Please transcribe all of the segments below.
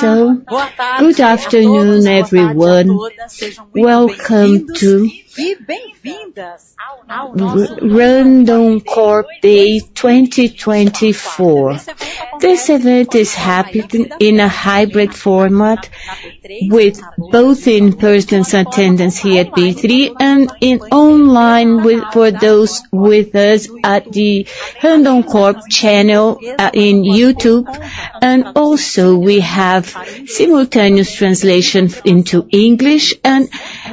...So, good afternoon, everyone. Welcome to Randoncorp Day 2024. This event is happening in a hybrid format with both in-person attendance here at B3 and online with, for those with us at the Randoncorp channel, in YouTube. And also we have simultaneous translation into English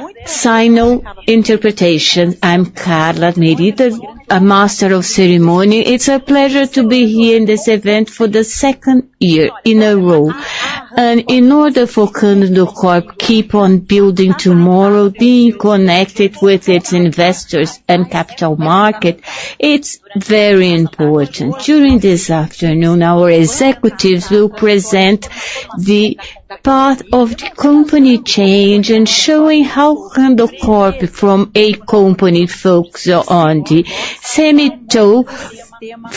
and sign interpretation. I'm Carla Melita, a master of ceremony. It's a pleasure to be here in this event for the second year in a row. And in order for Randoncorp keep on building tomorrow, being connected with its investors and capital market, it's very important. During this afternoon, our executives will present the path of the company change and showing how Randoncorp from a company focused on the semi-trailer to a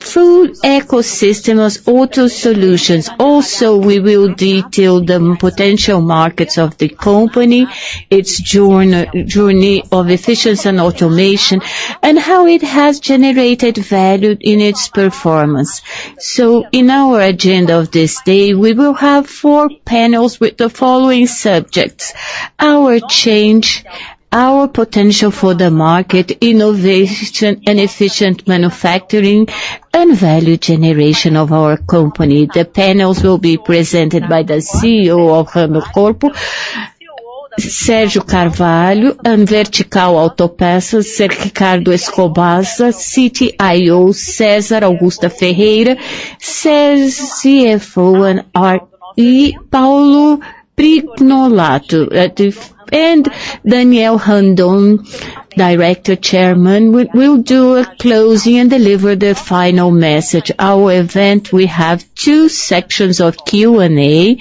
full ecosystem as auto solutions. Also, we will detail the potential markets of the company, its journey of efficiency and automation, and how it has generated value in its performance. So in our agenda of this day, we will have four panels with the following subjects: our change, our potential for the market, innovation and efficient manufacturing, and value generation of our company. The panels will be presented by the CEO of Randoncorp, Sérgio Carvalho, and Vertical Autopeças, Ricardo Escoboza, CTIO, César Augusto Ferreira, CFO and IR, Paulo Prignolato. And Daniel Randon, Chairman, will do a closing and deliver the final message. Our event, we have two sections of Q&A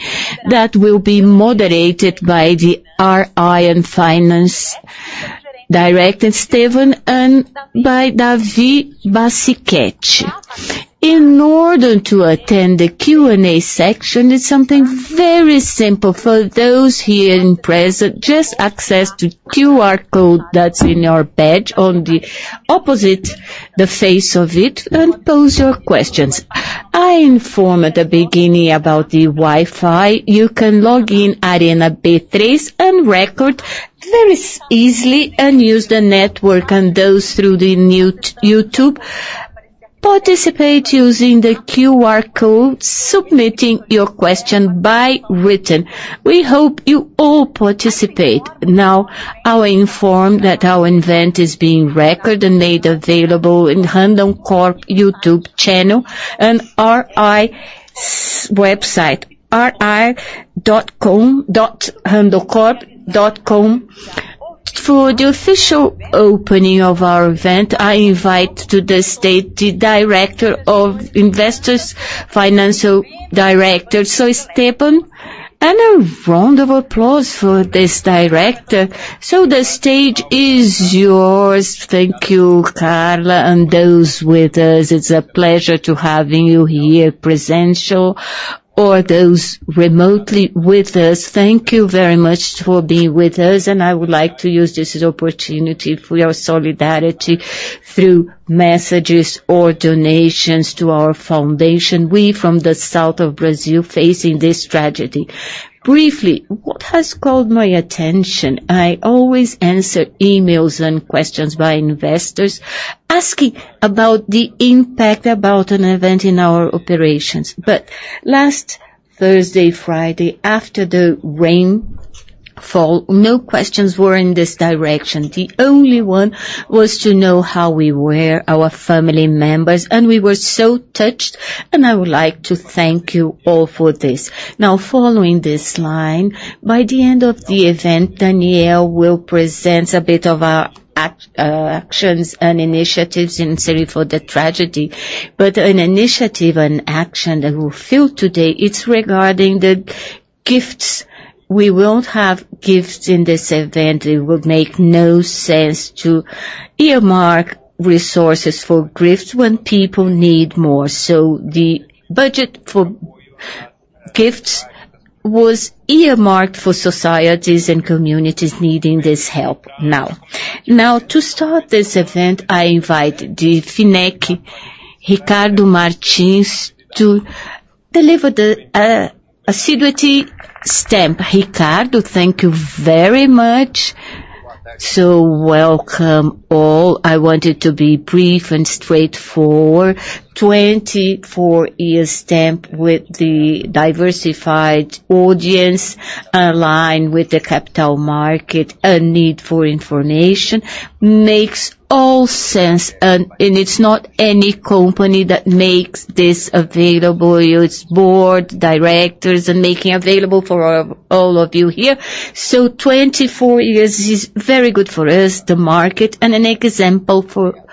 that will be moderated by the RI and Finance Director, Estevam de Paula, and by Davi Bacichetti. In order to attend the Q&A section, it's something very simple. For those here in person, just access the QR code that's in your badge on the opposite the face of it, and pose your questions. I informed at the beginning about the Wi-Fi. You can log in Arena B3 and record very easily and use the network and those through the YouTube. Participate using the QR code, submitting your question by written. We hope you all participate. Now, I will inform that our event is being recorded and made available in Randoncorp YouTube channel and RI's website, ri.randoncorp.com. For the official opening of our event, I invite to the stage the Director of Investors, Financial Director, Estevam, and a round of applause for this director. So the stage is yours. Thank you, Carla, and those with us. It's a pleasure to having you here presential or those remotely with us. Thank you very much for being with us, and I would like to use this as opportunity for your solidarity through messages or donations to our foundation, we from the south of Brazil, facing this tragedy. Briefly, what has caught my attention, I always answer emails and questions by investors asking about the impact about an event in our operations. But last Thursday, Friday, after the rainfall, no questions were in this direction. The only one was to know how we were, our family members, and we were so touched, and I would like to thank you all for this. Now, following this line, by the end of the event, Daniel will present a bit of our act, actions and initiatives in city for the tragedy. But an initiative and action that we feel today, it's regarding the gifts. We won't have gifts in this event. It would make no sense to earmark resources for gifts when people need more. So the budget for gifts was earmarked for societies and communities needing this help now. Now, to start this event, I invite the APIMEC, Ricardo Martins, to deliver the assiduity stamp. Ricardo, thank you very much. So welcome, all. I wanted to be brief and straightforward. 24-year stamp with the diversified audience, aligned with the capital market, a need for information, makes all sense, and it's not any company that makes this available. It's board, directors, and making available for all of you here. So 24 years is very good for us, the market, and an example for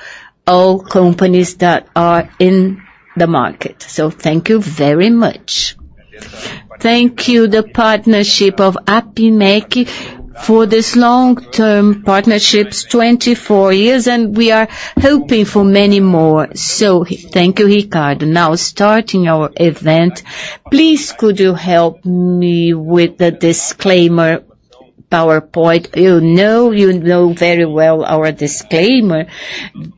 all companies that are in the market. So thank you very much. Thank you, the partnership of APIMEC for this long-term partnerships, 24 years, and we are hoping for many more. So thank you, Ricardo. Now, starting our event, please, could you help me with the disclaimer?... PowerPoint. You know, you know very well our disclaimer.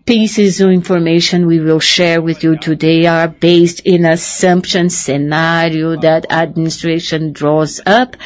Pieces of information we will share with you today are based in assumption scenario that administration draws up,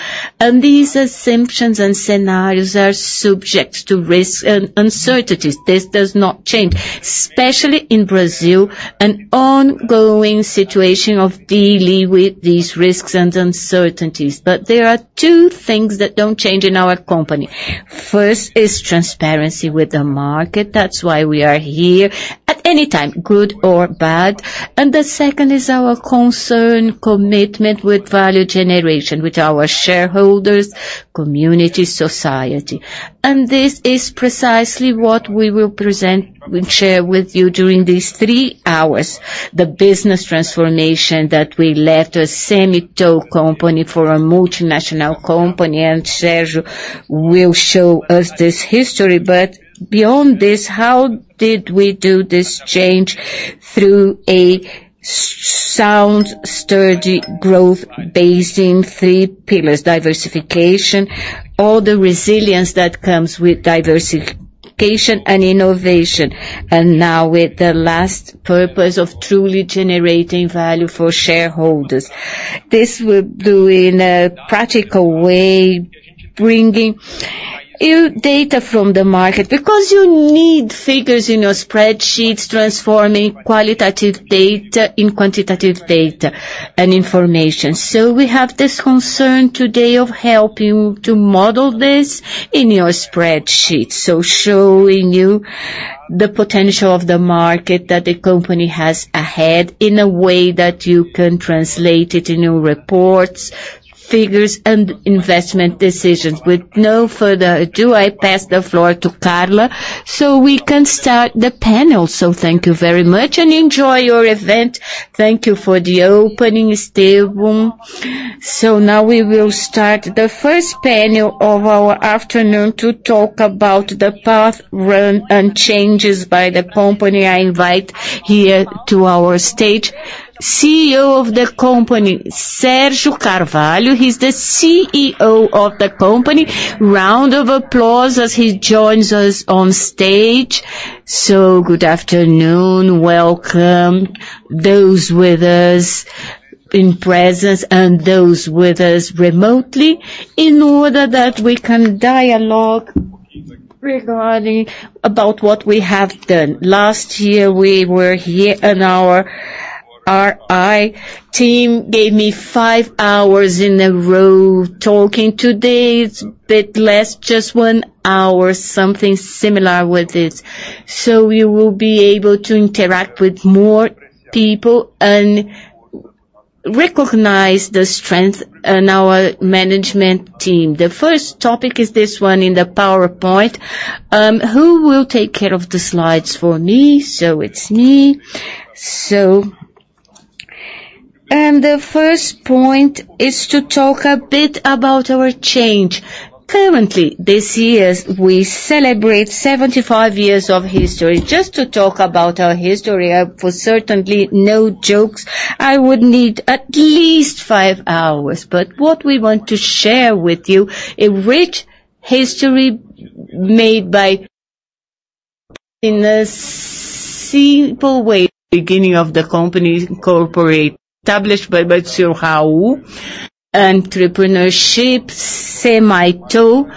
and these assumptions and scenarios are subject to risks and uncertainties. This does not change, especially in Brazil, an ongoing situation of dealing with these risks and uncertainties. But there are two things that don't change in our company. First is transparency with the market. That's why we are here at any time, good or bad. And the second is our concern, commitment with value generation, with our shareholders, community, society. And this is precisely what we will present and share with you during these three hours. The business transformation that we left a semi-trailer company for a multinational company, and Sérgio will show us this history. But beyond this, how did we do this change? Through a sound, sturdy growth, based in three pillars: diversification, all the resilience that comes with diversification and innovation, and now with the last purpose of truly generating value for shareholders. This we'll do in a practical way, bringing new data from the market, because you need figures in your spreadsheets, transforming qualitative data in quantitative data and information. So we have this concern today of helping you to model this in your spreadsheet. So showing you the potential of the market that the company has ahead in a way that you can translate it in your reports, figures, and investment decisions. With no further ado, I pass the floor to Carla, so we can start the panel. So thank you very much, and enjoy your event. Thank you for the opening, Estevam. So now we will start the first panel of our afternoon to talk about the Randon changes by the company. I invite here to our stage, CEO of the company, Sérgio Carvalho. He's the CEO of the company. Round of applause as he joins us on stage. So good afternoon. Welcome, those with us in presence and those with us remotely, in order that we can dialogue regarding about what we have done. Last year, we were here, and our IR team gave me five hours in a row, talking. Today, it's a bit less, just one hour, something similar with this. So we will be able to interact with more people and recognize the strength in our management team. The first topic is this one in the PowerPoint. Who will take care of the slides for me? So it's me. So... The first point is to talk a bit about our change. Currently, this year, we celebrate 75 years of history. Just to talk about our history, for certainly no jokes, I would need at least 5 hours. But what we want to share with you, a rich history made by, in a simple way, beginning of the company, incorporated, established by Mr. Raul, entrepreneurship, semi-tow,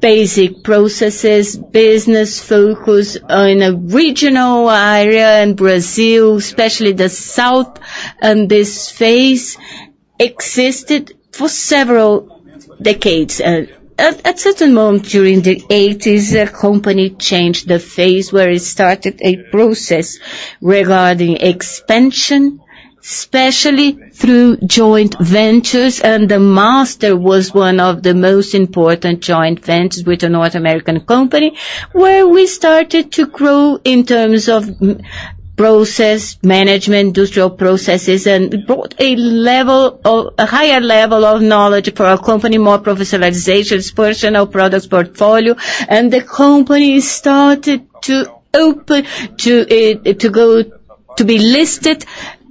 basic processes, business focus on a regional area in Brazil, especially the south, and this phase existed for several decades. At a certain moment during the 1980s, the company changed the phase where it started a process regarding expansion, especially through joint ventures, and the Master was one of the most important joint ventures with a North American company, where we started to grow in terms of process, management, industrial processes, and brought a higher level of knowledge for our company, more professionalization, expansion of products portfolio, and the company started to open to be listed.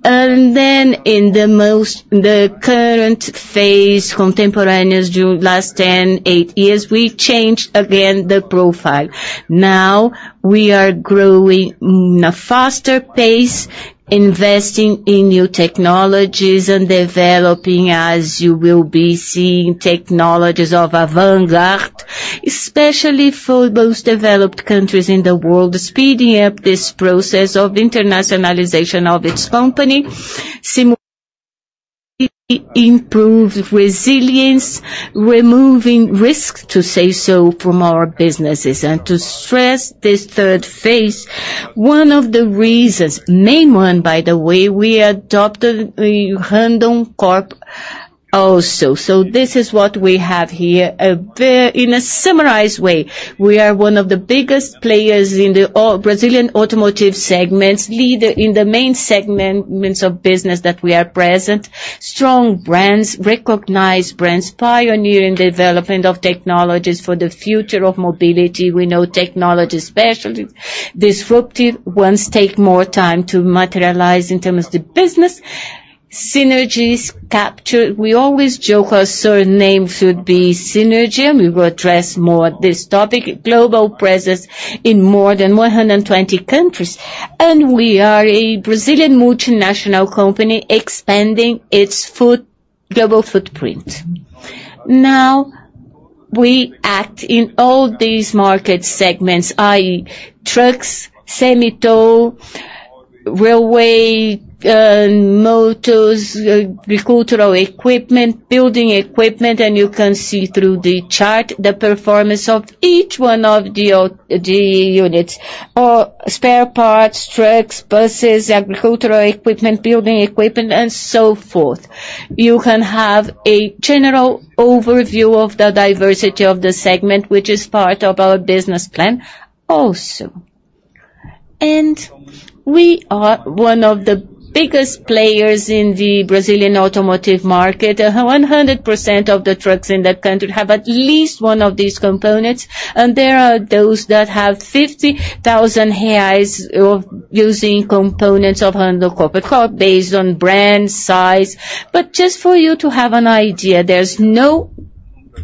And then in the current phase, contemporaneous during the last 10, 8 years, we changed again the profile. Now, we are growing in a faster pace, investing in new technologies and developing, as you will be seeing, technologies of avant-garde, especially for most developed countries in the world, speeding up this process of internationalization of its company. Similarly, improved resilience, removing risk, to say so, from our businesses. To stress this third phase, one of the reasons, main one, by the way, we adopted the Randoncorp also. This is what we have here. In a summarized way, we are one of the biggest players in the Brazilian automotive segments, leader in the main segments of business that we are present. Strong brands, recognized brands, pioneering development of technologies for the future of mobility. We know technology, especially disruptive ones, take more time to materialize in terms of the business... synergies captured. We always joke our surname should be Synergy, and we will address more this topic. Global presence in more than 120 countries, and we are a Brazilian multinational company expanding its global footprint. Now, we act in all these market segments, i.e., trucks, semi-trailers, railway, motors, agricultural equipment, construction equipment, and you can see through the chart the performance of each one of the the units, or spare parts, trucks, buses, agricultural equipment, construction equipment, and so forth. You can have a general overview of the diversity of the segment, which is part of our business plan also. We are one of the biggest players in the Brazilian automotive market. 100% of the trucks in the country have at least one of these components, and there are those that have 50,000 reais of Randoncorp components, based on brand, size. But just for you to have an idea, there's no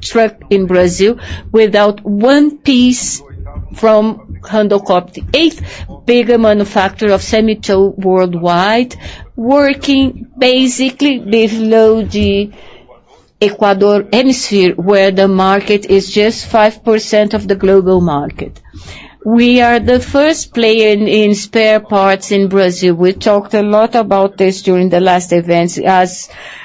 truck in Brazil without one piece from Randoncorp. Eighth biggest manufacturer of semi-trailer worldwide, working basically below the equator hemisphere, where the market is just 5% of the global market. We are the first player in spare parts in Brazil. We talked a lot about this during the last events as Fras-le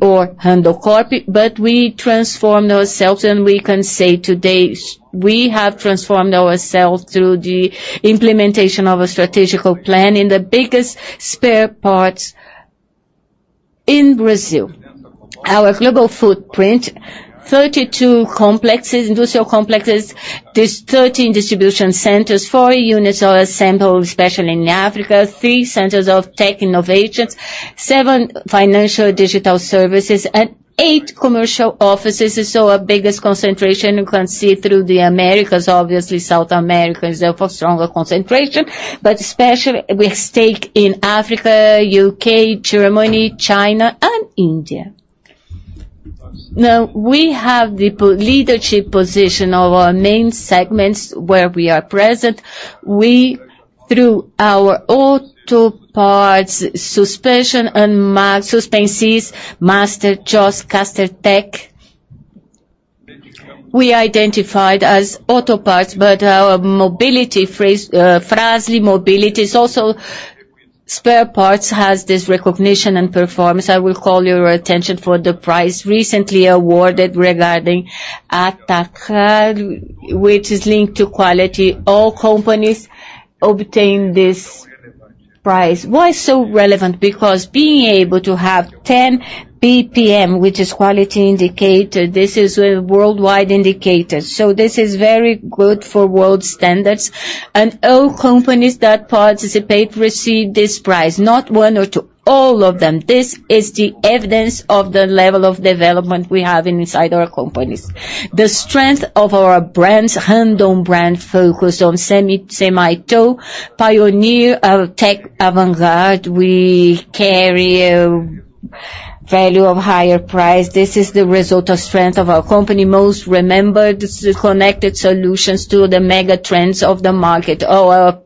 or Randoncorp, but we transformed ourselves, and we can say today, we have transformed ourselves through the implementation of a strategic plan in the biggest spare parts in Brazil. Our global footprint, 32 industrial complexes, there are 13 distribution centers, 4 units are assembled, especially in Africa, 3 centers of tech innovations, 7 financial digital services, and 8 commercial offices. So our biggest concentration, you can see through the Americas. Obviously, South America is of a stronger concentration, but especially, we have stake in Africa, UK, Germany, China, and India. Now, we have the leadership position of our main segments where we are present. We, through our autoparts, Suspensys and Suspensys, Master, JOST, Castertech, we identified as autoparts, but our Fras-le mobility is also spare parts, has this recognition and performance. I will call your attention for the prize recently awarded regarding IATF, which is linked to quality. All companies obtain this prize. Why so relevant? Because being able to have 10 PPM, which is quality indicator, this is a worldwide indicator, so this is very good for world standards. And all companies that participate receive this prize. Not one or two, all of them. This is the evidence of the level of development we have inside our companies. The strength of our brands, Randon brand, focused on semi, semi-tow, pioneer of tech avant-garde. We carry a value of higher price. This is the result of strength of our company. Most remembered, the connected solutions to the mega trends of the market. Our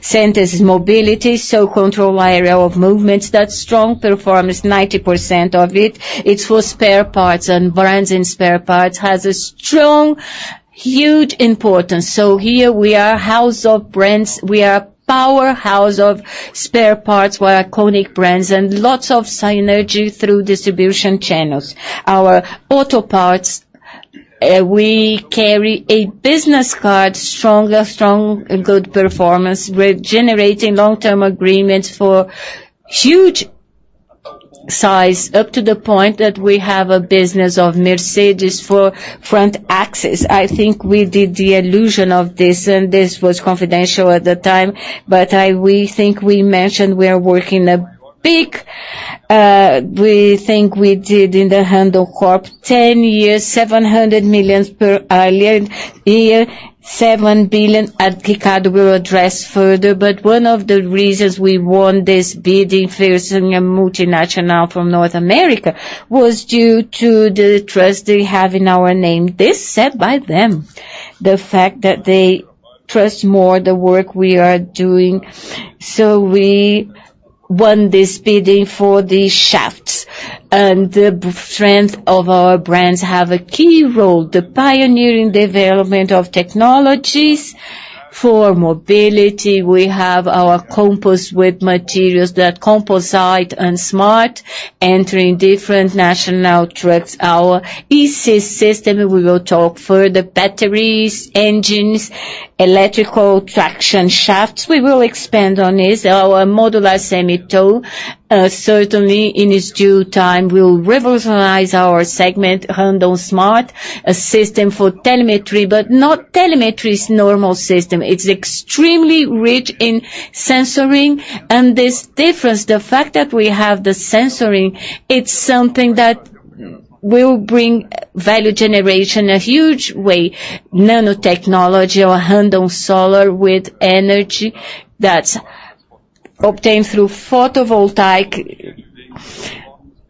center's mobility, so control area of movements, that strong performance, 90% of it, it's for spare parts and brands, and spare parts has a strong, huge importance. So here we are, house of brands. We are a powerhouse of spare parts, we are iconic brands, and lots of synergy through distribution channels. Our autoparts, we carry a business card, stronger, strong, and good performance. We're generating long-term agreements for huge size, up to the point that we have a business of Mercedes for front axles I think we did the illusion of this, and this was confidential at the time, but we think we mentioned we are working a big... We think we did in the Randoncorp 10 years, 700 million per year earlier, 7 billion, and Ricardo will address further. But one of the reasons we won this bidding versus a multinational from North America was due to the trust they have in our name. This said by them, the fact that they trust more the work we are doing. So we won this bidding for the shafts, and the brand strength of our brands have a key role, the pioneering development of technologies. For mobility, we have our composites with materials that composite and smart, entering different national trucks. Our e-Sys system, we will talk further, batteries, engines, electrical traction shafts. We will expand on this. Our modular semi-tow certainly, in its due time, will revolutionize our segment, Randon Smart, a system for telemetry, but not telemetry's normal system. It's extremely rich in sensing, and this difference, the fact that we have the sensing, it's something that will bring value generation a huge way. Nanotechnology, or Randon Solar, with energy that's obtained through photovoltaic-...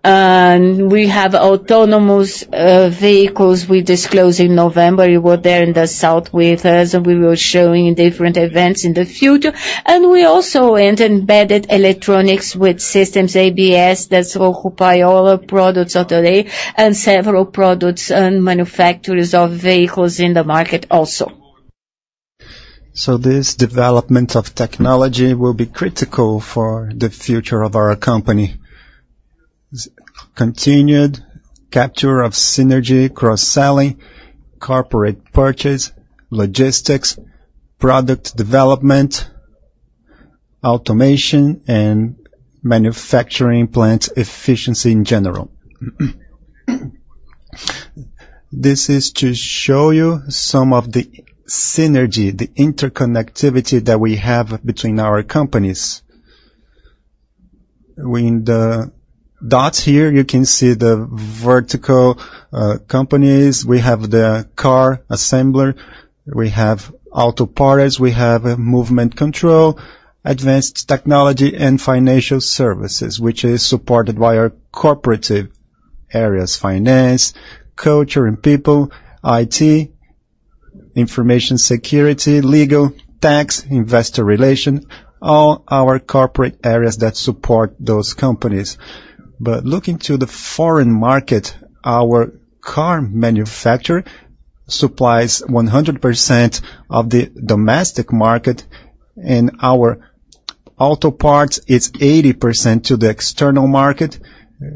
And we have autonomous vehicles we disclose in November. You were there in the south with us, and we were showing in different events in the future. And we also and embedded electronics with systems ABS, that's occupy all products out there, and several products and manufacturers of vehicles in the market also. So this development of technology will be critical for the future of our company. Continued capture of synergy, cross-selling, corporate purchase, logistics, product development, automation, and manufacturing plant efficiency in general. This is to show you some of the synergy, the interconnectivity that we have between our companies. When the dots here, you can see the vertical companies. We have the car assembler, we have auto parts, we have a movement control, advanced technology and financial services, which is supported by our cooperative areas, finance, culture and people, IT, information security, legal, tax, investor relation, all our corporate areas that support those companies. But looking to the foreign market, our car manufacturer supplies 100% of the domestic market, and our auto parts, it's 80% to the external market.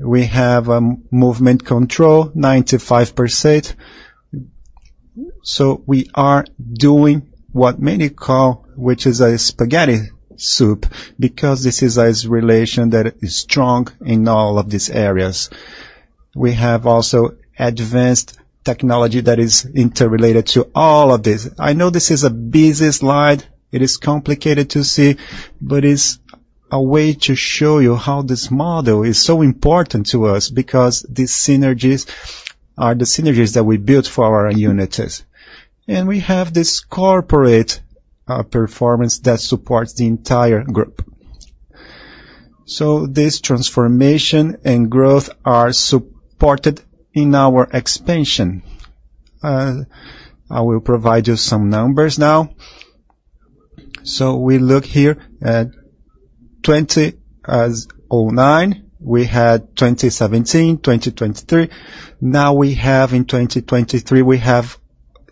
We have movement control, 95%. So we are doing what many call, which is a spaghetti soup, because this is a relation that is strong in all of these areas. We have also advanced technology that is interrelated to all of this. I know this is a busy slide, it is complicated to see, but it's a way to show you how this model is so important to us, because these synergies are the synergies that we built for our units. We have this corporate performance that supports the entire group. This transformation and growth are supported in our expansion. I will provide you some numbers now. We look here at 2009, we had 2017, 2023. Now we have in 2023, we have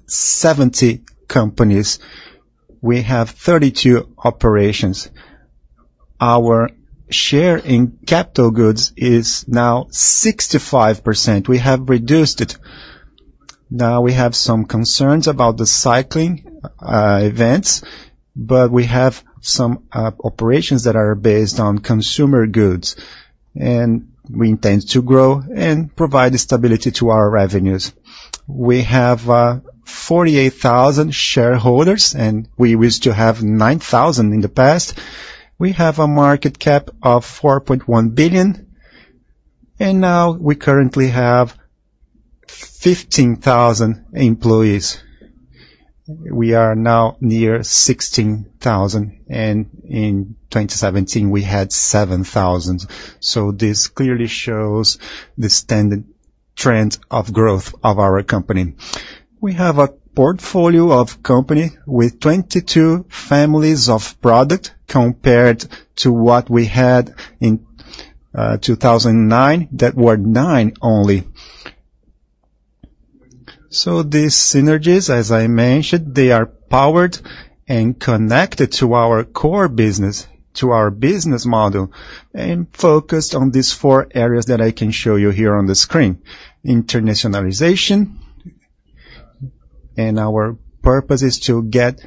70 companies. We have 32 operations. Our share in capital goods is now 65%. We have reduced it. Now, we have some concerns about the cycling events, but we have some operations that are based on consumer goods, and we intend to grow and provide stability to our revenues. We have 48,000 shareholders, and we wish to have 9,000 in the past. We have a market cap of 4.1 billion, and now we currently have 15,000 employees. We are now near 16,000, and in 2017, we had 7,000. So this clearly shows the standard trend of growth of our company. We have a portfolio of company with 22 families of product compared to what we had in 2009, that were 9 only. So these synergies, as I mentioned, they are powered and connected to our core business, to our business model, and focused on these four areas that I can show you here on the screen. Internationalization, and our purpose is to get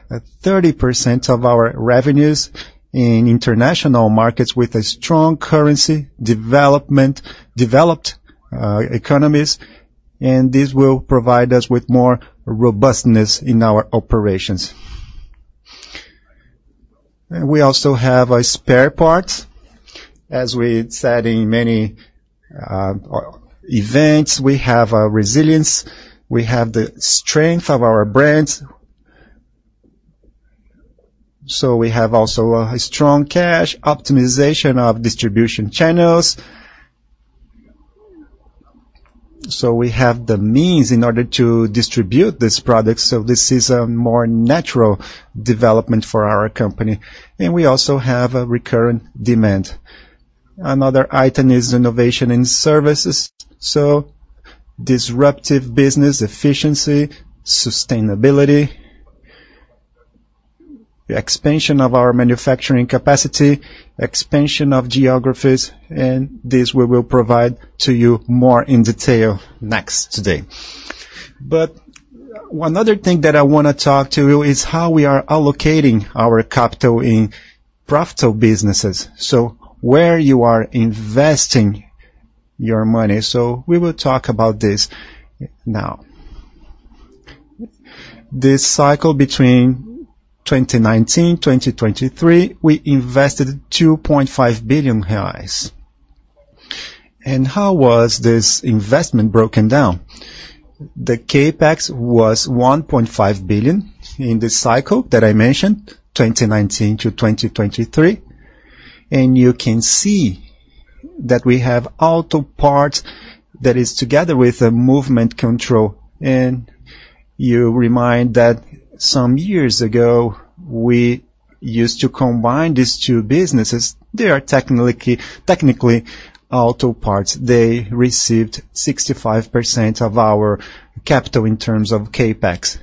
30% of our revenues in international markets with a strong currency development—developed economies, and this will provide us with more robustness in our operations. And we also have a spare parts. As we said in many events, we have a resilience, we have the strength of our brands. So we have also a strong cash, optimization of distribution channels. So we have the means in order to distribute this product, so this is a more natural development for our company. And we also have a recurrent demand. Another item is innovation in services. So disruptive business efficiency, sustainability, expansion of our manufacturing capacity, expansion of geographies, and this we will provide to you more in detail next today. But one other thing that I wanna talk to you is how we are allocating our capital in profitable businesses. Where you are investing your money? We will talk about this now. This cycle between 2019, 2023, we invested 2.5 billion reais. And how was this investment broken down? The CapEx was 1.5 billion in this cycle that I mentioned, 2019 to 2023. And you can see that we have auto parts that is together with a movement control. And you remind that some years ago, we used to combine these two businesses. They are technically auto parts. They received 65% of our capital in terms of CapEx.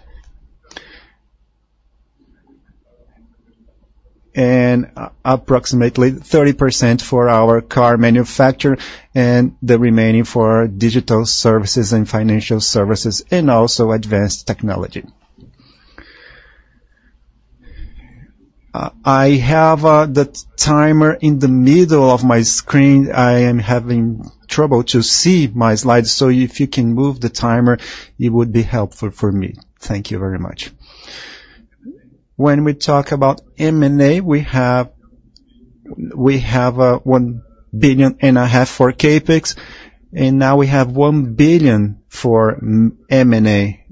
And approximately 30% for our car manufacturer, and the remaining for digital services and financial services, and also advanced technology. I have the timer in the middle of my screen. I am having trouble to see my slides. So if you can move the timer, it would be helpful for me. Thank you very much. When we talk about M&A, we have, we have, 1.5 billion for CapEx, and now we have 1 billion for M&A.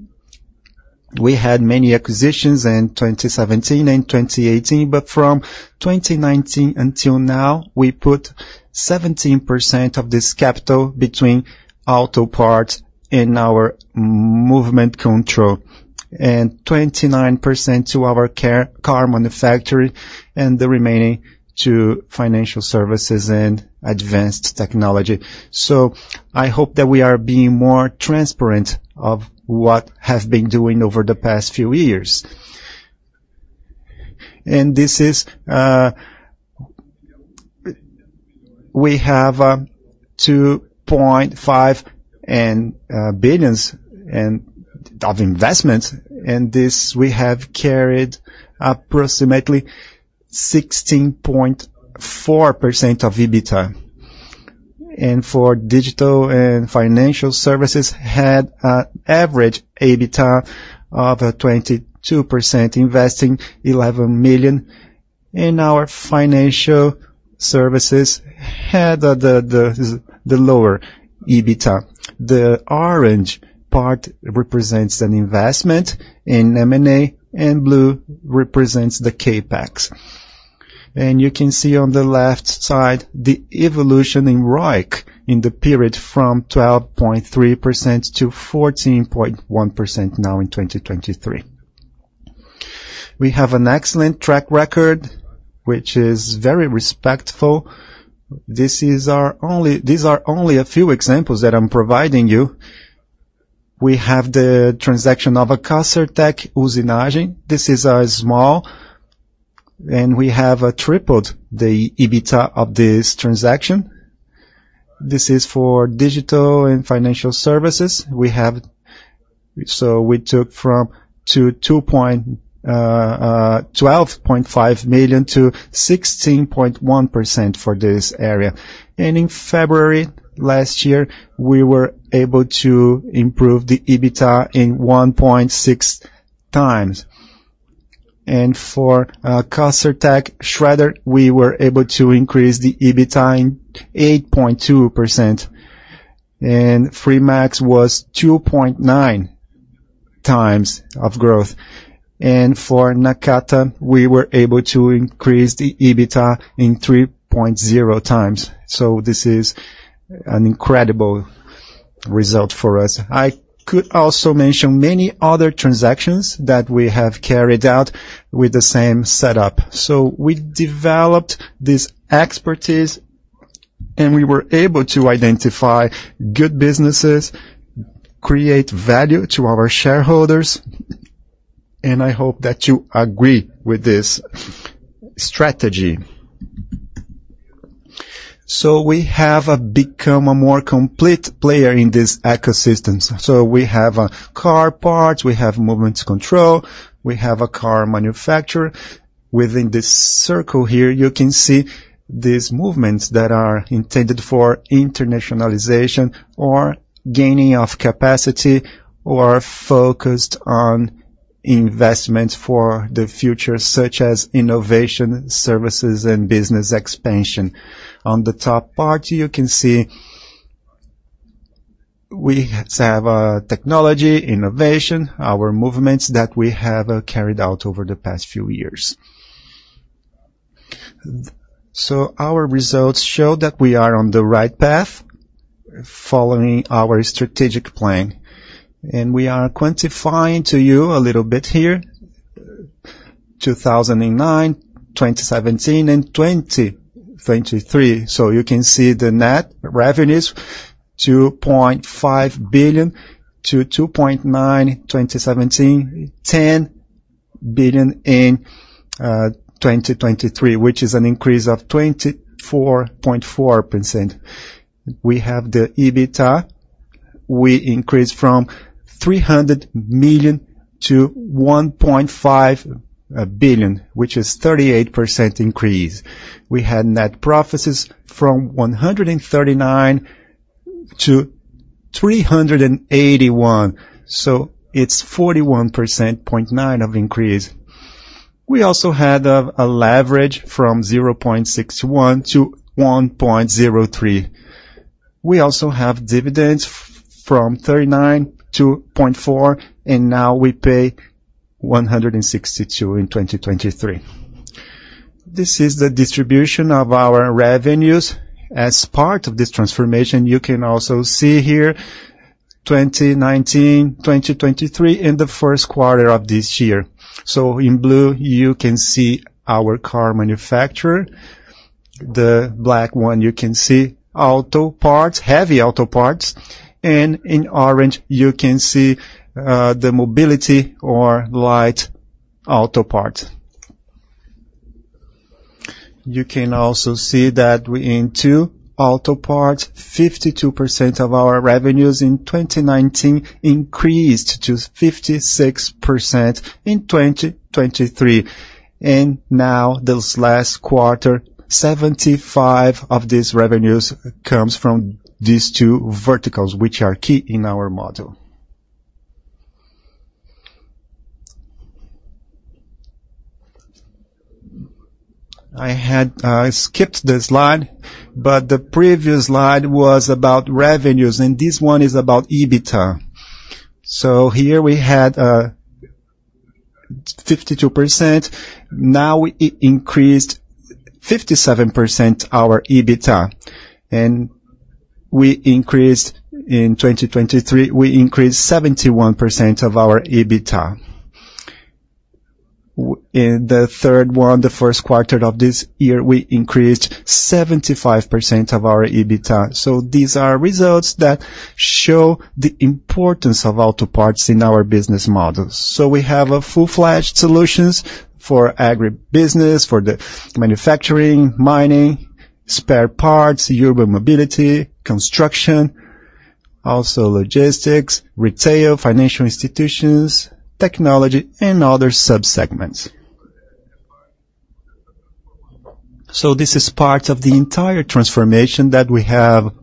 We had many acquisitions in 2017 and 2018, but from 2019 until now, we put 17% of this capital between auto parts and our movement control, and 29% to our car manufacturer, and the remaining to financial services and advanced technology. So I hope that we are being more transparent of what have been doing over the past few years. And this is, we have, 2.5 billion of investment, and this we have carried approximately 16.4% of EBITDA. For digital and financial services had an average EBITDA of 22%, investing 11 million, and our financial services had the lower EBITDA. The orange part represents an investment in M&A, and blue represents the CapEx. You can see on the left side, the evolution in ROIC, in the period from 12.3% to 14.1% now in 2023. We have an excellent track record, which is very respectful. This is our only. These are only a few examples that I'm providing you. We have the transaction of a Castertech Usinagem. This is a small, and we have tripled the EBITDA of this transaction. This is for digital and financial services. We have. So we took from to two point twelve point five million to 16.1% for this area. In February last year, we were able to improve the EBITDA 1.6x. For Castertech, we were able to increase the EBITDA 8.2%, and Fremax was 2.9x growth. For Nakata, we were able to increase the EBITDA 3.0x. This is an incredible result for us. I could also mention many other transactions that we have carried out with the same setup. We developed this expertise, and we were able to identify good businesses, create value to our shareholders, and I hope that you agree with this strategy. We have become a more complete player in these ecosystems. We have car parts, we have movement control, we have a car manufacturer. Within this circle here, you can see these movements that are intended for internationalization or gaining of capacity, or focused on investment for the future, such as innovation, services, and business expansion. On the top part, you can see we have technology, innovation, our movements that we have carried out over the past few years. So our results show that we are on the right path, following our strategic plan, and we are quantifying to you a little bit here, 2009, 2017 and 2023. So you can see the net revenues, 2.5 billion-2.9 billion, 2017, 10 billion in 2023, which is an increase of 24.4%. We have the EBITDA. We increased from 300 million to 1.5 billion, which is 38% increase. We had net profits from 139 to 381, so it's 41.9% increase. We also had a leverage from 0.61 to 1.03. We also have dividends from 39 to 0.4, and now we pay 162 in 2023. This is the distribution of our revenues. As part of this transformation, you can also see here 2019, 2023, in the first quarter of this year. So in blue, you can see our car manufacturer. The black one, you can see auto parts, heavy auto parts, and in orange, you can see the mobility or light auto parts. You can also see that within two auto parts, 52% of our revenues in 2019 increased to 56% in 2023, and now this last quarter, 75% of these revenues comes from these two verticals, which are key in our model. I had skipped the slide, but the previous slide was about revenues, and this one is about EBITDA. So here we had 52%, now it increased 57%, our EBITDA, and we increased in 2023, we increased 71% of our EBITDA. In the first quarter of this year, we increased 75% of our EBITDA. So these are results that show the importance of auto parts in our business models. So we have full-fledged solutions for agribusiness, for the manufacturing, mining, spare parts, urban mobility, construction, also logistics, retail, financial institutions, technology, and other subsegments. So this is part of the entire transformation that we have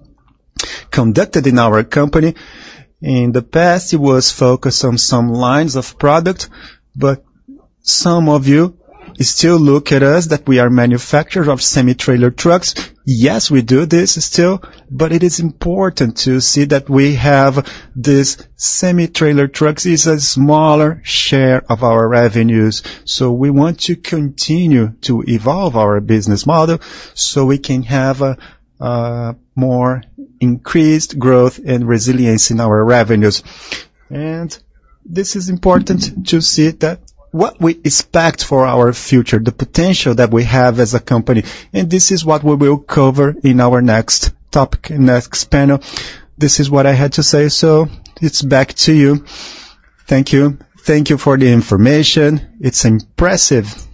conducted in our company. In the past, it was focused on some lines of product, but some of you still look at us that we are manufacturers of semi-trailer trucks. Yes, we do this still, but it is important to see that we have these semi-trailer trucks is a smaller share of our revenues. So we want to continue to evolve our business model, so we can have a more increased growth and resilience in our revenues. And this is important to see that what we expect for our future, the potential that we have as a company, and this is what we will cover in our next topic, in next panel. This is what I had to say. So it's back to you. Thank you. Thank you for the information. It's impressive,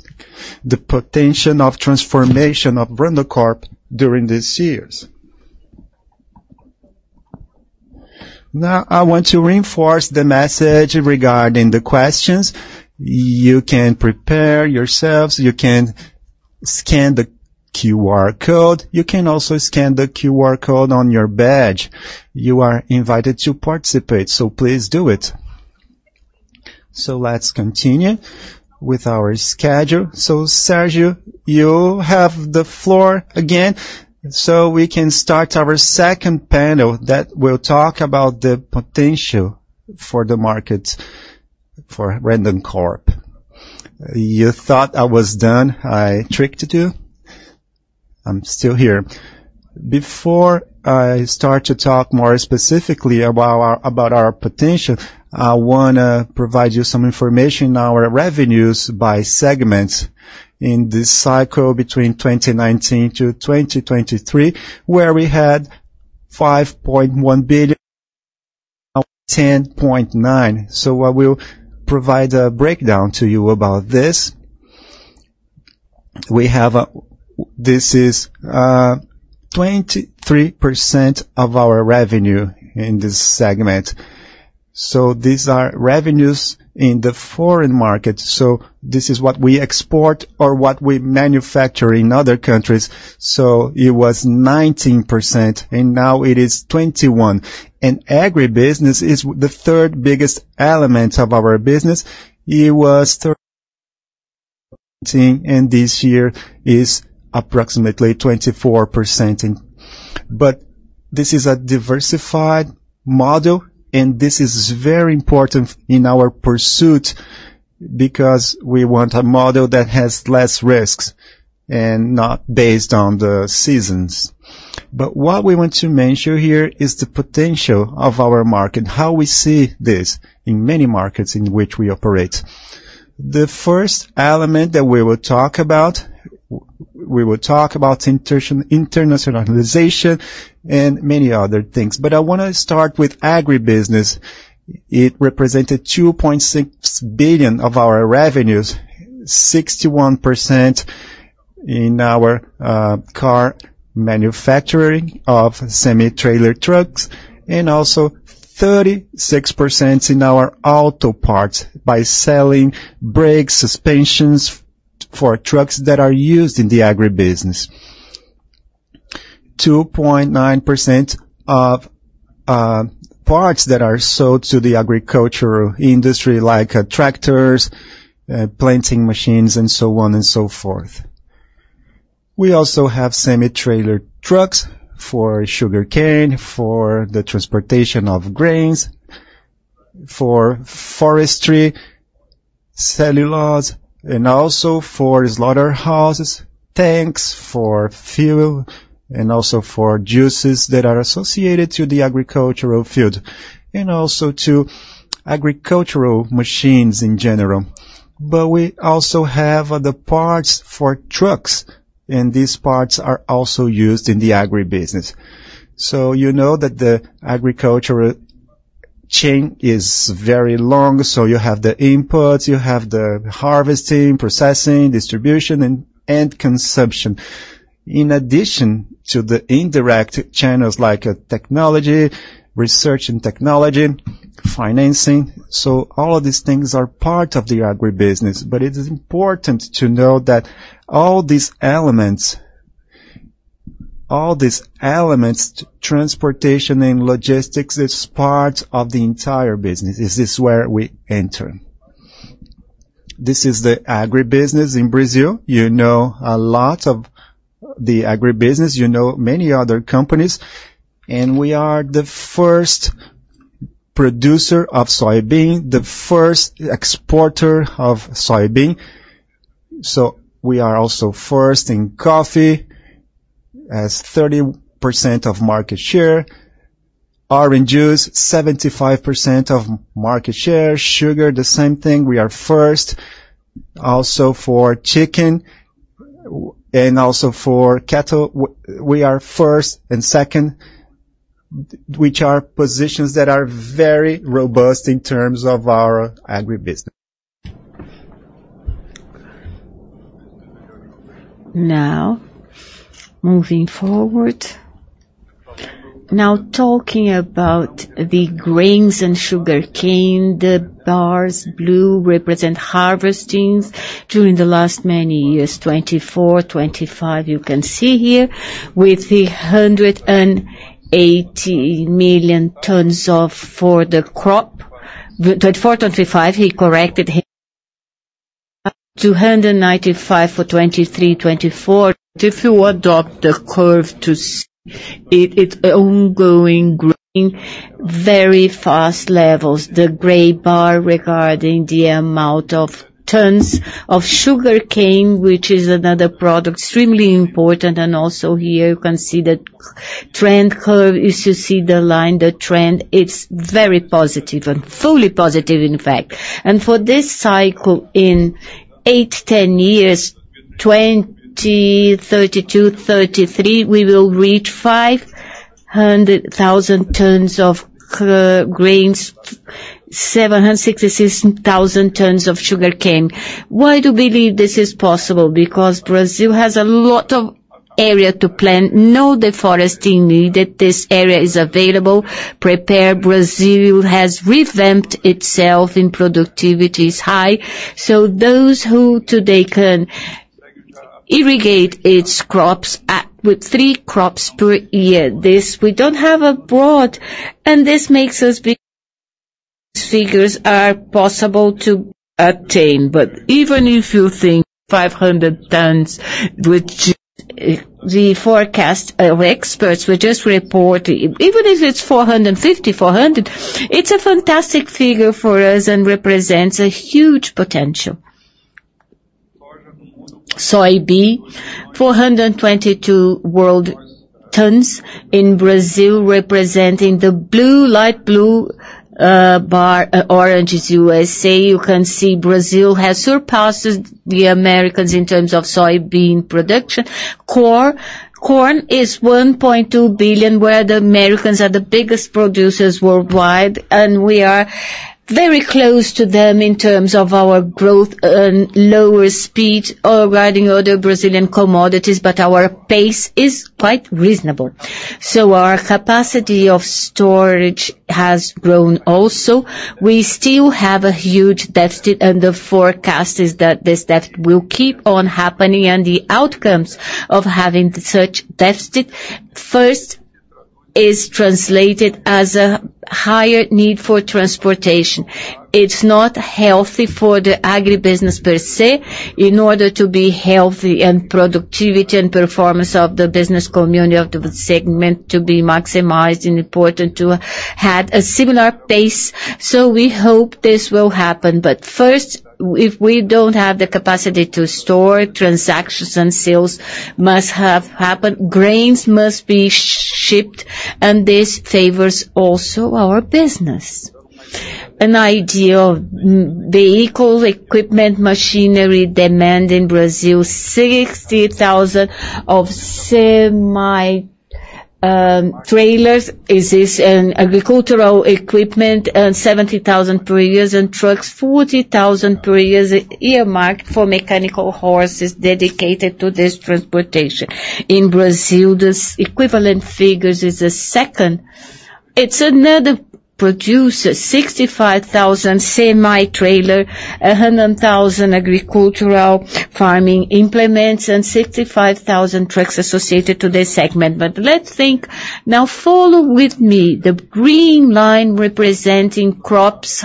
the potential of transformation of Randoncorp during these years. Now, I want to reinforce the message regarding the questions. You can prepare yourselves, you can scan the QR code, you can also scan the QR code on your badge. You are invited to participate, so please do it. So let's continue with our schedule. So, Sérgio, you have the floor again. So we can start our second panel that will talk about the potential for the market for Randoncorp. You thought I was done. I tricked you. I'm still here. Before I start to talk more specifically about our, about our potential, I wanna provide you some information on our revenues by segment. In this cycle between 2019 to 2023, where we had 5.1 billion, now 10.9 billion. So I will provide a breakdown to you about this. This is 23% of our revenue in this segment. So these are revenues in the foreign market. So this is what we export or what we manufacture in other countries. So it was 19%, and now it is 21%. And agribusiness is the third biggest element of our business. It was 13%, and this year is approximately 24%. But this is a diversified model, and this is very important in our pursuit because we want a model that has less risks and not based on the seasons. But what we want to mention here is the potential of our market, how we see this in many markets in which we operate. The first element that we will talk about, we will talk about internationalization and many other things. But I wanna start with agribusiness. It represented 2.6 billion of our revenues, 61% in our car manufacturing of semi-trailer trucks, and also 36% in our auto parts by selling brakes, suspensions for trucks that are used in the agribusiness. 2.9% of parts that are sold to the agricultural industry, like tractors, planting machines, and so on and so forth. We also have semi-trailer trucks for sugarcane, for the transportation of grains, for forestry, cellulose, and also for slaughterhouses, tanks for fuel, and also for juices that are associated to the agricultural field, and also to agricultural machines in general. But we also have the parts for trucks, and these parts are also used in the agribusiness. So you know that the agricultural chain is very long, so you have the inputs, you have the harvesting, processing, distribution, and consumption. In addition to the indirect channels, like, technology, research and technology, financing. So all of these things are part of the agribusiness, but it is important to know that all these elements, all these elements, transportation and logistics, is part of the entire business. This is where we enter. This is the agribusiness in Brazil. You know a lot of the agribusiness, you know many other companies, and we are the first producer of soybean, the first exporter of soybean. So we are also first in coffee, as 30% of market share; orange juice, 75% of market share; sugar, the same thing, we are first. Also, for chicken, and also for cattle, we are first and second, which are positions that are very robust in terms of our agribusiness. Now, moving forward. Now, talking about the grains and sugarcane, the blue bars represent harvests during the last many years, 2024, 2025, you can see here, with the 180 million tons of—for the crop. Twenty-four, twenty-five, he corrected. 295 for 2023, 2024. If you adopt the curve to see, it, it's ongoing growing very fast levels. The gray bar regarding the amount of tons of sugarcane, which is another product, extremely important, and also here you can see the trend curve. If you see the line, the trend, it's very positive and fully positive, in fact. And for this cycle, in 8, 10 years, 2032, 2033, we will reach 500,000 tons of grains, 766,000 tons of sugarcane. Why do we believe this is possible? Because Brazil has a lot of area to plant, no deforesting needed. This area is available, prepared. Brazil has revamped itself and productivity is high. So those who today can irrigate its crops with three crops per year, this we don't have abroad, and this makes us... These figures are possible to obtain. But even if you think 500 tons, which, the forecast of experts, we just report, even if it's 450, 400, it's a fantastic figure for us and represents a huge potential. Soybean, 422 world tons in Brazil, representing the blue, light blue, bar, orange is USA. You can see Brazil has surpassed the Americans in terms of soybean production. Corn, corn is 1.2 billion, where the Americans are the biggest producers worldwide, and we are very close to them in terms of our growth and lower speed regarding other Brazilian commodities, but our pace is quite reasonable. So our capacity of storage has grown also. We still have a huge deficit, and the forecast is that this deficit will keep on happening, and the outcomes of having such deficit, first, is translated as a higher need for transportation. It's not healthy for the agribusiness per se, in order to be healthy and productivity and performance of the business community of the segment to be maximized and important to have a similar pace. So we hope this will happen, but first, if we don't have the capacity to store it, transactions and sales must have happen. Grains must be shipped, and this favors also our business. An idea of vehicle, equipment, machinery demand in Brazil, 60,000 of semi trailers. This is agricultural equipment, and 70,000 per year, and trucks, 40,000 per year, earmarked for truck tractors dedicated to this transportation. In Brazil, this equivalent figures is the second... It's another producer, 65,000 semi-trailer, 100,000 agricultural farming implements, and 65,000 trucks associated to this segment. But let's think, now follow with me, the green line representing crops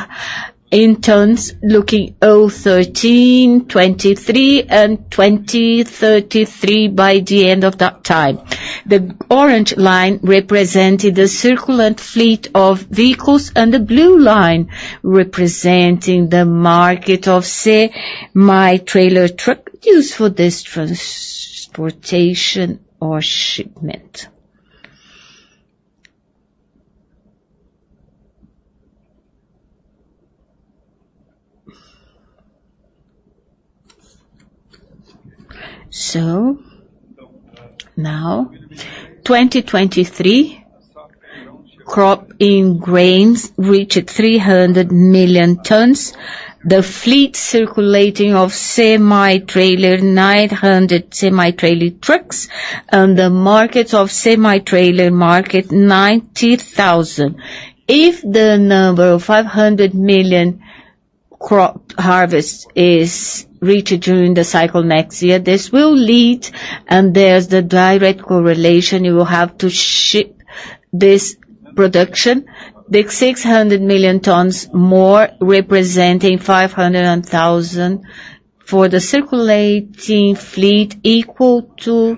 in tons, looking at 2013, 2023 and 2033 by the end of that time. The orange line represented the circulating fleet of vehicles, and the blue line representing the market of, say, semi-trailer truck used for this transportation or shipment. So now, 2023, crop in grains reached 300 million tons. The fleet circulating of semi-trailer, 900 semi-trailer trucks, and the markets of semi-trailer market, 90,000. If the number of 500 million crop harvest is reached during the cycle next year, this will lead, and there's the direct correlation, you will have to ship this production. The 600 million tons more, representing 500 thousand for the circulating fleet, equal to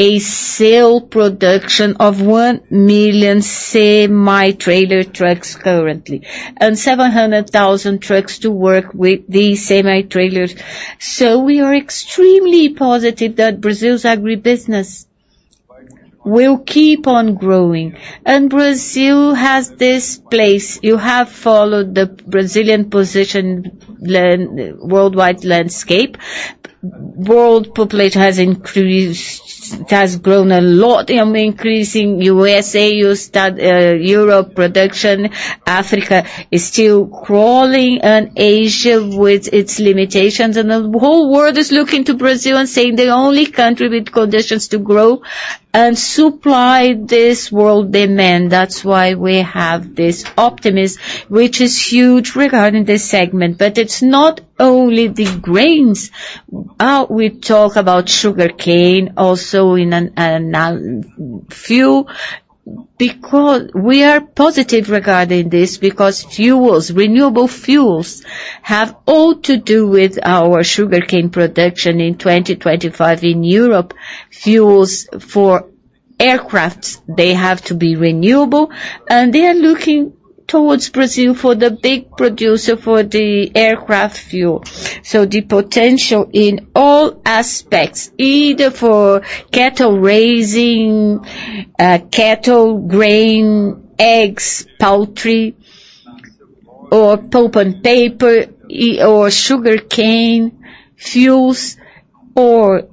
a sale production of 1 million semi-trailer trucks currently, and 700,000 trucks to work with these semi-trailers. So we are extremely positive that Brazil's agribusiness will keep on growing. And Brazil has this place. You have followed the Brazilian position in the worldwide landscape. World population has increased, it has grown a lot, and increasing USA, you start, Europe production, Africa is still crawling, and Asia, with its limitations, and the whole world is looking to Brazil and saying, "The only country with conditions to grow and supply this world demand." That's why we have this optimism, which is huge regarding this segment. But it's not only the grains. We talk about sugarcane also in an, now, few, because we are positive regarding this, because fuels, renewable fuels, have all to do with our sugarcane production in 2025 in Europe. Fuels for aircrafts, they have to be renewable, and they are looking towards Brazil for the big producer for the aircraft fuel. So the potential in all aspects, either for cattle raising, cattle, grain, eggs, poultry, or pulp and paper, or sugarcane, fuels or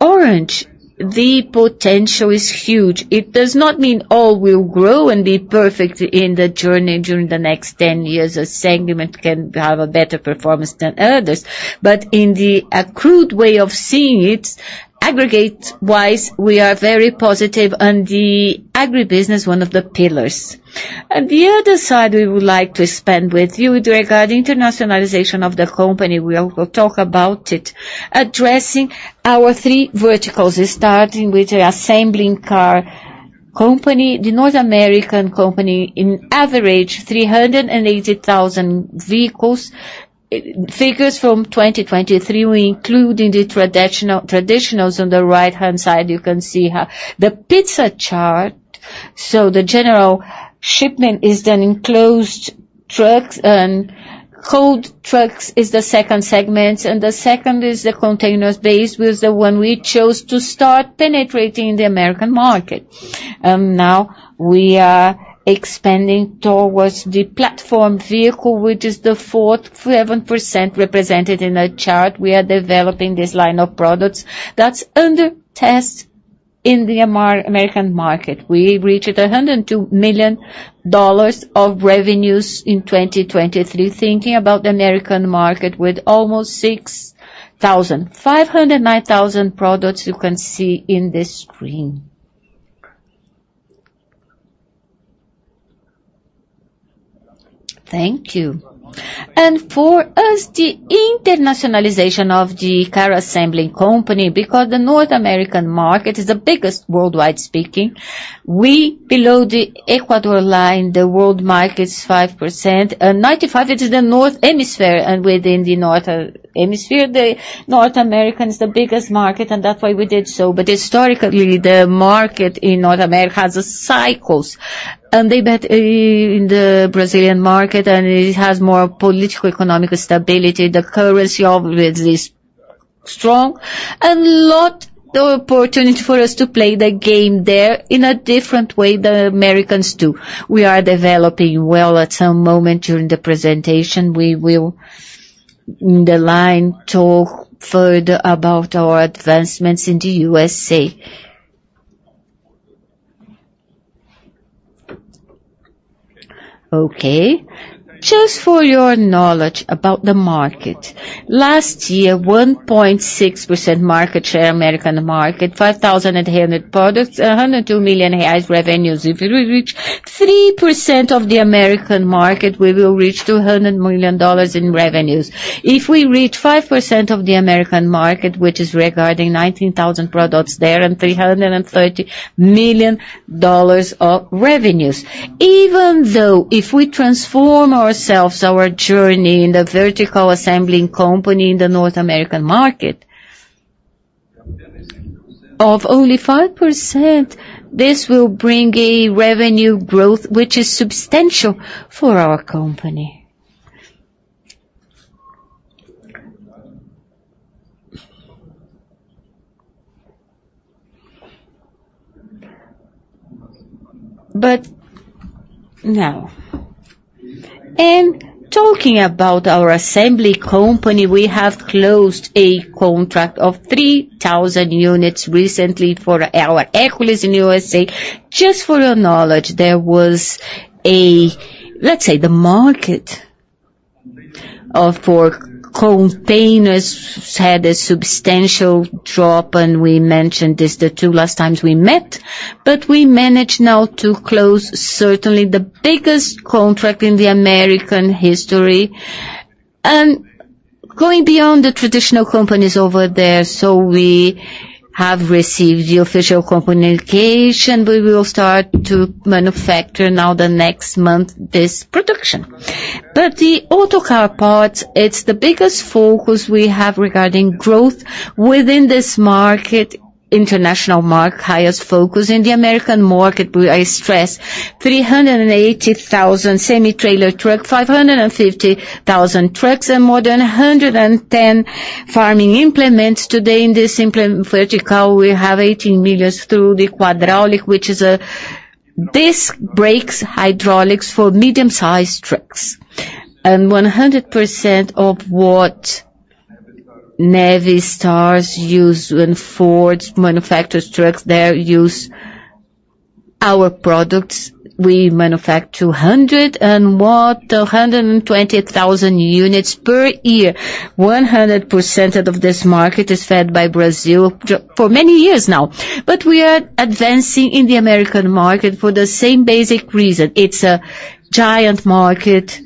orange, the potential is huge. It does not mean all will grow and be perfect in the journey during the next 10 years, a segment can have a better performance than others. But in the accrued way of seeing it, aggregate-wise, we are very positive, and the agribusiness, one of the pillars. And the other side, we would like to spend with you regarding internationalization of the company. We'll talk about it, addressing our three verticals, starting with the assembling car company. The North American company, in average, 380,000 vehicles, figures from 2023, we include in the traditionals. On the right-hand side, you can see how the pie chart, so the general shipment is then enclosed trucks and cold trucks is the second segment, and the second is the container-based, was the one we chose to start penetrating the American market. Now we are expanding towards the platform vehicle, which is the fourth, 7% represented in the chart. We are developing this line of products. That's under test in the American market. We reached $102 million of revenues in 2023, thinking about the American market with almost five hundred and nine thousand products you can see in this screen. Thank you. For us, the internationalization of the car assembling company, because the North American market is the biggest, worldwide speaking, we below the equator line, the world market is 5%, and 95, it is the North Hemisphere, and within the North, Hemisphere, the North American is the biggest market, and that's why we did so. But historically, the market in North America has cycles, and they bet in the Brazilian market, and it has more political, economic stability. The currency obviously is strong, and lot the opportunity for us to play the game there in a different way than Americans do. We are developing well. At some moment during the presentation, we will, in the line, talk further about our advancements in the USA. Okay, just for your knowledge about the market. Last year, 1.6% market share, American market, 5,100 products, 102 million BRL revenues. If we reach 3% of the American market, we will reach $200 million in revenues. If we reach 5% of the American market, which is regarding 19,000 products there, and $330 million of revenues. Even though, if we transform ourselves, our journey in the vertical assembling company in the North American market, of only 5%, this will bring a revenue growth, which is substantial for our company. But now, and talking about our assembly company, we have closed a contract of 3,000 units recently for our Hercules in USA. Just for your knowledge, there was—let's say, the market for containers had a substantial drop, and we mentioned this the two last times we met, but we managed now to close certainly the biggest contract in the American history, and going beyond the traditional companies over there. So we have received the official communication. We will start to manufacture now the next month, this production. But the auto car parts, it's the biggest focus we have regarding growth within this market, international market, highest focus in the American market, where I stress 380,000 semi-trailer truck, 550,000 trucks, and more than 110 farming implements. Today, in this implement vertical, we have 18 million through the hydraulic, which is this brake hydraulics for medium-sized trucks. 100% of what Navistar uses when Ford manufactures trucks, they use our products. We manufacture 120,000 units per year. 100% of this market is fed by Brazil for many years now. But we are advancing in the American market for the same basic reason. It's a giant market,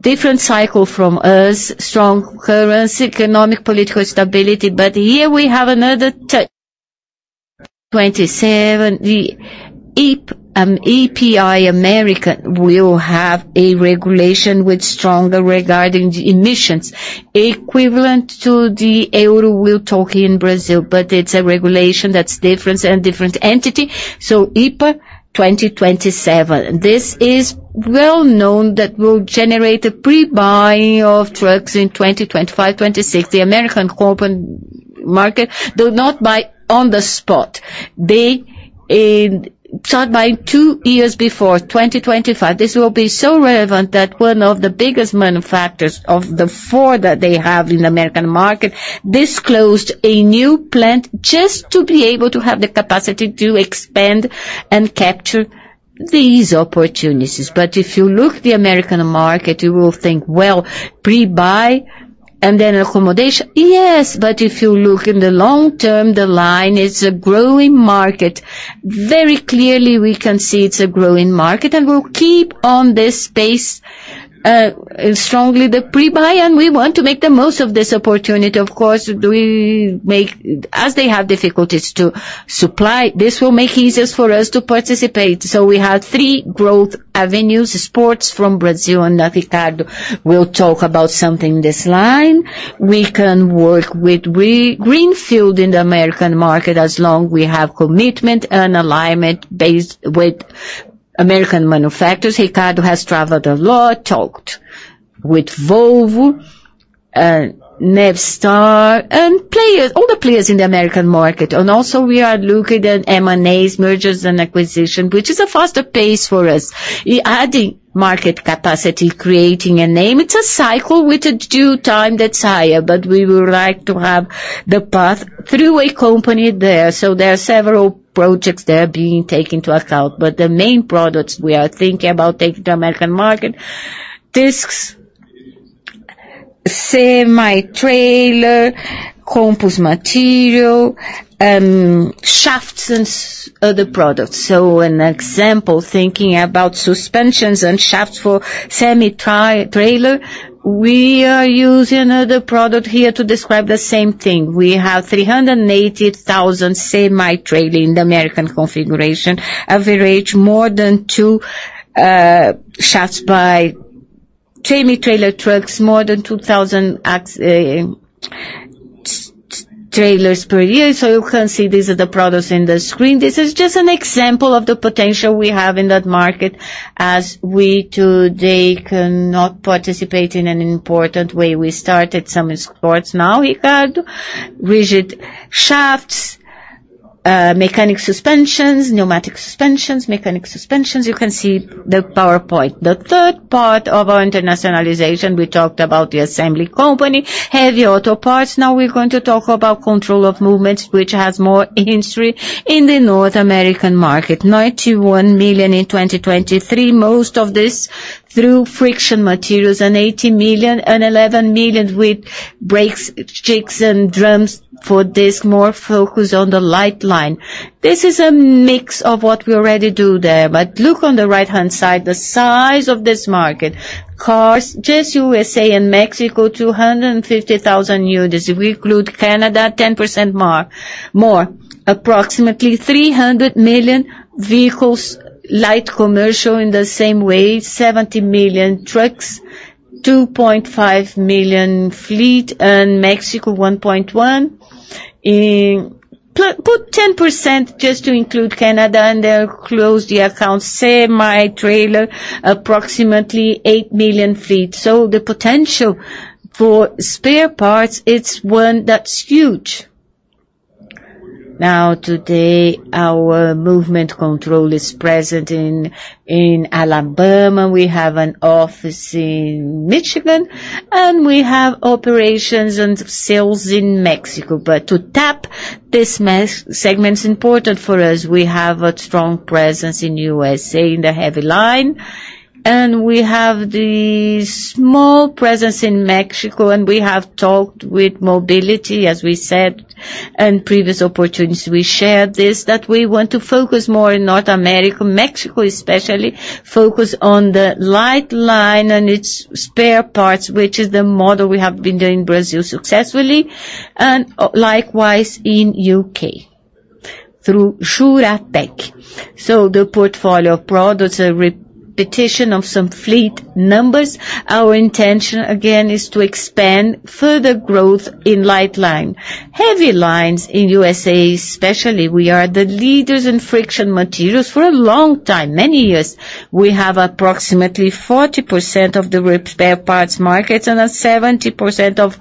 different cycle from us, strong currency, economic, political stability. But here we have another touch. 2027, the EPA American will have a regulation which stronger regarding the emissions, equivalent to the Euro we're talking in Brazil, but it's a regulation that's different and different entity, so EPA, 2027. This is well known that will generate a pre-buy of trucks in 2025, 2026. The American open market do not buy on the spot. They start buying two years before 2025. This will be so relevant that one of the biggest manufacturers of the four that they have in the American market, this closed a new plant just to be able to have the capacity to expand and capture these opportunities. But if you look at the American market, you will think, well, pre-buy and then accommodation. Yes, but if you look in the long term, the line is a growing market. Very clearly, we can see it's a growing market, and we'll keep on this pace, strongly the pre-buy, and we want to make the most of this opportunity. Of course, as they have difficulties to supply, this will make it easier for us to participate. So we have three growth avenues, exports from Brazil, and Ricardo will talk about something this line. We can work with greenfield in the American market as long as we have commitment and alignment based with American manufacturers. Ricardo has traveled a lot, talked with Volvo and Navistar, and players, all the players in the American market. We are looking at M&As, mergers and acquisition, which is a faster pace for us. Adding market capacity, creating a name, it's a cycle with a due time that's higher, but we would like to have the path through a company there. There are several projects that are being taken into account, but the main products we are thinking about taking to the American market, discs, semi-trailer, composite material, shafts and other products. An example, thinking about suspensions and shafts for semi-trailer, we are using another product here to describe the same thing. We have 380,000 semi-trailers in the American configuration, average more than 2 axles by semi-trailer trucks, more than 2,000 axle trailers per year. So you can see these are the products in the screen. This is just an example of the potential we have in that market as we today cannot participate in an important way. We started some exports. Now, Ricardo, rigid axles? Mechanic suspensions, pneumatic suspensions, mechanic suspensions, you can see the PowerPoint. The third part of our internationalization, we talked about the assembly company, heavy auto parts. Now we're going to talk about control of movements, which has more history in the North American market. $91 million in 2023, most of this through friction materials, and $80 million and $11 million with brakes, discs, and drums. For this, more focus on the light line. This is a mix of what we already do there, but look on the right-hand side, the size of this market. Cars, just USA and Mexico, 250,000 units. We include Canada, 10% more. Approximately 300 million vehicles, light commercial in the same way, 70 million trucks, 2.5 million fleet, and Mexico, 1.1. Put 10% just to include Canada, and then close the account, say, semi-trailer, approximately 8 million fleet. So the potential for spare parts, it's one that's huge. Now, today, our movement control is present in Alabama. We have an office in Michigan, and we have operations and sales in Mexico. But to tap this segment is important for us. We have a strong presence in the USA, in the heavy line, and we have the small presence in Mexico, and we have talked with mobility, as we said, in previous opportunities. We shared this, that we want to focus more in North America, Mexico especially, focus on the light line and its spare parts, which is the model we have been doing in Brazil successfully, and likewise in the UK through Juratek. So the portfolio of products, a repetition of some fleet numbers. Our intention, again, is to expand further growth in light line. Heavy lines in the USA, especially, we are the leaders in friction materials for a long time, many years. We have approximately 40% of the spare parts markets and 70% of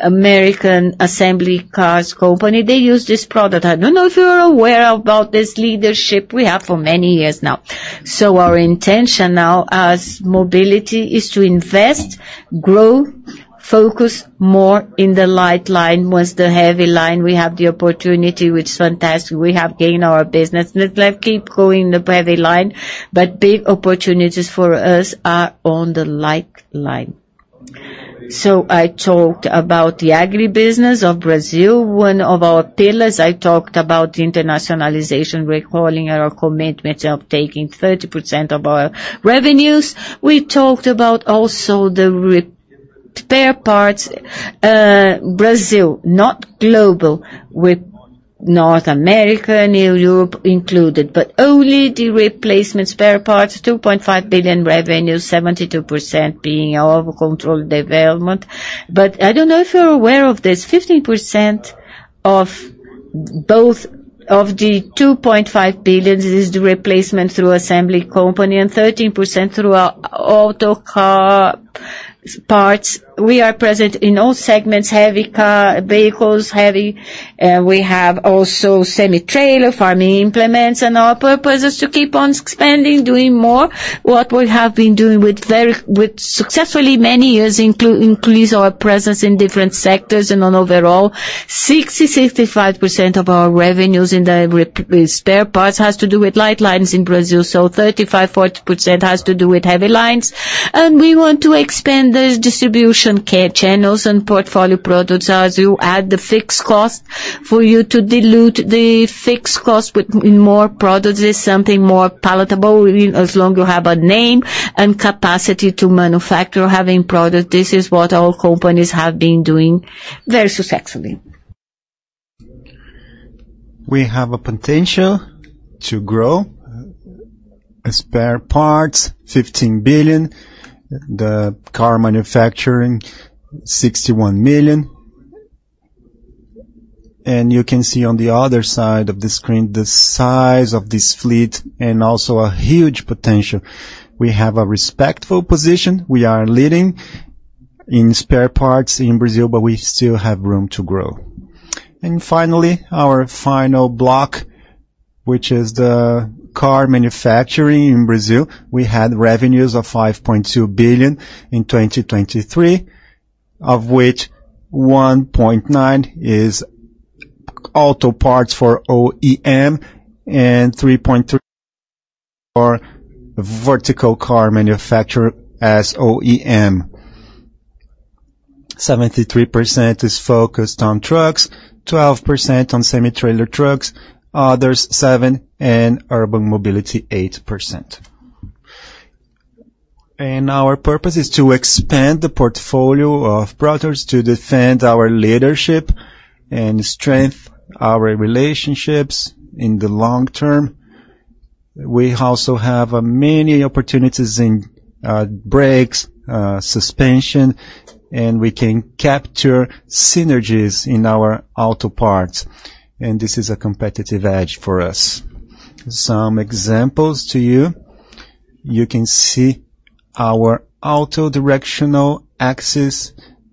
American Assembly Cars Company. They use this product. I don't know if you are aware about this leadership we have for many years now. So our intention now, as mobility, is to invest, grow, focus more in the light line. Once the heavy line, we have the opportunity, which is fantastic. We have gained our business. Let's keep going in the heavy line, but big opportunities for us are on the light line. So I talked about the agri-business of Brazil, one of our pillars. I talked about the internationalization, recalling our commitment of taking 30% of our revenues. We talked about also the spare parts, Brazil, not global, with North America and Europe included, but only the replacement spare parts, 2.5 billion revenue, 72% being our controlled development. But I don't know if you're aware of this, 15% of both of the 2.5 billion is the replacement through assembly company and 13% through our auto car parts. We are present in all segments, heavy car, vehicles, heavy. We have also semi-trailer, farming implements, and our purpose is to keep on expanding, doing more, what we have been doing with very successfully many years, including increase our presence in different sectors and overall. 65% of our revenues in the spare parts has to do with light lines in Brazil. So 35%-40% has to do with heavy lines, and we want to expand these distribution channels and portfolio products. As you add the fixed cost, for you to dilute the fixed cost with more products is something more palatable. As long as you have a name and capacity to manufacture, having a product, this is what our companies have been doing very successfully. We have a potential to grow. As spare parts, 15 billion, the car manufacturing, 61 million. You can see on the other side of the screen, the size of this fleet and also a huge potential. We have a respectful position. We are leading in spare parts in Brazil, but we still have room to grow. Finally, our final block, which is the car manufacturing in Brazil, we had revenues of 5.2 billion in 2023, of which 1.9 billion is auto parts for OEM and 3.3 billion for vertical car manufacturer as OEM. 73% is focused on trucks, 12% on semi-trailer trucks, others, 7, and urban mobility, 8%. Our purpose is to expand the portfolio of products to defend our leadership and strengthen our relationships in the long term. We also have many opportunities in brakes, suspension, and we can capture synergies in our auto parts, and this is a competitive edge for us. Some examples to you. You can see our auto-directional axle,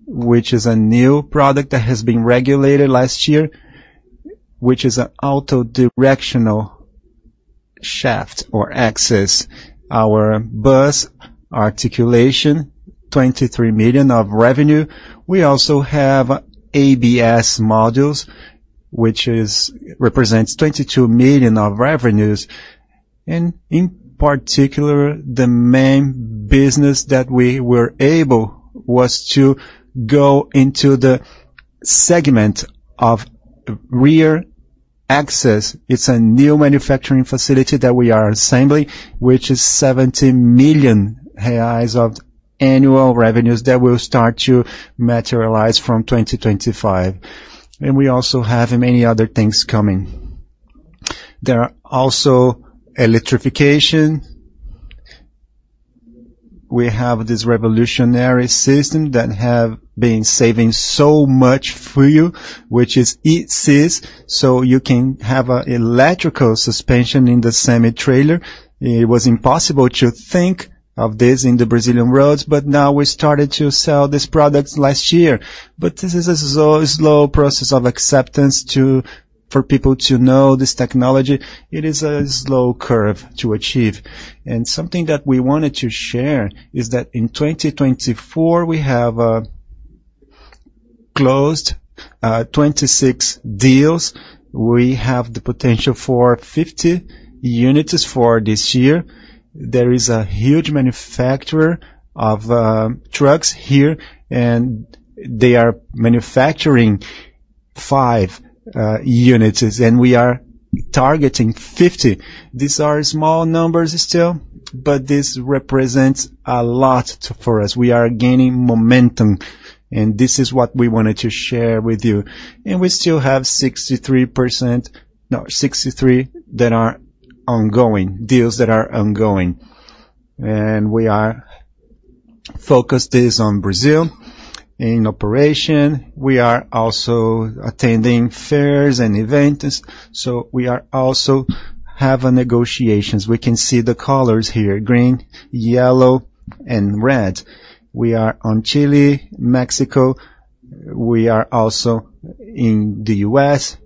which is a new product that has been regulated last year, which is an auto directional shaft or axis. Our bus articulation, 23 million of revenue. We also have ABS modules, which represents 22 million of revenues, and in particular, the main business that we were able, was to go into the segment of rear access. It's a new manufacturing facility that we are assembling, which is 70 million reais of annual revenues that will start to materialize from 2025. And we also have many other things coming. There are also electrification. We have this revolutionary system that have been saving so much for you, which is e-Sys, so you can have a electrical suspension in the semi-trailer. It was impossible to think of this in the Brazilian roads, but now we started to sell these products last year. But this is a slow process of acceptance for people to know this technology. It is a slow curve to achieve. Something that we wanted to share is that in 2024, we have closed 26 deals. We have the potential for 50 units for this year. There is a huge manufacturer of trucks here, and they are manufacturing five units, and we are targeting 50. These are small numbers still, but this represents a lot for us. We are gaining momentum, and this is what we wanted to share with you. We still have 63%... No, 63 that are ongoing, deals that are ongoing. We are focused this on Brazil. In operation, we are also attending fairs and events, so we are also have a negotiations. We can see the colors here: green, yellow, and red. We are on Chile, Mexico, we are also in the U.S.,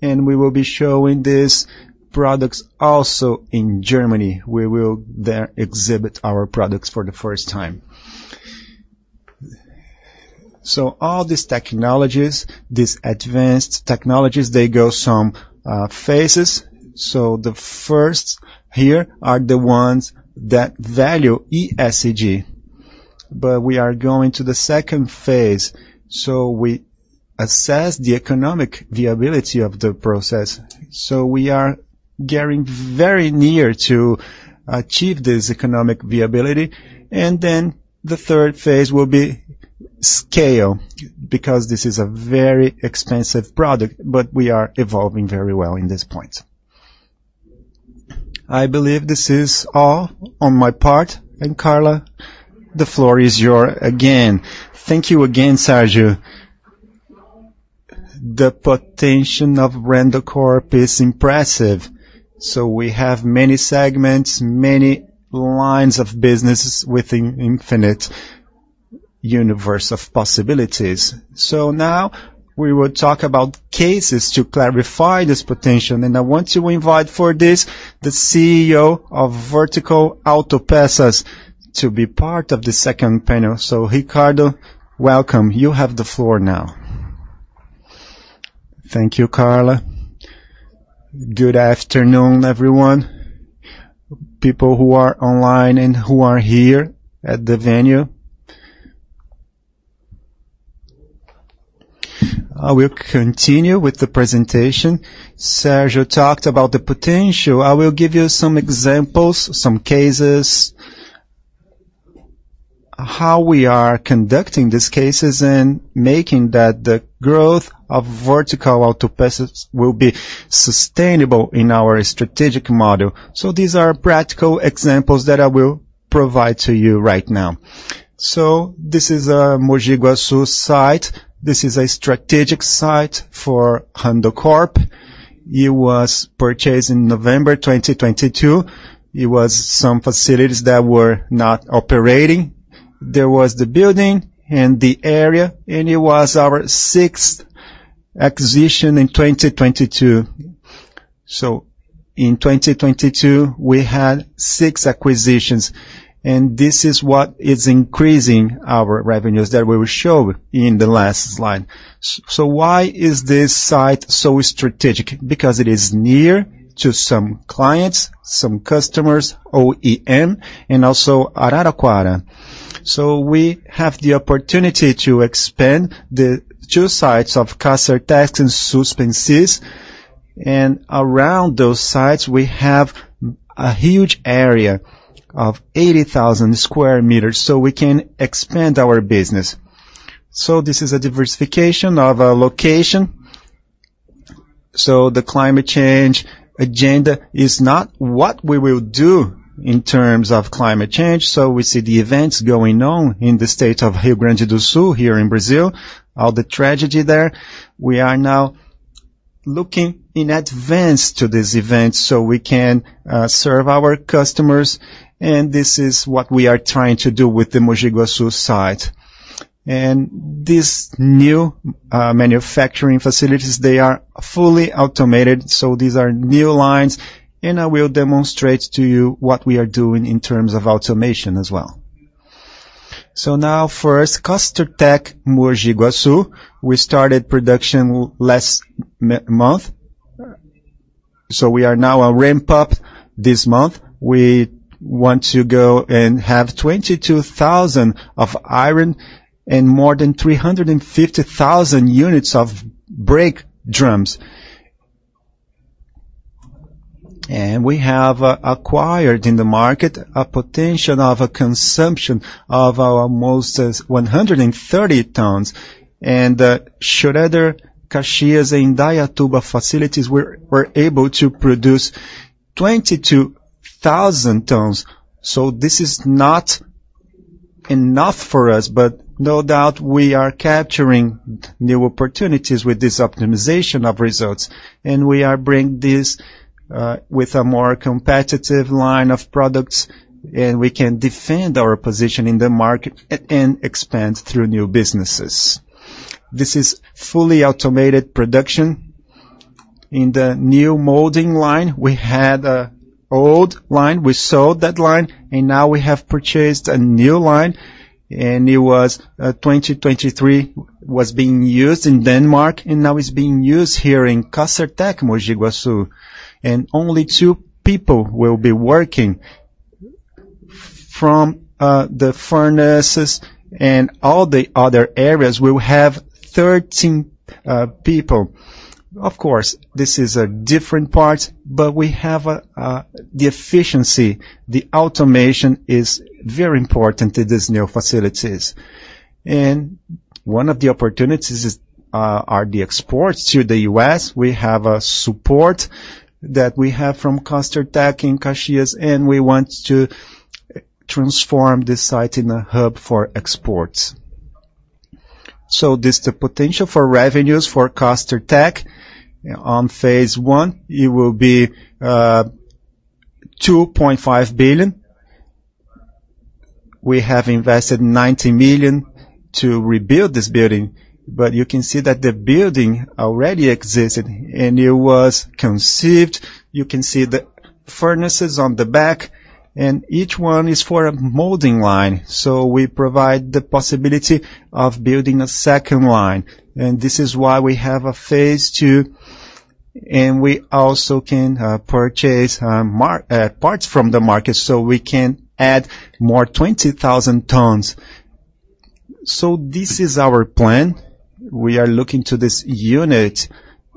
and we will be showing these products also in Germany, we will there exhibit our products for the first time. So all these technologies, these advanced technologies, they go some phases. So the first here are the ones that value ESG, but we are going to the second phase. So we assess the economic viability of the process, so we are getting very near to achieve this economic viability, and then the third phase will be scale, because this is a very expensive product, but we are evolving very well in this point. I believe this is all on my part, and Carla, the floor is yours again. Thank you again, Sérgio. The potential of Randoncorp is impressive. So we have many segments, many lines of businesses with an infinite universe of possibilities. So now, we will talk about cases to clarify this potential, and I want to invite for this, the CEO of Vertical Autopeças, to be part of the second panel. So, Ricardo, welcome. You have the floor now. Thank you, Carla. Good afternoon, everyone, people who are online and who are here at the venue. I will continue with the presentation. Sérgio talked about the potential. I will give you some examples, some cases, how we are conducting these cases and making that the growth of Vertical Autopeças will be sustainable in our strategic model. So these are practical examples that I will provide to you right now. So this is a Mogi Guaçu site. This is a strategic site for Randoncorp. It was purchased in November 2022. It was some facilities that were not operating. There was the building and the area, and it was our 6th acquisition in 2022. So in 2022, we had 6 acquisitions, and this is what is increasing our revenues that we showed in the last slide. So why is this site so strategic? Because it is near to some clients, some customers, OEM, and also Araraquara. So we have the opportunity to expand the two sites of customer testing, Suspensys, and around those sites, we have a huge area of 80,000 square meters, so we can expand our business. So this is a diversification of a location. So the climate change agenda is not what we will do in terms of climate change, so we see the events going on in the state of Rio Grande do Sul, here in Brazil, all the tragedy there. We are now looking in advance to this event, so we can serve our customers, and this is what we are trying to do with the Mogi Guaçu site. And these new manufacturing facilities, they are fully automated, so these are new lines, and I will demonstrate to you what we are doing in terms of automation as well. So now, first, Castertech, Mogi Guaçu. We started production last month. So we are now a ramp-up this month. We want to go and have 22,000 of iron, and more than 350,000 units of brake drums. We have acquired in the market a potential of a consumption of almost 130 tons. Schroeder, Caxias, and Indaiatuba facilities were able to produce 22,000 tons. So this is not enough for us, but no doubt, we are capturing new opportunities with this optimization of results, and we are bringing this with a more competitive line of products, and we can defend our position in the market and expand through new businesses. This is fully automated production. In the new molding line, we had an old line, we sold that line, and now we have purchased a new line, and it was 2023, was being used in Denmark, and now is being used here in Castertech, Mogi Guaçu. Only two people will be working. From the furnaces and all the other areas, we will have thirteen people. Of course, this is a different part, but we have the efficiency, the automation is very important to these new facilities. One of the opportunities is are the exports to the U.S. We have a support that we have from Castertech in Caxias, and we want to transform this site in a hub for exports. So this the potential for revenues for Castertech. On phase one, it will be 2.5 billion. We have invested 90 million to rebuild this building, but you can see that the building already existed, and it was conceived. You can see the furnaces on the back, and each one is for a molding line. So we provide the possibility of building a second line, and this is why we have a phase two, and we also can purchase parts from the market, so we can add more 20,000 tons. So this is our plan. We are looking to this unit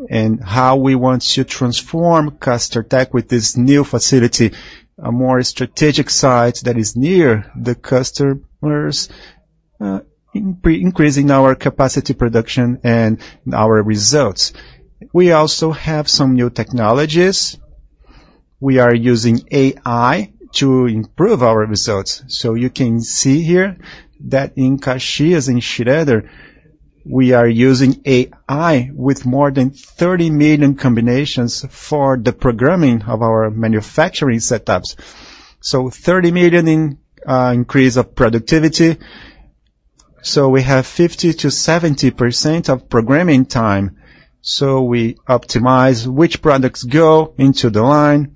and how we want to transform Castertech with this new facility, a more strategic site that is near the customers, increasing our capacity, production, and our results. We also have some new technologies. We are using AI to improve our results. So you can see here that in Caxias, in Schroeder, we are using AI with more than 30 million combinations for the programming of our manufacturing setups. So 30 million in increase of productivity. So we have 50%-70% of programming time. So we optimize which products go into the line,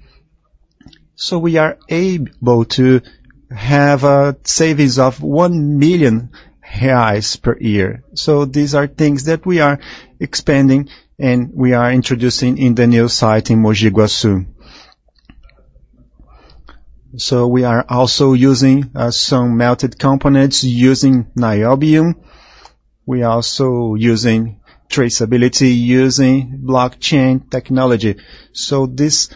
so we are able to have savings of 1 million reais per year. So these are things that we are expanding, and we are introducing in the new site in Mogi Guaçu. So we are also using some melted components using niobium. We are also using traceability, using blockchain technology. So this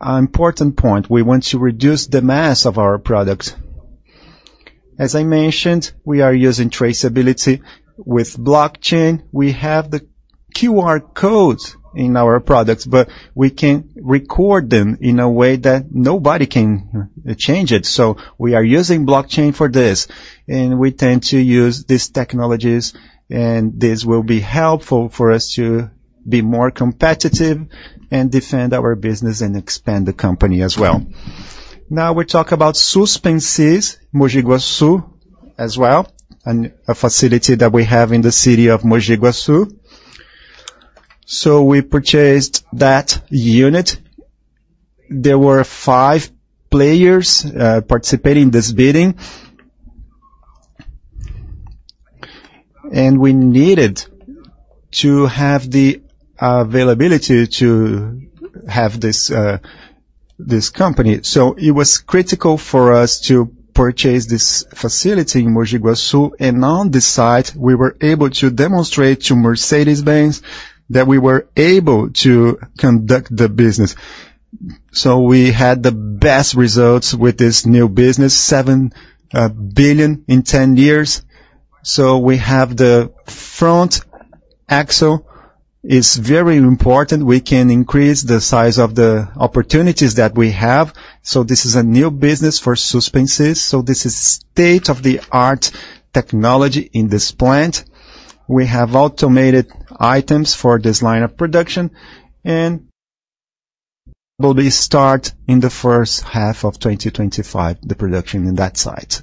important point, we want to reduce the mass of our products. As I mentioned, we are using traceability with blockchain. We have the QR codes in our products, but we can record them in a way that nobody can change it. So we are using blockchain for this, and we tend to use these technologies, and this will be helpful for us to be more competitive and defend our business and expand the company as well. Now, we talk about Suspensys, Mogi Guaçu, as well, and a facility that we have in the city of Mogi Guaçu. So we purchased that unit. There were five players participating in this bidding, and we needed to have the availability to have this company. So it was critical for us to purchase this facility in Mogi Guaçu, and on this site, we were able to demonstrate to Mercedes-Benz that we were able to conduct the business. So we had the best results with this new business, 7 billion in 10 years. So we have the front axle. It's very important, we can increase the size of the opportunities that we have. So this is a new business for Suspensys. So this is state-of-the-art technology in this plant. We have automated items for this line of production, and probably start in the first half of 2025, the production in that site.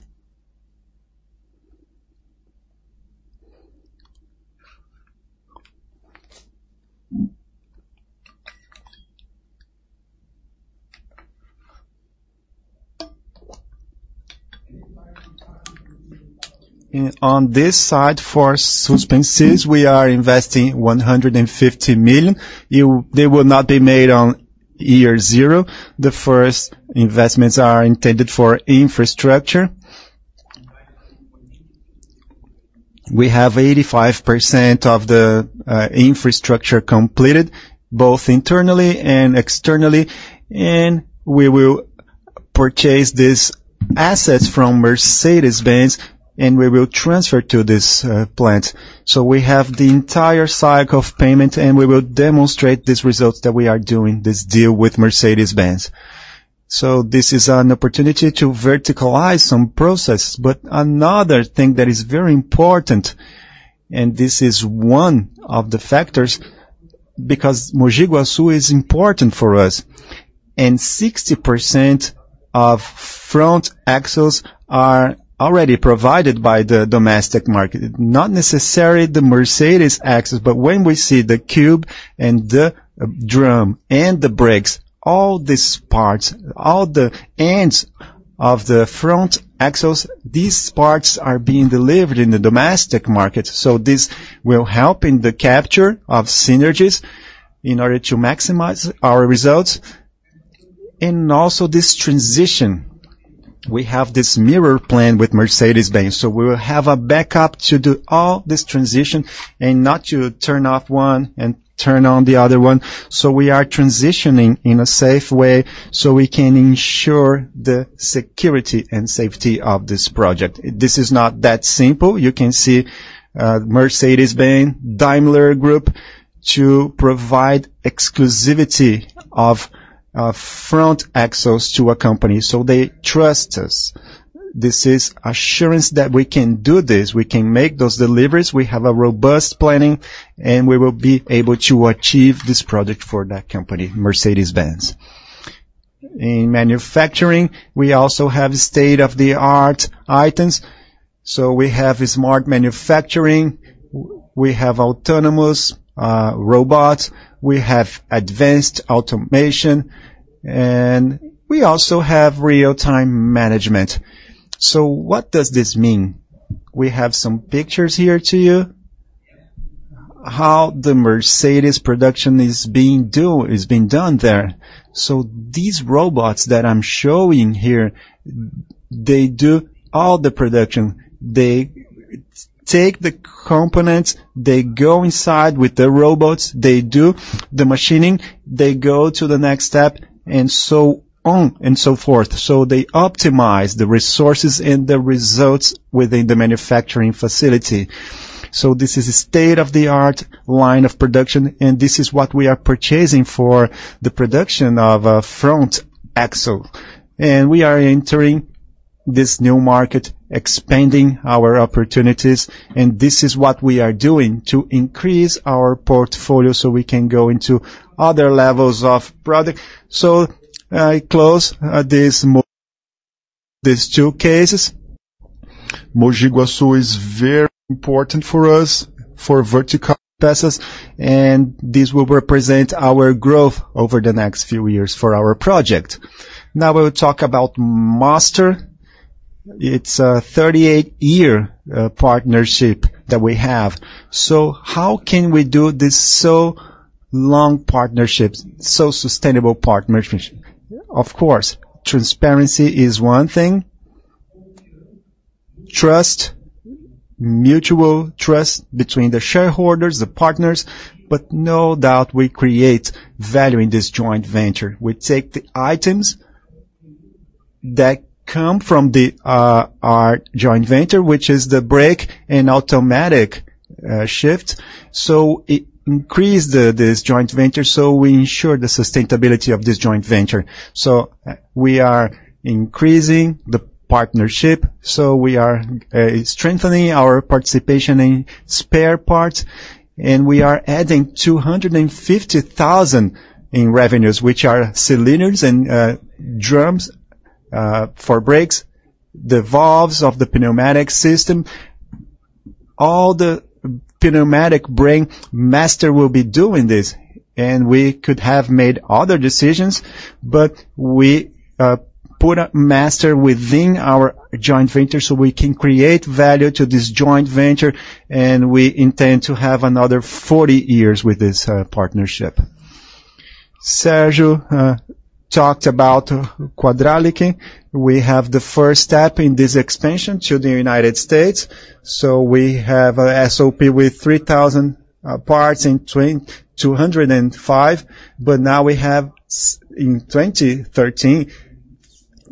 And on this side, for Suspensys, we are investing 150 million. They will not be made on year zero. The first investments are intended for infrastructure. We have 85% of the infrastructure completed, both internally and externally, and we will purchase these assets from Mercedes-Benz, and we will transfer to this plant. So we have the entire cycle of payment, and we will demonstrate these results that we are doing, this deal with Mercedes-Benz. So this is an opportunity to verticalize some processes. But another thing that is very important, and this is one of the factors, because Mogi Guaçu is important for us, and 60% of front axles are already provided by the domestic market. Not necessarily the Mercedes axles, but when we see the hub and the drum and the brakes, all these parts, all the ends of the front axles, these parts are being delivered in the domestic market. So this will help in the capture of synergies in order to maximize our results. And also this transition, we have this mirror plan with Mercedes-Benz, so we will have a backup to do all this transition and not to turn off one and turn on the other one. So we are transitioning in a safe way, so we can ensure the security and safety of this project. This is not that simple. You can see, Mercedes-Benz, Daimler Group, to provide exclusivity of, front axles to a company, so they trust us. This is assurance that we can do this, we can make those deliveries, we have a robust planning, and we will be able to achieve this product for that company, Mercedes-Benz. In manufacturing, we also have state-of-the-art items. So we have a smart manufacturing, we have autonomous, robots, we have advanced automation, and we also have real-time management. So what does this mean? We have some pictures here to you, how the Mercedes production is being done there. So these robots that I'm showing here, they do all the production. They take the components, they go inside with the robots, they do the machining, they go to the next step, and so on and so forth. So they optimize the resources and the results within the manufacturing facility. So this is a state-of-the-art line of production, and this is what we are purchasing for the production of front axle. And we are entering this new market, expanding our opportunities, and this is what we are doing to increase our portfolio, so we can go into other levels of product. So I close these two cases. Mogi Guaçu is very important for us for vertical passes, and this will represent our growth over the next few years for our project. Now, we will talk about Master. It's a 38-year partnership that we have. So how can we do this so long partnerships, so sustainable partnership? Of course, transparency is one thing. Trust, mutual trust between the shareholders, the partners, but no doubt we create value in this joint venture. We take the items that come from the, our joint venture, which is the brake and automatic, shift. So it increase the, this joint venture, so we ensure the sustainability of this joint venture. So, we are increasing the partnership, so we are, strengthening our participation in spare parts, and we are adding 250,000 in revenues, which are cylinders and, drums, for brakes, the valves of the pneumatic system. All the pneumatic brake, Master will be doing this, and we could have made other decisions, but we, put a Master within our joint venture, so we can create value to this joint venture, and we intend to have another 40 years with this, partnership. Sérgio talked about Controil. We have the first step in this expansion to the United States. So we have a SOP with 3,000 parts in 2005, but now we have in 2013,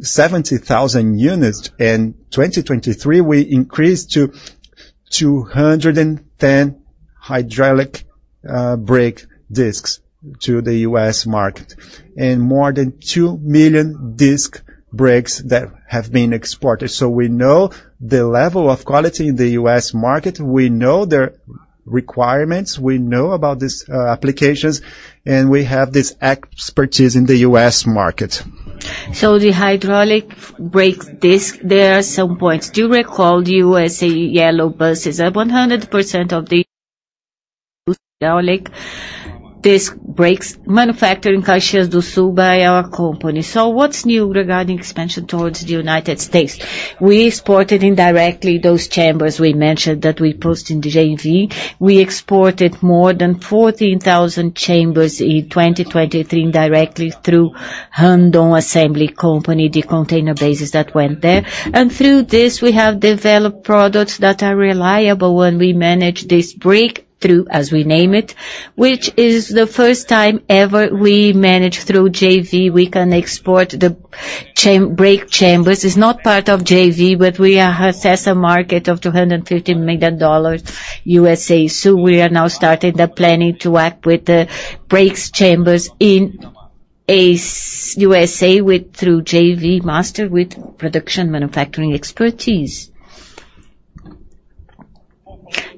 70,000 units. In 2023, we increased to 210 hydraulic brake discs to the U.S. market, and more than 2 million disc brakes that have been exported. So we know the level of quality in the U.S. market, we know requirements. We know about these applications, and we have this expertise in the U.S. market. The hydraulic brake disc, there are some points. Do you recall the U.S. yellow buses are 100% of the hydraulic disc brakes manufactured in Caxias do Sul by our company. What's new regarding expansion towards the United States? We exported indirectly those chambers we mentioned that we produce in the JV. We exported more than 14,000 chambers in 2023 directly through Hércules Assembly Company, the container chassis that went there. And through this, we have developed products that are reliable when we manage this breakthrough, as we name it, which is the first time ever we managed through JV, we can export the brake chambers. It's not part of JV, but we are accessing a market of $250 million U.S. So we are now starting the planning to act with the brake chambers in the USA with, through JV Master with production manufacturing expertise.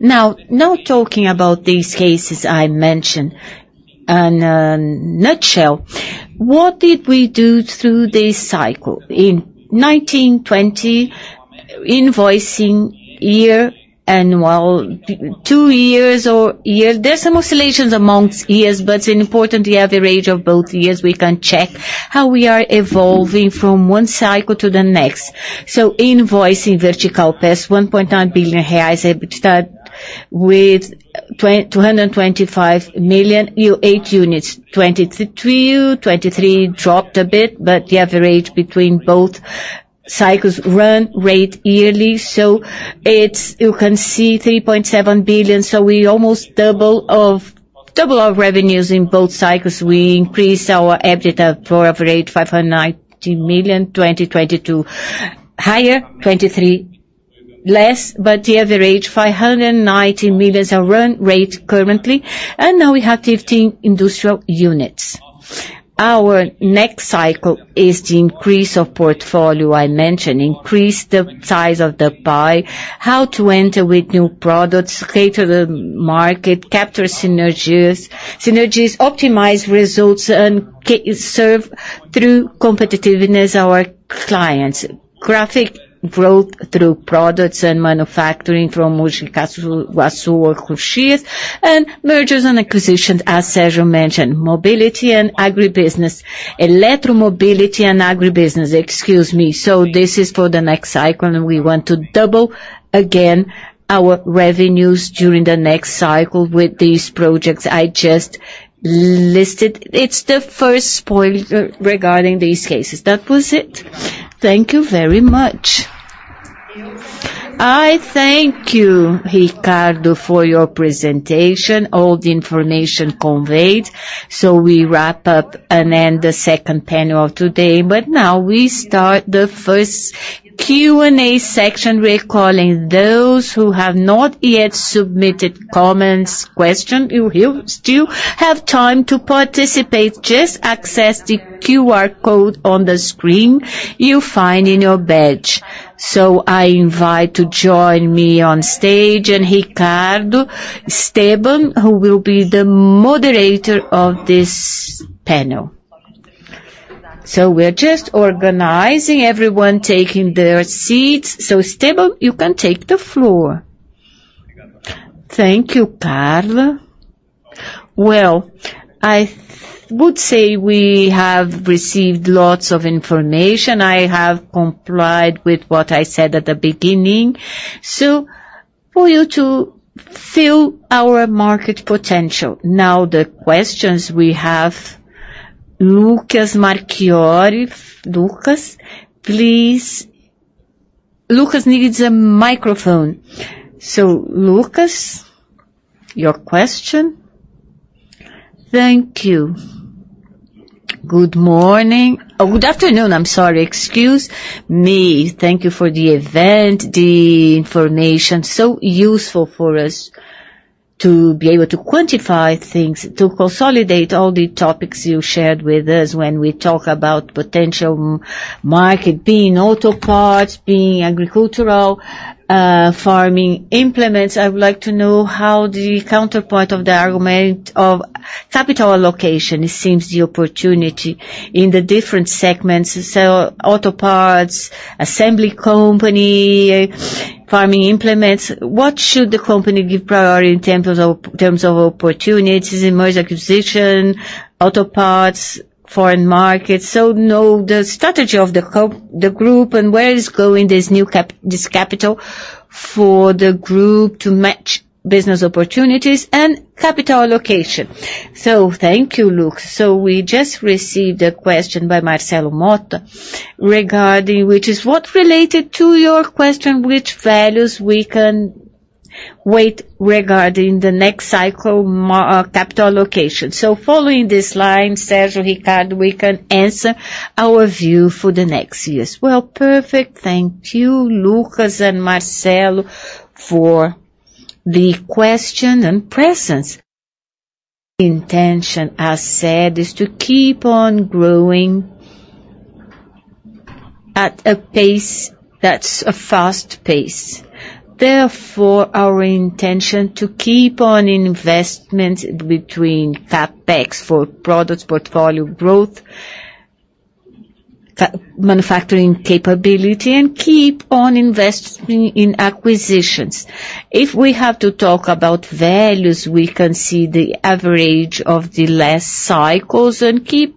Now talking about these cases I mentioned. In a nutshell, what did we do through this cycle? In 2019-2020 invoicing year, and well, two years or year, there's some oscillations amongst years, but it's important the average of both years, we can check how we are evolving from one cycle to the next. So invoicing Vertical Autos, 1.9 billion reais, EBITDA with two hundred and twenty-five million, 8 units. 2022, 2023 dropped a bit, but the average between both cycles run rate yearly, so it's you can see 3.7 billion. So we almost double of - double our revenues in both cycles. We increased our EBITDA to average 590 million, 2022 higher, 2023 less, but the average 590 million is run rate currently, and now we have 15 industrial units. Our next cycle is the increase of portfolio I mentioned, increase the size of the pie, how to enter with new products, cater the market, capture synergies, synergies, optimize results, and serve through competitiveness our clients. Organic growth through products and manufacturing from Mogi Guaçu or Caxias, and mergers and acquisitions, as Sérgio mentioned, mobility and agribusiness, electromobility and agribusiness, excuse me. So this is for the next cycle, and we want to double again our revenues during the next cycle with these projects I just listed. It's the first point regarding these cases. That was it. Thank you very much. I thank you, Ricardo, for your presentation, all the information conveyed. We wrap up and end the second panel of today. Now we start the first Q&A section. We are calling those who have not yet submitted comments, question. You will still have time to participate. Just access the QR code on the screen you find in your badge. I invite to join me on stage, and Estevam, who will be the moderator of this panel. We're just organizing, everyone taking their seats. So, Estevam, you can take the floor. Thank you, Carla. Well, I would say we have received lots of information. I have complied with what I said at the beginning. For you to feel our market potential, now the questions we have, Lucas Marchiori. Lucas, please. Lucas needs a microphone. So Lucas, your question? Thank you. Good morning. Oh, good afternoon, I'm sorry. Excuse me. Thank you for the event, the information, so useful for us to be able to quantify things, to consolidate all the topics you shared with us when we talk about potential market, being auto parts, being agricultural, farming implements. I would like to know how the counterpoint of the argument of capital allocation, it seems the opportunity in the different segments. So auto parts, assembly company, farming implements, what should the company give priority in terms of, terms of opportunities, in merge acquisition, auto parts, foreign markets? So know the strategy of the co- the group and where is going this new cap- this capital for the group to match business opportunities and capital allocation. So thank you, Lucas. So we just received a question by Marcelo Motta regarding, which is what related to your question, which values we can wait regarding the next cycle mar- capital allocation. So, following this line, Sérgio, Ricardo, we can answer our view for the next years. Well, perfect. Thank you, Lucas and Marcelo, for the question and presence. Intention, as said, is to keep on growing at a pace that's a fast pace. Therefore, our intention to keep on investment between CapEx for product portfolio growth, manufacturing capability, and keep on investing in acquisitions. If we have to talk about values, we can see the average of the last cycles and keep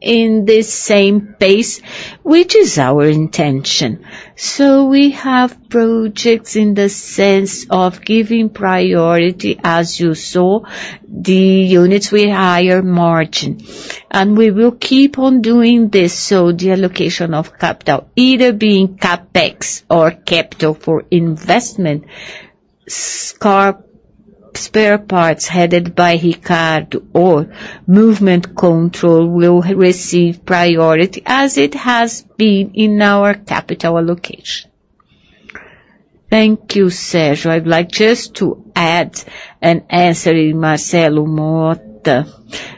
in the same pace, which is our intention. So we have projects in the sense of giving priority, as you saw, the units with higher margin. And we will keep on doing this, so the allocation of capital, either being CapEx or capital for investment, spare parts headed by Ricardo or movement control, will receive priority as it has been in our capital allocation. Thank you, Sérgio. I'd like just to add and answer in Marcelo Motta.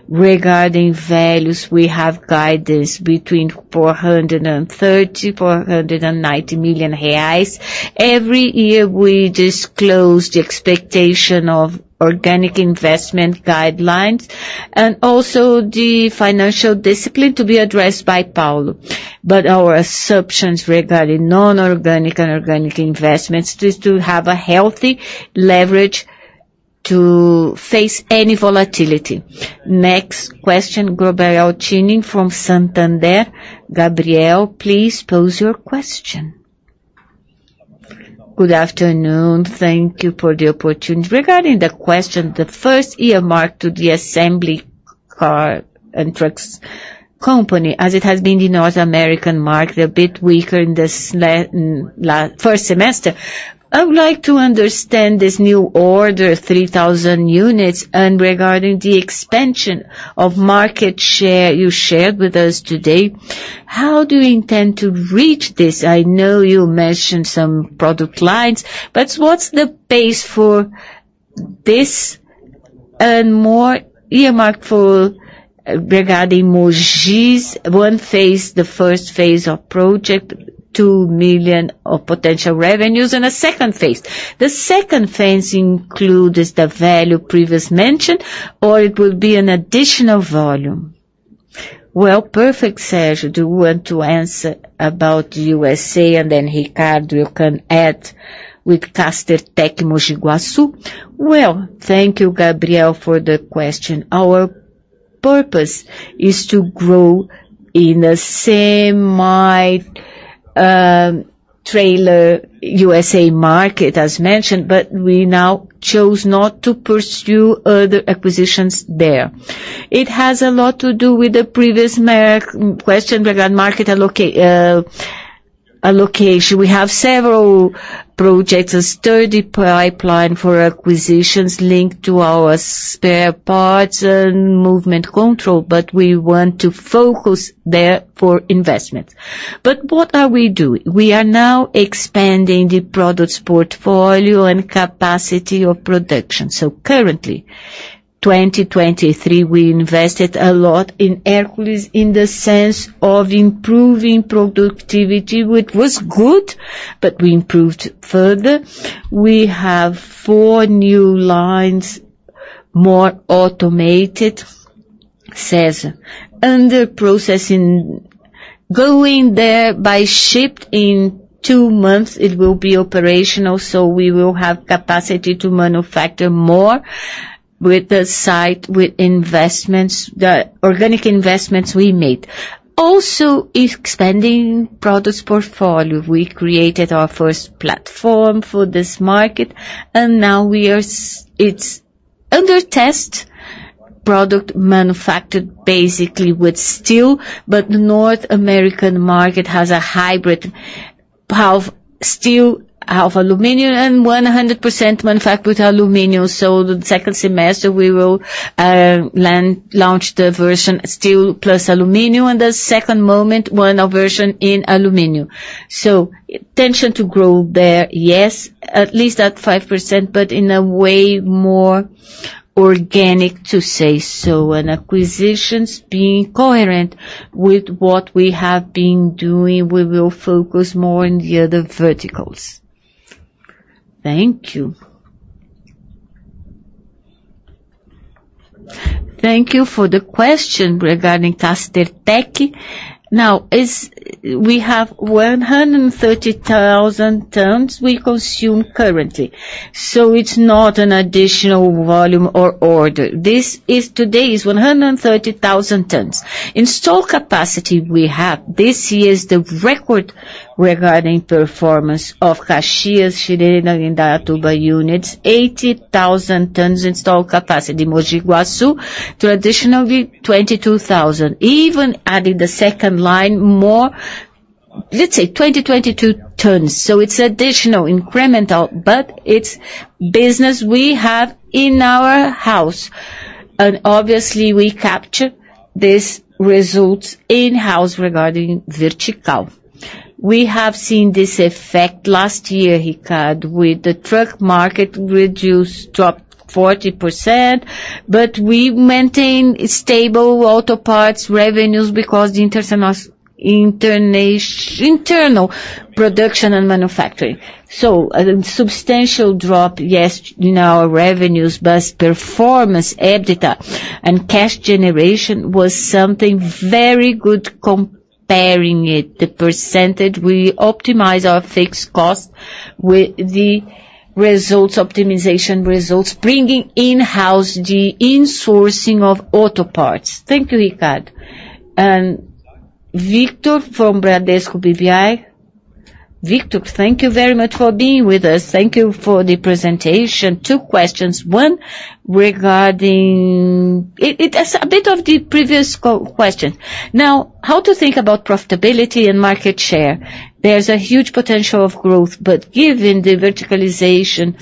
Regarding values, we have guidance between 430 million reais and 490 million reais. Every year, we disclose the expectation of organic investment guidelines and also the financial discipline to be addressed by Paulo. But our assumptions regarding non-organic and organic investments is to have a healthy leverage to face any volatility. Next question, Gabriel Cini from Santander. Gabriel, please pose your question. Good afternoon. Thank you for the opportunity. Regarding the question, the first earmarked to the assembly car and trucks company, as it has been the North American market, a bit weaker in this last first semester, I would like to understand this new order, 3,000 units, and regarding the expansion of market share you shared with us today, how do you intend to reach this? I know you mentioned some product lines, but what's the pace for this and more earmarked for, regarding Mogi Guaçu's, Phase 1, the first phase of the project, 2 million of potential revenues, and a second phase. The second phase includes the value previously mentioned, or it will be an additional volume? Well, perfect, Sérgio. Do you want to answer about the USA, and then, Ricardo, you can add with Castertech, Mogi Guaçu? Well, thank you, Gabriel, for the question. Our purpose is to grow in the semi trailer USA market, as mentioned, but we now chose not to pursue other acquisitions there. It has a lot to do with the previous merger question regarding market allocation. We have several projects, a sturdy pipeline for acquisitions linked to our spare parts and movement control, but we want to focus there for investment. But what are we doing? We are now expanding the products portfolio and capacity of production. So currently, 2023, we invested a lot in Hércules in the sense of improving productivity, which was good, but we improved further. We have 4 new lines, more automated, under processing. Going there by ship in 2 months, it will be operational, so we will have capacity to manufacture more with the site, with investments, the organic investments we made. Also, expanding products portfolio. We created our first platform for this market, and now it's under test, product manufactured basically with steel, but the North American market has a hybrid, half steel, half aluminum, and 100% manufactured with aluminum. So the second semester, we will launch the version steel plus aluminum, and the second moment, one version in aluminum. So intention to grow there, yes, at least at 5%, but in a way more organic, to say so. And acquisitions being coherent with what we have been doing, we will focus more on the other verticals. Thank you. Thank you for the question regarding Castertech. Now, as we have 130,000 tons we consume currently, so it's not an additional volume or order. This is, today, is 130,000 tons. Installed capacity we have, this year is the record regarding performance of Caxias, Schroeder, Indaiatuba units, 80,000 tons installed capacity. Mogi Guaçu, traditionally, 22,000. Even adding the second line, more, let's say, 22,000 tons. So it's additional, incremental, but it's business we have in our house. And obviously, we capture these results in-house regarding vertical.... We have seen this effect last year, Ricardo, with the truck market reduced, dropped 40%, but we've maintained stable auto parts revenues because the internal production and manufacturing. So a substantial drop, yes, in our revenues, but performance, EBITDA, and cash generation was something very good comparing it, the percentage. We optimize our fixed costs with the results, optimization results, bringing in-house the insourcing of auto parts. Thank you, Ricardo. And Victor from Bradesco BBI. Victor, thank you very much for being with us. Thank you for the presentation. Two questions. One, regarding it. It is a bit of the previous question. Now, how to think about profitability and market share? There's a huge potential of growth, but given the verticalization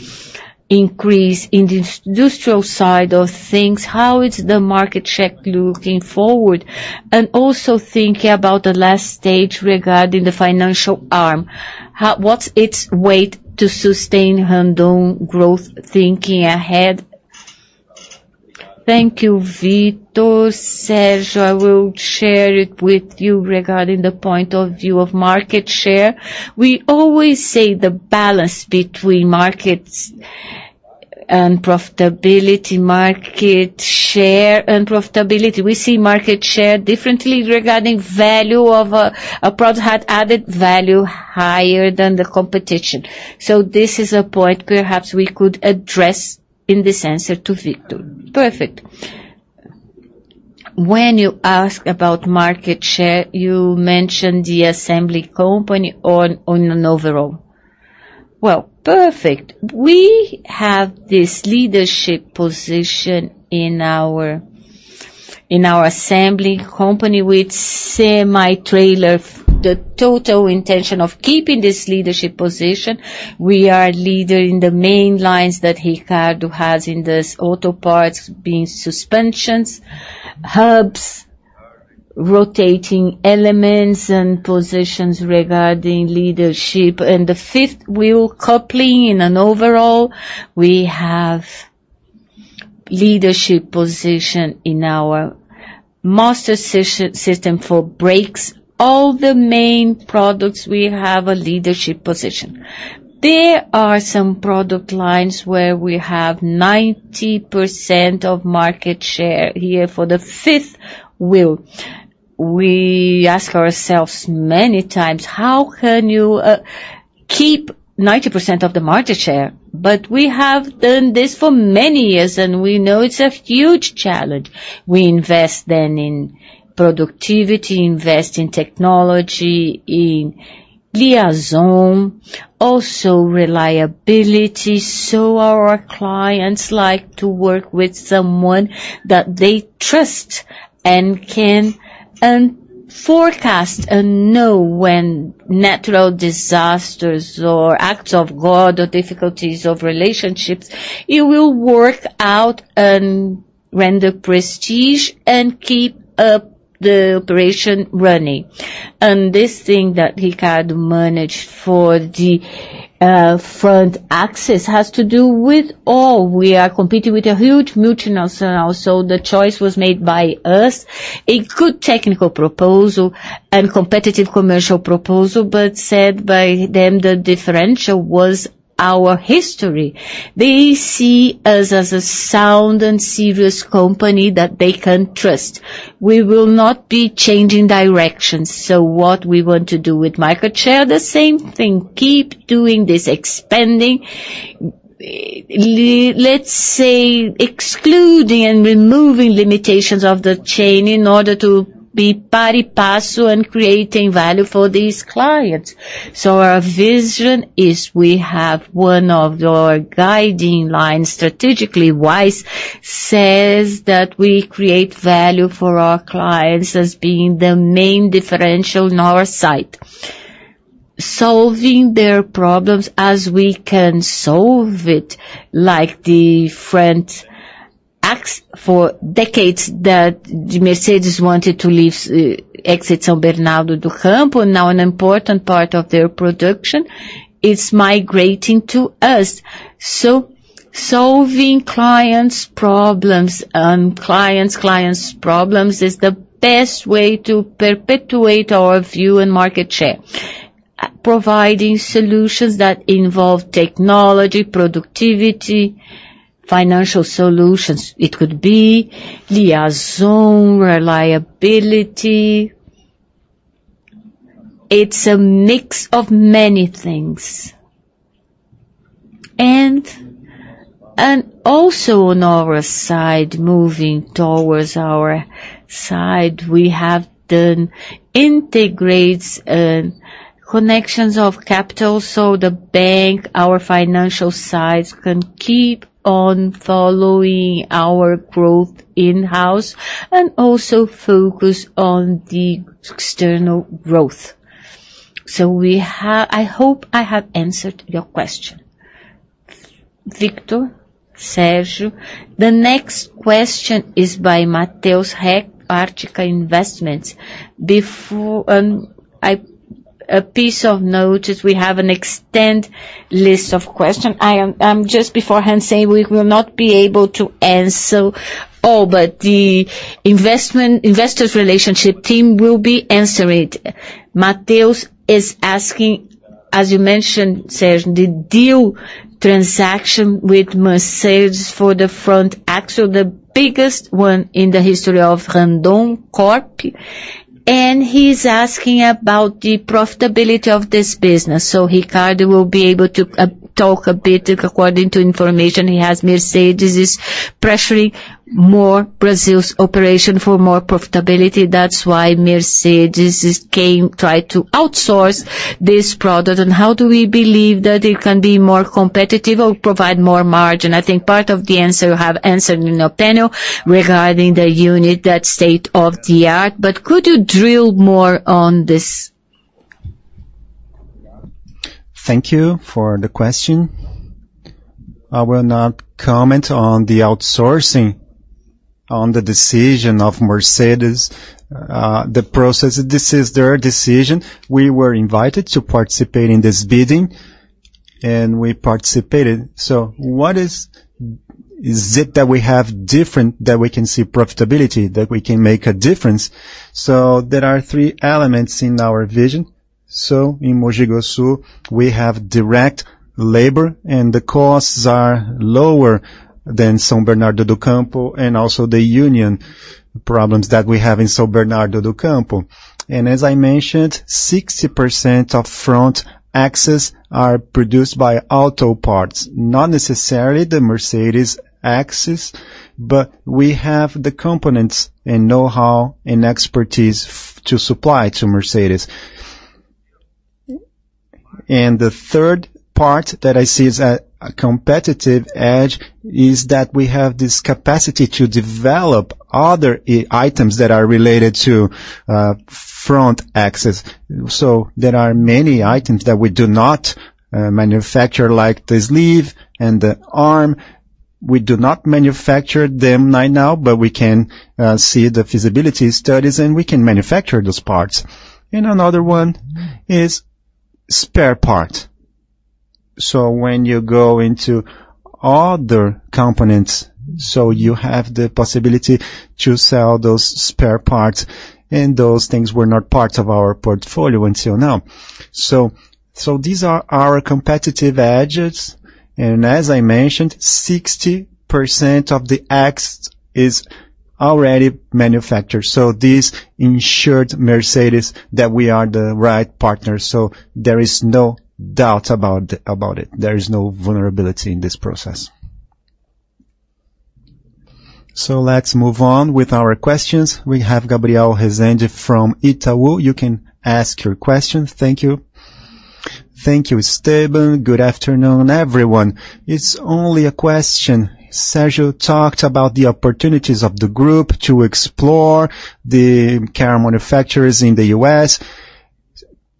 increase in the industrial side of things, how is the market share looking forward? And also thinking about the last stage regarding the financial arm, how—what's its weight to sustain Randon growth thinking ahead? Thank you, Victor. Sérgio, I will share it with you regarding the point of view of market share. We always say the balance between markets and profitability, market share and profitability. We see market share differently regarding value of a, a product, had added value higher than the competition. So this is a point perhaps we could address in this answer to Victor. Perfect. When you ask about market share, you mentioned the assembly company on, on an overall. Well, perfect. We have this leadership position in our, in our assembly company with semi-trailer, the total intention of keeping this leadership position. We are a leader in the main lines that Ricardo has in this auto parts, being suspensions, hubs, rotating elements and positions regarding leadership, and the fifth wheel coupling. In an overall, we have leadership position in our Master Systems for brakes. All the main products, we have a leadership position. There are some product lines where we have 90% of market share here for the fifth wheel. We ask ourselves many times: How can you keep 90% of the market share? But we have done this for many years, and we know it's a huge challenge. We invest then in productivity, invest in technology, in innovation, also reliability. So our clients like to work with someone that they trust and can forecast and know when natural disasters or acts of God or difficulties of relationships, it will work out and render prestige and keep up the operation running. And this thing that Ricardo managed for the front axle has to do with all. We are competing with a huge multinational, so the choice was made by us. A good technical proposal and competitive commercial proposal, but said by them, the differential was our history. They see us as a sound and serious company that they can trust. We will not be changing directions. So what we want to do with market share? The same thing, keep doing this, expanding, let's say, excluding and removing limitations of the chain in order to be pari passu and creating value for these clients. So our vision is we have one of our guiding lines, strategically wise, says that we create value for our clients as being the main differential in our side, solving their problems as we can solve it, like the front ax- For decades, that Mercedes wanted to leave, exit São Bernardo do Campo, now an important part of their production is migrating to us. So solving clients' problems and clients, clients' problems is the best way to perpetuate our view in market share. Providing solutions that involve technology, productivity, financial solutions, it could be liaison, reliability. It's a mix of many things. And, and also on our side, moving towards our side, we have done integrations and connections of capital, so the bank, our financial sides, can keep on following our growth in-house and also focus on the external growth. So we have, I hope I have answered your question. Victor, Sérgio, the next question is by Mateus Haag, Ártica Investimentos. Before, a piece of note is we have an extensive list of questions. I just beforehand say we will not be able to answer all, but the investor relations team will be answering it. Mateus is asking, as you mentioned, Sérgio, the deal transaction with Mercedes for the front axle, the biggest one in the history of Randoncorp, and he's asking about the profitability of this business. So Ricardo will be able to talk a bit according to information he has. Mercedes is pressuring more Brazil's operation for more profitability. That's why Mercedes has come to try to outsource this product. And how do we believe that it can be more competitive or provide more margin? I think part of the answer, you have answered in your panel regarding the unit, that state of the art, but could you drill more on this? Thank you for the question. I will not comment on the outsourcing, on the decision of Mercedes, the process. This is their decision. We were invited to participate in this bidding, and we participated. So what is, is it that we have different, that we can see profitability, that we can make a difference? So there are three elements in our vision. So in Mogi Guaçu, we have direct labor, and the costs are lower than São Bernardo do Campo, and also the union problems that we have in São Bernardo do Campo. As I mentioned, 60% of front axles are produced by auto parts, not necessarily the Mercedes axles, but we have the components and know-how and expertise to supply to Mercedes. And the third part that I see is a competitive edge is that we have this capacity to develop other e- items that are related to front axles. So there are many items that we do not manufacture, like the sleeve and the arm. We do not manufacture them right now, but we can see the feasibility studies, and we can manufacture those parts. And another one is spare part. So when you go into other components, so you have the possibility to sell those spare parts, and those things were not part of our portfolio until now. So these are our competitive edges, and as I mentioned, 60% of the axle is already manufactured. So this ensured Mercedes that we are the right partner, so there is no doubt about it. There is no vulnerability in this process. So let's move on with our questions. We have Gabriel Rezende from Itaú. You can ask your question. Thank you. Thank you, Estevam. Good afternoon, everyone. It's only a question. Sérgio talked about the opportunities of the group to explore the car manufacturers in the U.S.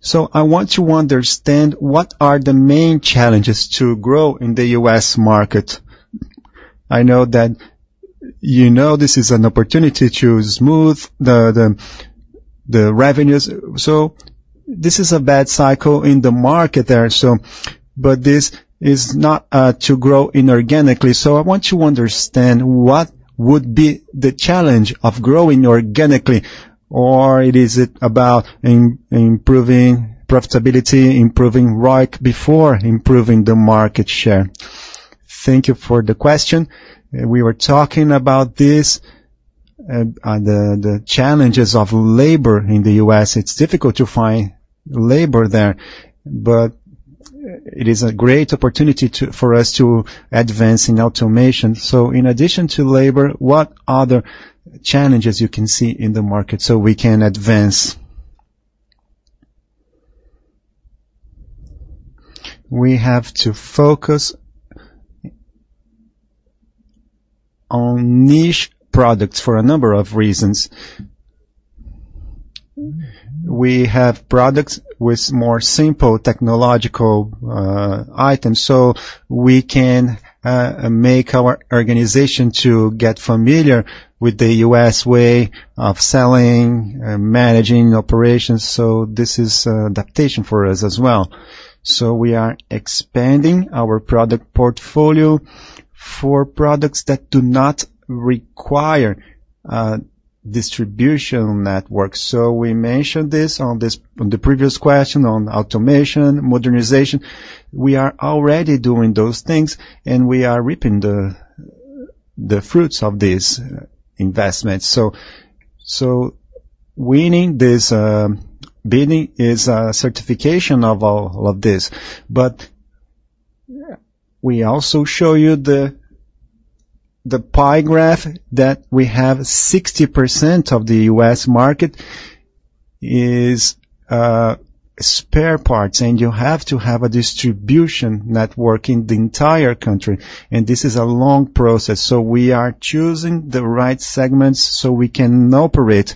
So I want to understand, what are the main challenges to grow in the U.S. market? I know that you know, this is an opportunity to smooth the revenues. So this is a bad cycle in the market there, so. But this is not to grow inorganically. So I want to understand, what would be the challenge of growing organically, or is it about improving profitability, improving ROIC, before improving the market share? Thank you for the question. We were talking about this, the challenges of labor in the U.S. It's difficult to find labor there, but it is a great opportunity for us to advance in automation. So in addition to labor, what other challenges you can see in the market so we can advance? We have to focus on niche products for a number of reasons. We have products with more simple technological items, so we can make our organization to get familiar with the US way of selling, managing operations, so this is adaptation for us as well. So we are expanding our product portfolio for products that do not require distribution network. So we mentioned this on the previous question, on automation, modernization. We are already doing those things, and we are reaping the fruits of these investments. So winning this bidding is a certification of all of this. But we also show you the pie graph that we have 60% of the U.S. market is spare parts, and you have to have a distribution network in the entire country, and this is a long process. So we are choosing the right segments, so we can operate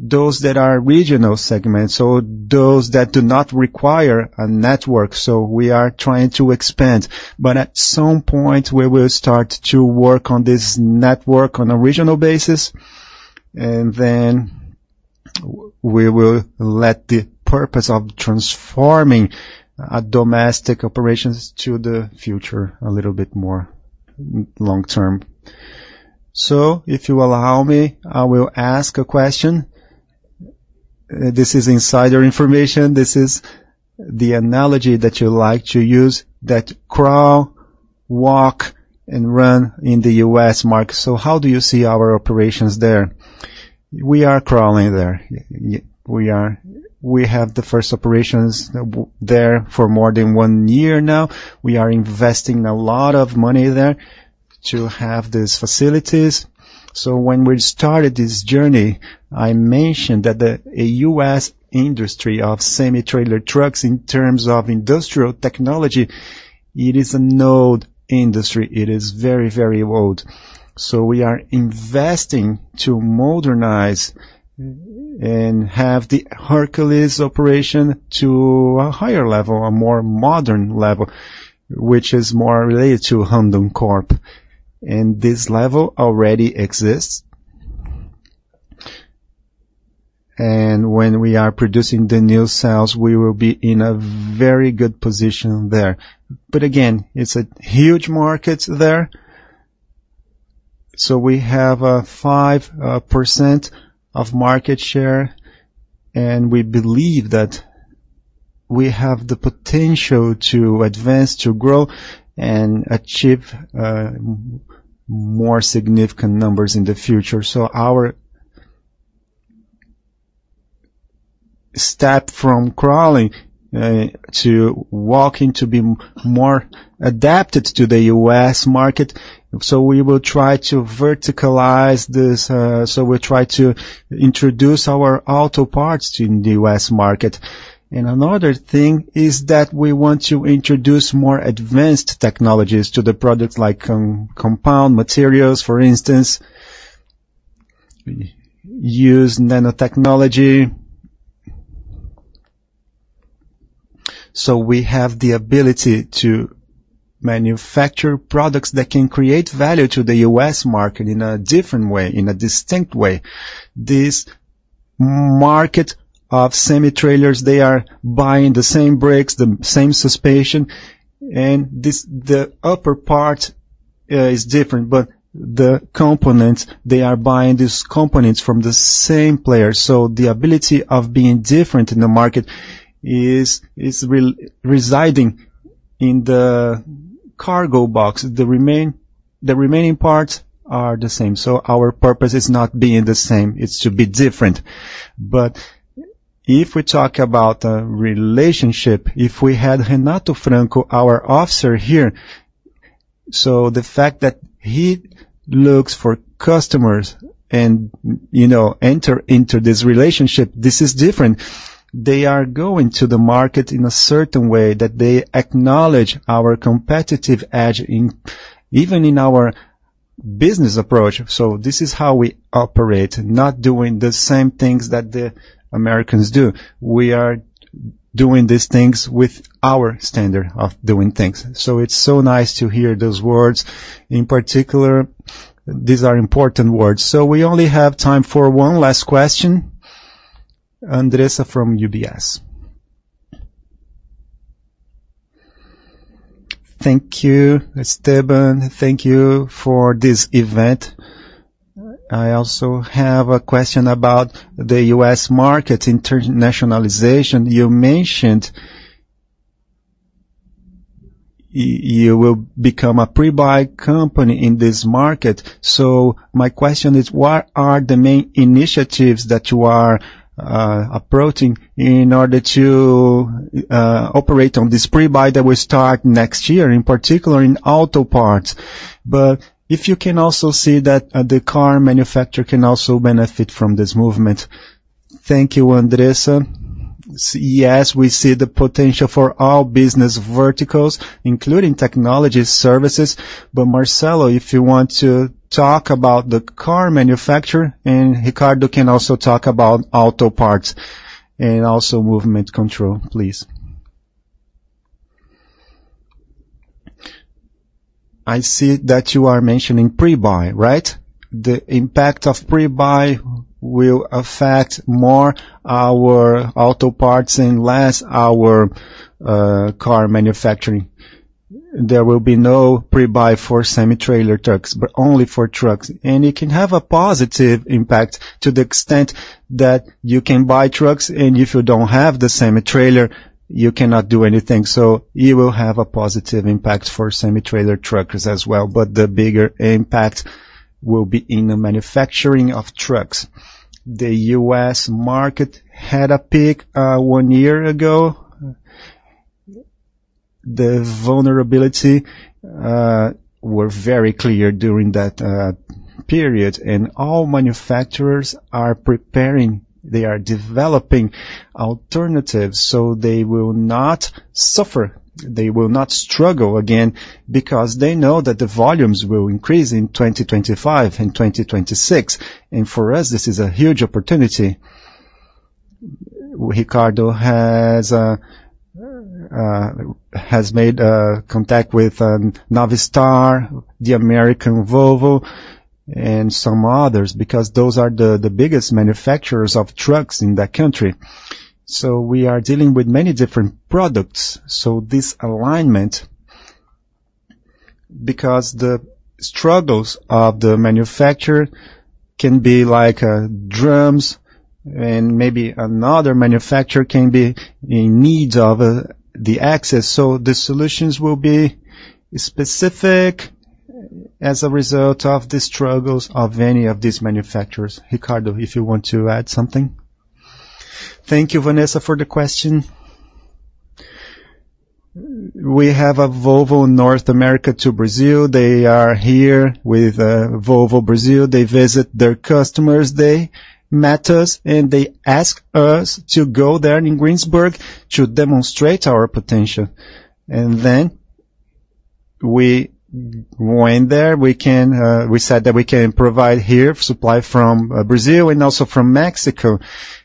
those that are regional segments, so those that do not require a network. So we are trying to expand. But at some point, we will start to work on this network on a regional basis, and then we will let the purpose of transforming domestic operations to the future a little bit more long term. So if you allow me, I will ask a question. This is insider information. This is the analogy that you like to use, that crawl, walk, and run in the U.S. market. So how do you see our operations there? We are crawling there. We have the first operations there for more than one year now. We are investing a lot of money there to have these facilities. So when we started this journey, I mentioned that the—a U.S. industry of semi-trailer trucks, in terms of industrial technology, it is an old industry. It is very, very old. So we are investing to modernize and have the Hércules operation to a higher level, a more modern level, which is more related to Randoncorp. And this level already exists. And when we are producing the new sales, we will be in a very good position there. But again, it's a huge market there. So we have 5% of market share, and we believe that we have the potential to advance, to grow, and achieve more significant numbers in the future. So our step from crawling to walking to be more adapted to the U.S. market. So we will try to verticalize this, so we try to introduce our auto parts in the U.S. market. And another thing is that we want to introduce more advanced technologies to the products, like compound materials, for instance, use nanotechnology. So we have the ability to manufacture products that can create value to the U.S. market in a different way, in a distinct way. This market of semi-trailers, they are buying the same brakes, the same suspension, and this the upper part is different, but the components, they are buying these components from the same player. So the ability of being different in the market is residing in the cargo box. The remaining parts are the same. So our purpose is not being the same, it's to be different. But if we talk about a relationship, if we had Renato Franco, our officer here, so the fact that he looks for customers and, you know, enter into this relationship, this is different. They are going to the market in a certain way, that they acknowledge our competitive edge in even in our business approach. So this is how we operate, not doing the same things that the Americans do. We are doing these things with our standard of doing things. So it's so nice to hear those words. In particular, these are important words. So we only have time for one last question. Andressa from UBS. Thank you, Esteban. Thank you for this event. I also have a question about the US market internationalization. You mentioned you will become a pre-buy company in this market. So my question is, what are the main initiatives that you are approaching in order to operate on this pre-buy that will start next year, in particular in auto parts? But if you can also see that the car manufacturer can also benefit from this movement. Thank you, Andressa. Yes, we see the potential for all business verticals, including technology services. But Marcelo, if you want to talk about the car manufacturer, and Ricardo can also talk about auto parts and also movement control, please. I see that you are mentioning pre-buy, right? The impact of pre-buy will affect more our auto parts and less our car manufacturing. There will be no pre-buy for semi-trailer trucks, but only for trucks. And it can have a positive impact to the extent that you can buy trucks, and if you don't have the semi-trailer, you cannot do anything. So it will have a positive impact for semi-trailer trucks as well, but the bigger impact will be in the manufacturing of trucks. The U.S. market had a peak one year ago. The vulnerability were very clear during that period, and all manufacturers are preparing, they are developing alternatives, so they will not suffer, they will not struggle again because they know that the volumes will increase in 2025 and 2026. And for us, this is a huge opportunity.... Ricardo has made contact with Navistar, the American Volvo, and some others, because those are the biggest manufacturers of trucks in that country. So we are dealing with many different products. So this alignment, because the struggles of the manufacturer can be like, drums, and maybe another manufacturer can be in need of, the access. So the solutions will be specific as a result of the struggles of any of these manufacturers. Ricardo, if you want to add something? Thank you, Vanessa, for the question. We have a Volvo North America to Brazil. They are here with, Volvo Brazil. They visit their customers, they met us, and they asked us to go there in Greensboro to demonstrate our potential. And then we went there. We can. We said that we can provide here supply from, Brazil and also from Mexico.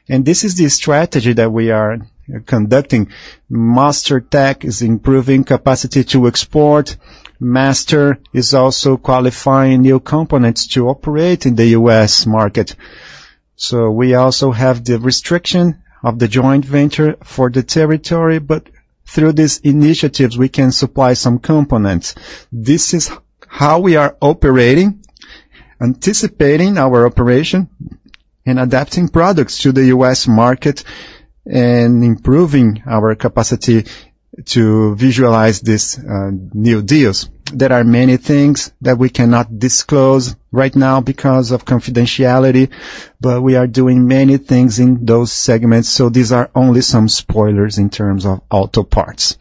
And this is the strategy that we are conducting. Castertech is improving capacity to export. Master is also qualifying new components to operate in the U.S. market. So we also have the restriction of the joint venture for the territory, but through these initiatives, we can supply some components. This is how we are operating, anticipating our operation, and adapting products to the U.S. market, and improving our capacity to visualize these new deals. There are many things that we cannot disclose right now because of confidentiality, but we are doing many things in those segments, so these are only some spoilers in terms of auto parts.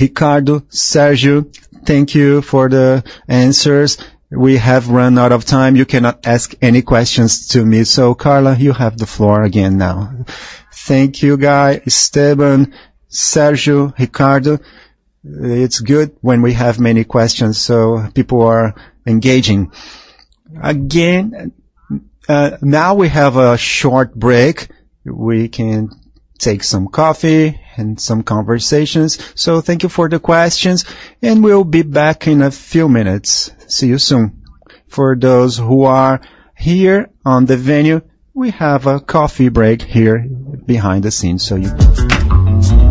Ricardo, Sérgio, thank you for the answers. We have run out of time. You cannot ask any questions to me. So, Carla, you have the floor again now. Thank you, guys, Estevam, Sérgio, Ricardo. It's good when we have many questions, so people are engaging. Again, now we have a short break. We can take some coffee and some conversations. So thank you for the questions, and we'll be back in a few minutes. See you soon. For those who are here on the venue, we have a coffee break here behind the scenes, so you-... We are back,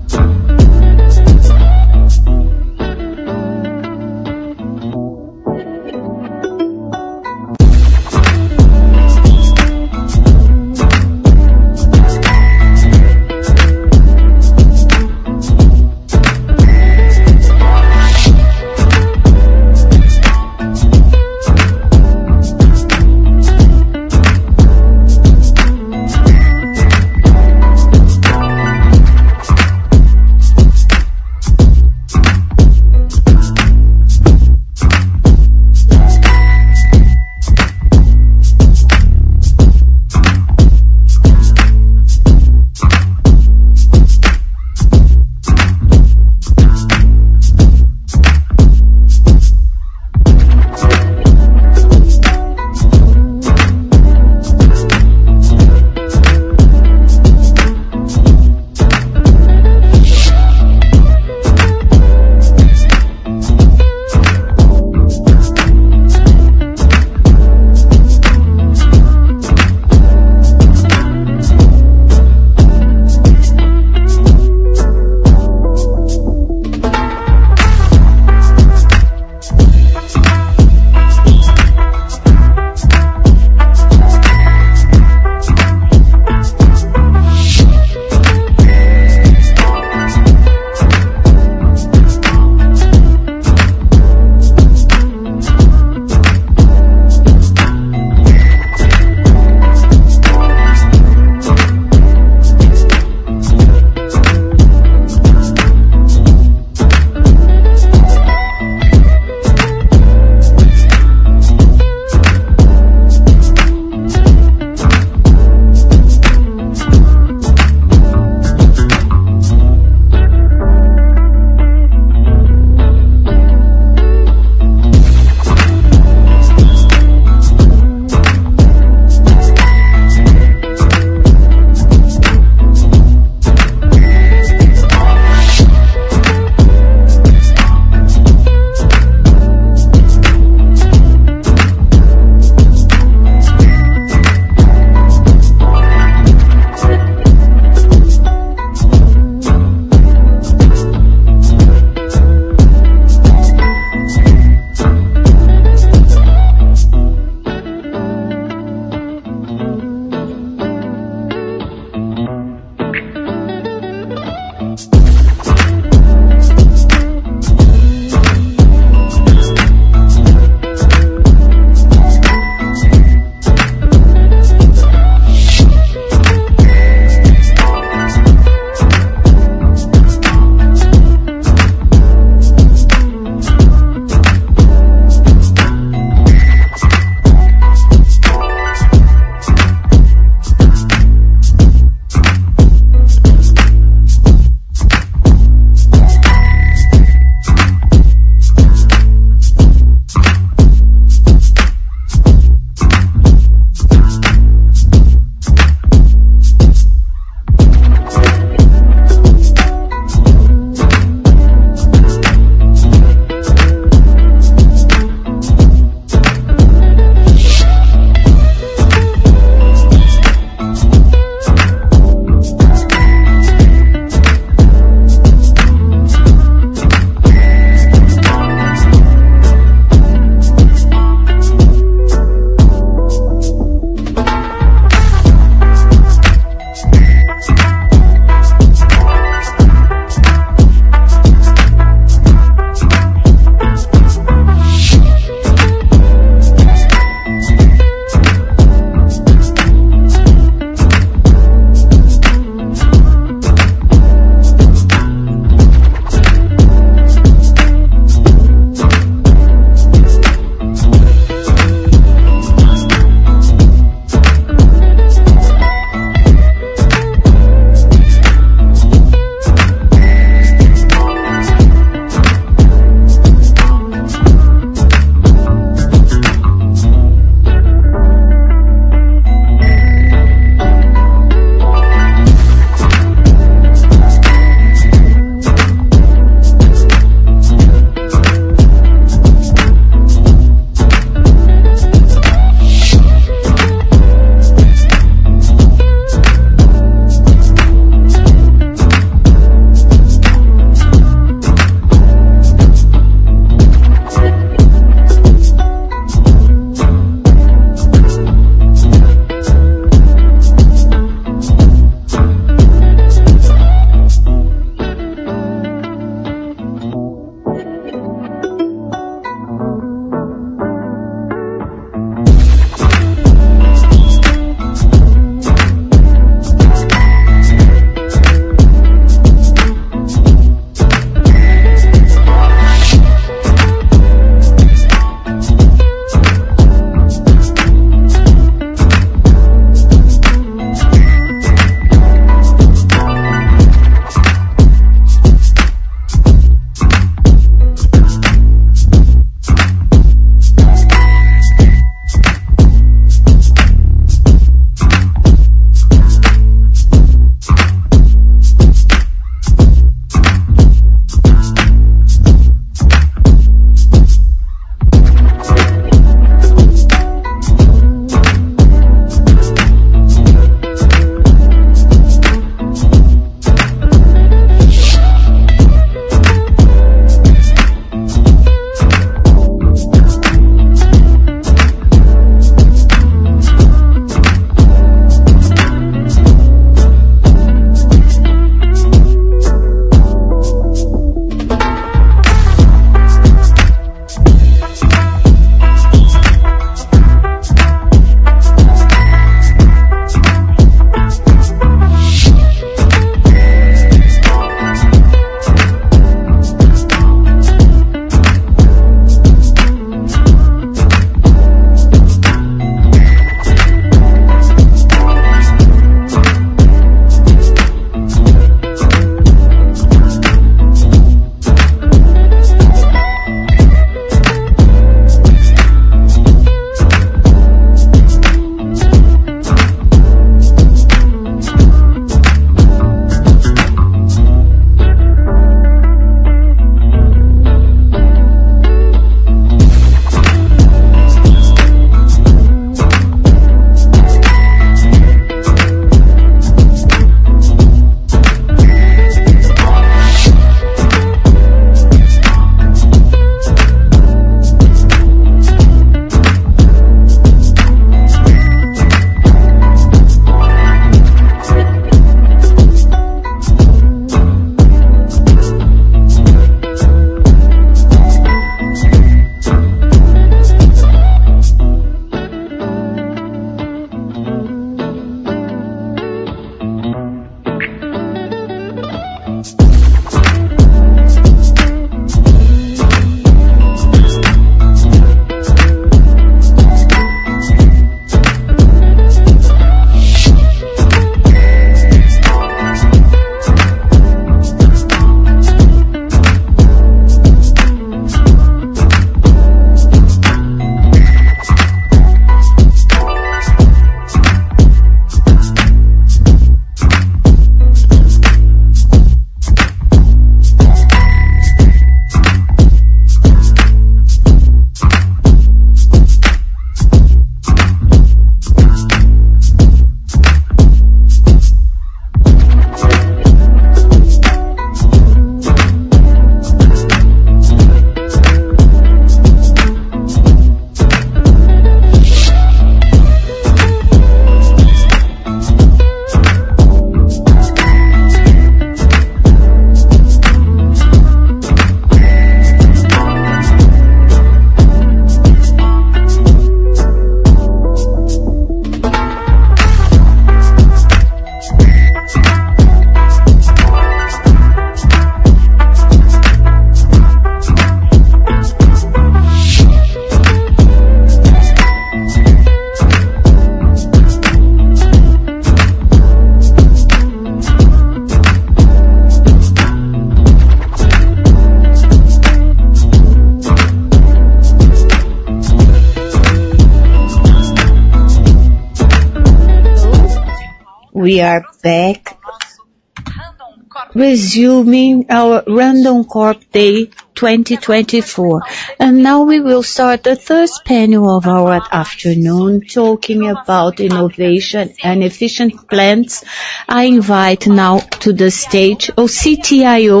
resuming our Randoncorp Day 2024. Now we will start the first panel of our afternoon, talking about innovation and efficient plans. I invite now to the stage our CTIO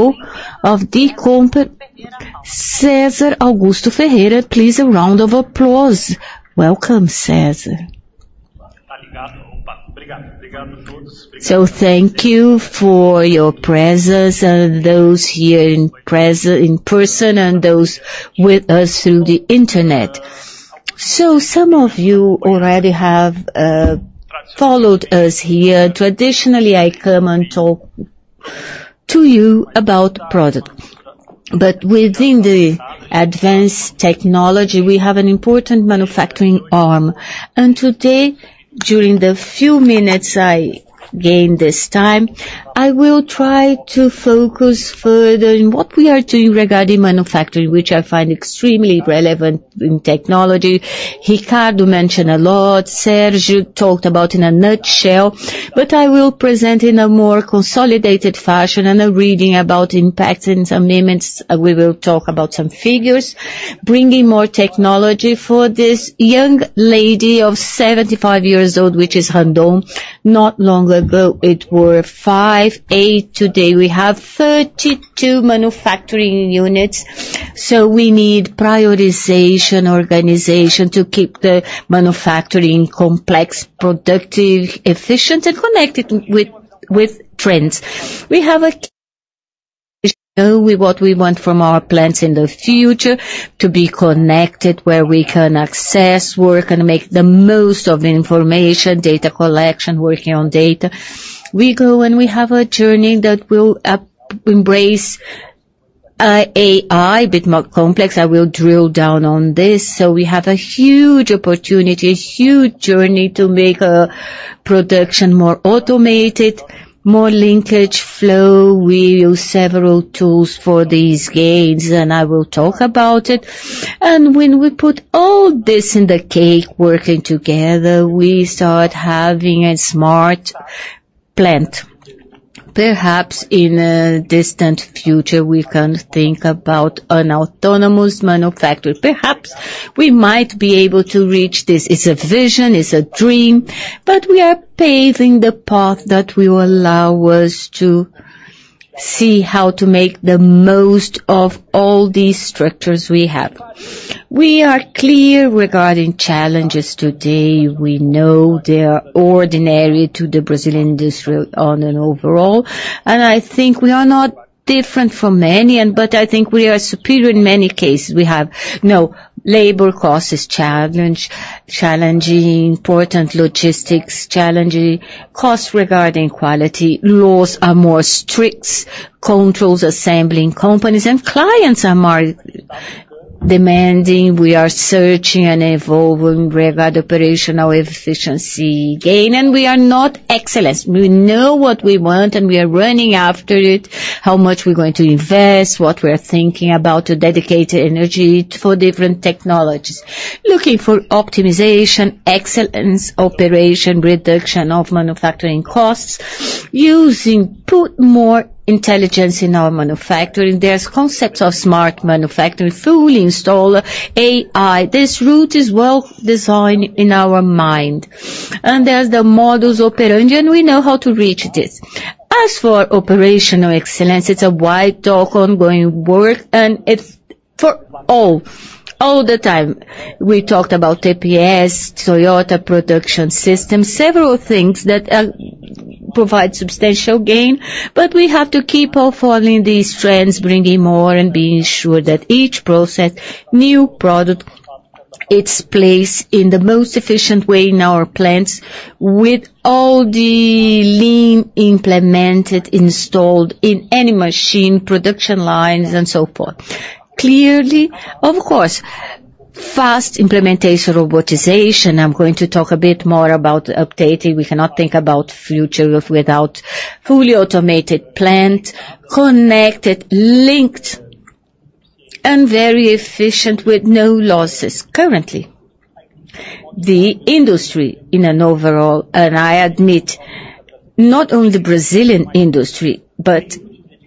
of the company, César Augusto Ferreira. Please, a round of applause. Welcome, César. So thank you for your presence, and those here in person, and those with us through the internet. So some of you already have followed us here. Traditionally, I come and talk to you about product, but within the advanced technology, we have an important manufacturing arm. And today, during the few minutes I gain this time, I will try to focus further on what we are doing regarding manufacturing, which I find extremely relevant in technology. Ricardo mentioned a lot, Sérgio talked about in a nutshell, but I will present in a more consolidated fashion and a reading about impact. In some moments, we will talk about some figures, bringing more technology for this young lady of 75 years old, which is Randon. Not long ago, it were 58. Today, we have 32 manufacturing units, so we need prioritization, organization to keep the manufacturing complex, productive, efficient, and connected with trends. We have with what we want from our plants in the future, to be connected, where we can access work and make the most of the information, data collection, working on data. We go, and we have a journey that will embrace AI, a bit more complex. I will drill down on this. So we have a huge opportunity, a huge journey to make, production more automated, more linkage flow. We use several tools for these gains, and I will talk about it. And when we put all this in the cake working together, we start having a smart plant. Perhaps in a distant future, we can think about an autonomous manufacturer. Perhaps we might be able to reach this. It's a vision, it's a dream, but we are paving the path that will allow us to see how to make the most of all these structures we have. We are clear regarding challenges today. We know they are ordinary to the Brazilian industry overall, and I think we are not different from many, and but I think we are superior in many cases. We have, you know, labor cost is challenging, important logistics, challenging costs regarding quality. Laws are more strict, controls; assembling companies and clients are more demanding. We are searching and evolving regarding operational efficiency gain, and we are not excellence. We know what we want, and we are running after it, how much we're going to invest, what we're thinking about to dedicate energy for different technologies. Looking for optimization, excellence, operation, reduction of manufacturing costs, using put more intelligence in our manufacturing. There's concepts of smart manufacturing, fully install AI. This route is well designed in our mind, and there's the modus operandi, and we know how to reach this. As for operational excellence, it's a wide talk, ongoing work, and it's for all, all the time. We talked about TPS, Toyota Production System, several things that provide substantial gain, but we have to keep on following these trends, bringing more and being sure that each process, new product, it's placed in the most efficient way in our plants, with all the lean implemented, installed in any machine, production lines, and so forth. Clearly, of course. Fast implementation of robotization, I'm going to talk a bit more about updating. We cannot think about future of without fully automated plant, connected, linked, and very efficient, with no losses. Currently, the industry in an overall, and I admit, not only the Brazilian industry, but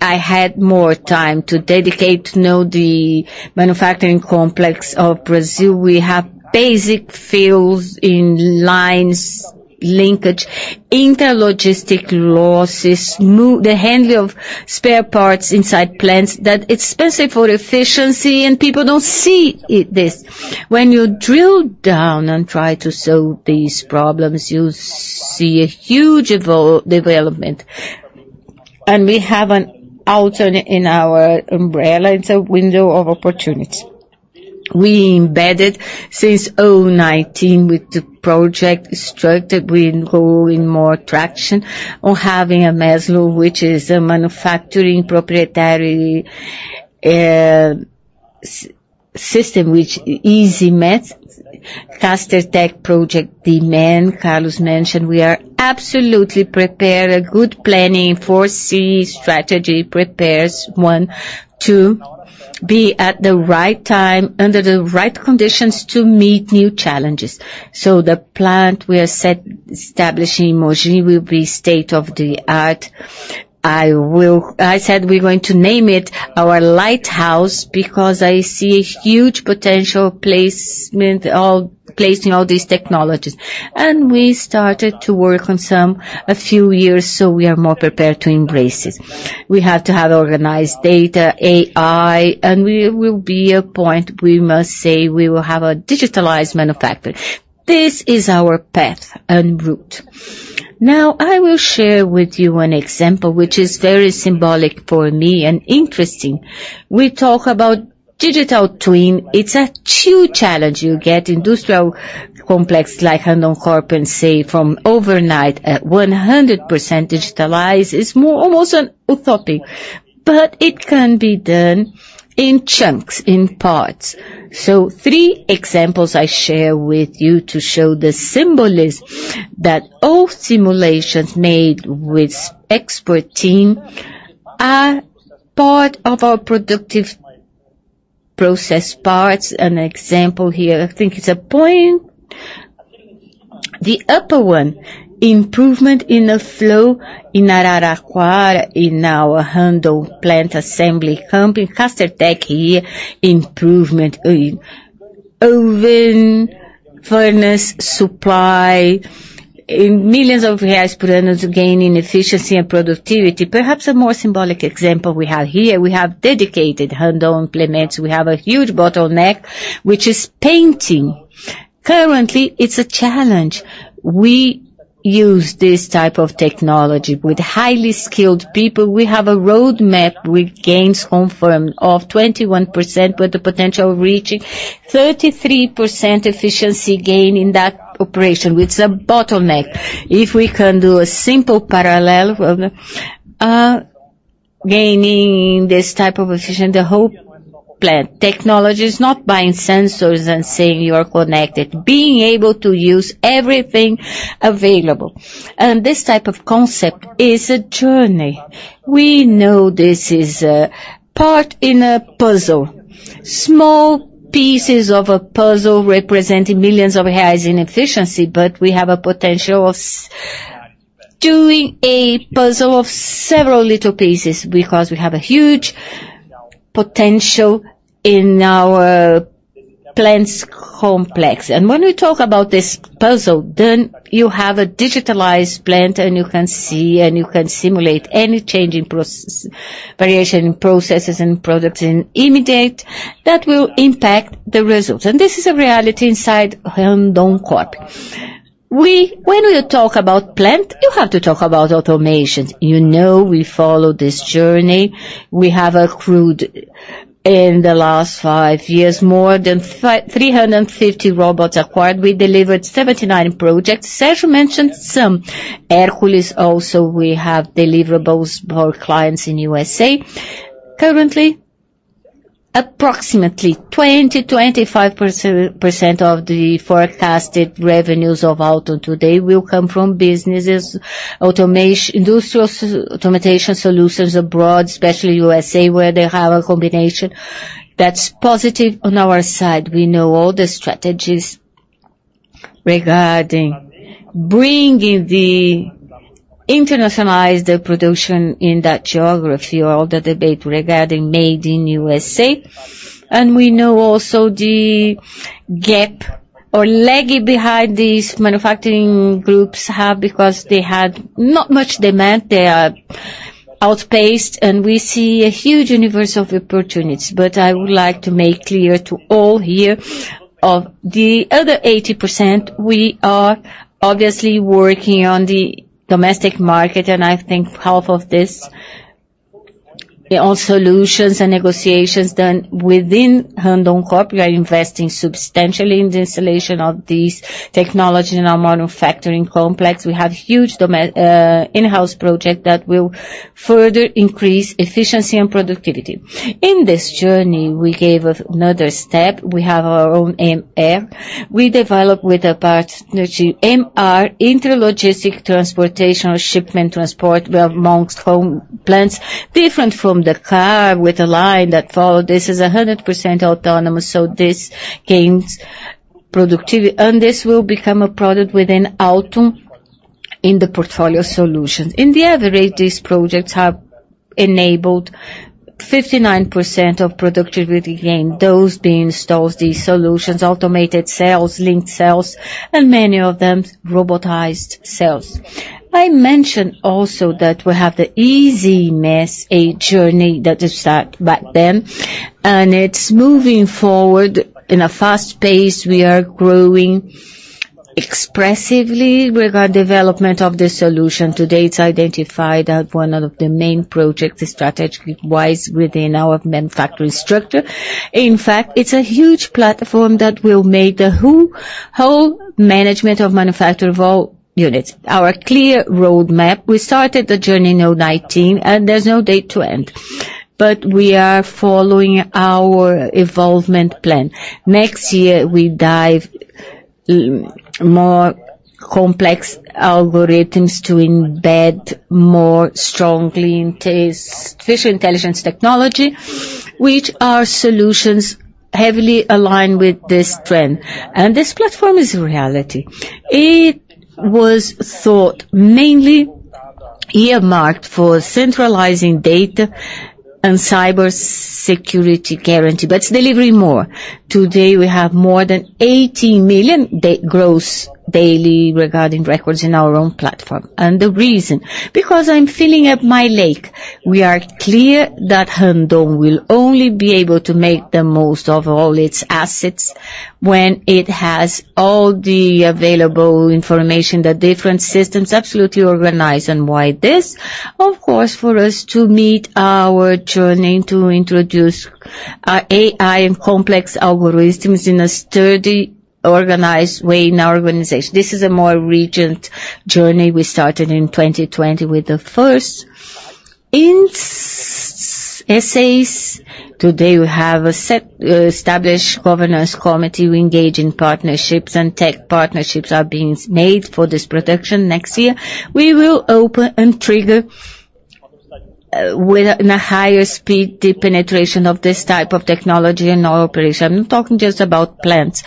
I had more time to dedicate to know the manufacturing complex of Brazil. We have basic fields in lines, linkage, inter-logistic losses, the handling of spare parts inside plants, that it's expensive for efficiency, and people don't see it, this. When you drill down and try to solve these problems, you see a huge evolutionary development, and we have an Auttom in our umbrella. It's a window of opportunity. We embedded since 2019 with the project structured; we're growing more traction on having a MES, which is a manufacturing proprietary system, which e-MES, faster tech project demand. Carlos mentioned, we are absolutely prepared. A good planning, foresee strategy, prepares one to be at the right time, under the right conditions to meet new challenges. So the plant we are set, establishing Mogi, will be state-of-the-art. I said, we're going to name it our lighthouse, because I see a huge potential placement of, placing all these technologies. And we started to work on some a few years, so we are more prepared to embrace it. We have to have organized data, AI, and we will be a point, we must say, we will have a digitized manufacturer. This is our path and route. Now, I will share with you an example, which is very symbolic for me and interesting. We talk about digital twin. It's a huge challenge. You get industrial complex like Randoncorp, and say from overnight, at 100% digitalized, it's more almost a utopian, but it can be done in chunks, in parts. So three examples I share with you to show the symbolism that all simulations made with expert team are part of our productive process parts. An example here, I think it's a point. The upper one, improvement in the flow in Araraquara, in our Randon Plant Assembly company, Castertech here, improvement in oven, furnace, supply, in millions of BRL per annum to gain in efficiency and productivity. Perhaps, a more symbolic example we have here, we have dedicated Randon Implementos. We have a huge bottleneck, which is painting. Currently, it's a challenge. We use this type of technology with highly skilled people. We have a roadmap with gains confirmed of 21%, with the potential of reaching 33% efficiency gain in that operation, which is a bottleneck. If we can do a simple parallel, gaining this type of efficiency, the whole plan. Technology is not buying sensors and saying you are connected, being able to use everything available. And this type of concept is a journey. We know this is a part in a puzzle. Small pieces of a puzzle representing millions reais in efficiency, but we have a potential of doing a puzzle of several little pieces because we have a huge potential in our plants complex. When we talk about this puzzle, then you have a digitalized plant, and you can see, and you can simulate any change in process variation in processes and products immediately, that will impact the results. This is a reality inside Randoncorp. When we talk about plant, you have to talk about automations. You know, we follow this journey. We have accrued in the last 5 years, more than 350 robots acquired. We delivered 79 projects. Sérgio mentioned some. Hércules also, we have deliverables for clients in USA. Currently, approximately 20-25% of the forecasted revenues of Auttom today will come from businesses, industrial automation solutions abroad, especially USA, where they have a combination that's positive on our side. We know all the strategies regarding bringing the internationalized production in that geography or the debate regarding Made in USA. And we know also the gap or lag behind these manufacturing groups have, because they had not much demand, they are outpaced, and we see a huge universe of opportunities. But I would like to make clear to all here, of the other 80%, we are obviously working on the domestic market, and I think half of this. On solutions and negotiations done within Randoncorp, we are investing substantially in the installation of these technology in our manufacturing complex. We have huge in-house project that will further increase efficiency and productivity. In this journey, we gave another step. We have our own AMR. We developed with a partnership, AMR, inter logistic transportation or shipment transport where amongst own plants, different from the car with a line that follow. This is 100% autonomous, so this gains productivity, and this will become a product within Auttom, in the portfolio solution. In the other rate, these projects have enabled 59% of productivity gain, those being installs, these solutions, automated cells, linked cells, and many of them, robotized cells. I mentioned also that we have the EasyMES a journey that is start back then, and it's moving forward in a fast pace. We are growing expressively with our development of the solution. Today, it's identified as one of the main projects strategically wise, within our manufacturing structure. In fact, it's a huge platform that will make the whole management of manufacture of all units. Our clear roadmap, we started the journey in 2019, and there's no date to end, but we are following our involvement plan. Next year, we dive more complex algorithms to embed more strongly into artificial intelligence technology, which are solutions heavily aligned with this trend. And this platform is a reality. It was thought mainly earmarked for centralizing data and cyber security guarantee, but it's delivering more. Today, we have more than 80 million data rows daily regarding records in our own platform. And the reason? Because I'm filling up my data lake. We are clear that Randon will only be able to make the most of all its assets when it has all the available information, the different systems, absolutely organized. And why this? Of course, for us to meet our journey, to introduce our AI and complex algorithms in a sturdy, organized way in our organization. This is a more recent journey we started in 2020 with the first initiatives. Today, we have a well-established governance committee. We engage in partnerships, and tech partnerships are being made for this production. Next year, we will open and trigger with a higher speed the penetration of this type of technology in our operation. I'm talking just about plants.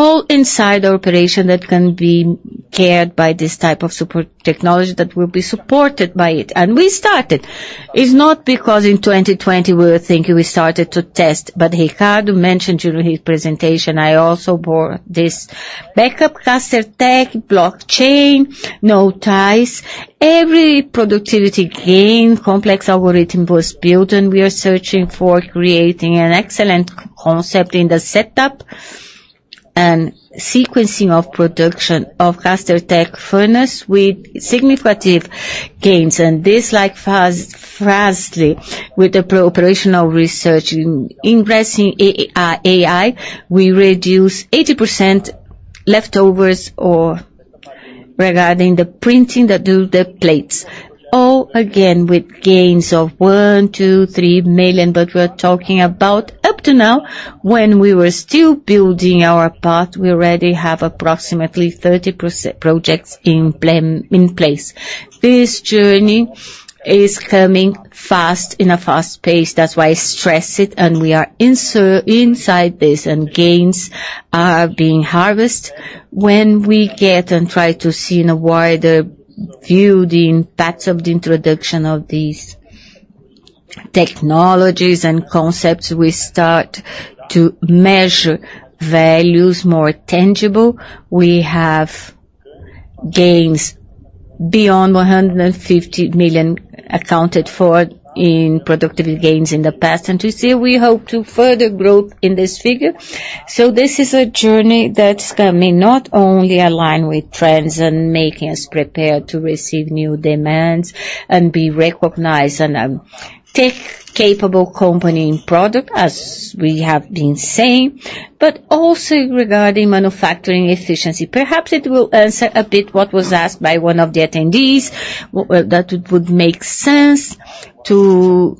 All inside the operation that can be covered by this type of support technology that will be supported by it. And we started. It's not because in 2020 we were thinking, we started to test, but Ricardo mentioned during his presentation, I also brought this backup Castertech, blockchain, IoT's. Every productivity gain, complex algorithm was built, and we are searching for creating an excellent concept in the setup and sequencing of production of Castertech furnace with significant gains, and this like fast-fastly with the operational research in investing AI, AI, we reduce 80% leftovers or regarding the printing that do the plates. All again, with gains of 1 million, 2 million, 3 million, but we're talking about up to now, when we were still building our path, we already have approximately 30% projects in place. This journey is coming fast, in a fast pace. That's why I stress it, and we are inserted inside this, and gains are being harvested. When we get and try to see in a wider view, the impacts of the introduction of these technologies and concepts, we start to measure values more tangible. We have gains beyond 150 million, accounted for in productivity gains in the past, and to see, we hope to further growth in this figure. So this is a journey that's coming not only align with trends and making us prepared to receive new demands and be recognized on a tech-capable company in product, as we have been saying, but also regarding manufacturing efficiency. Perhaps it will answer a bit what was asked by one of the attendees, that it would make sense to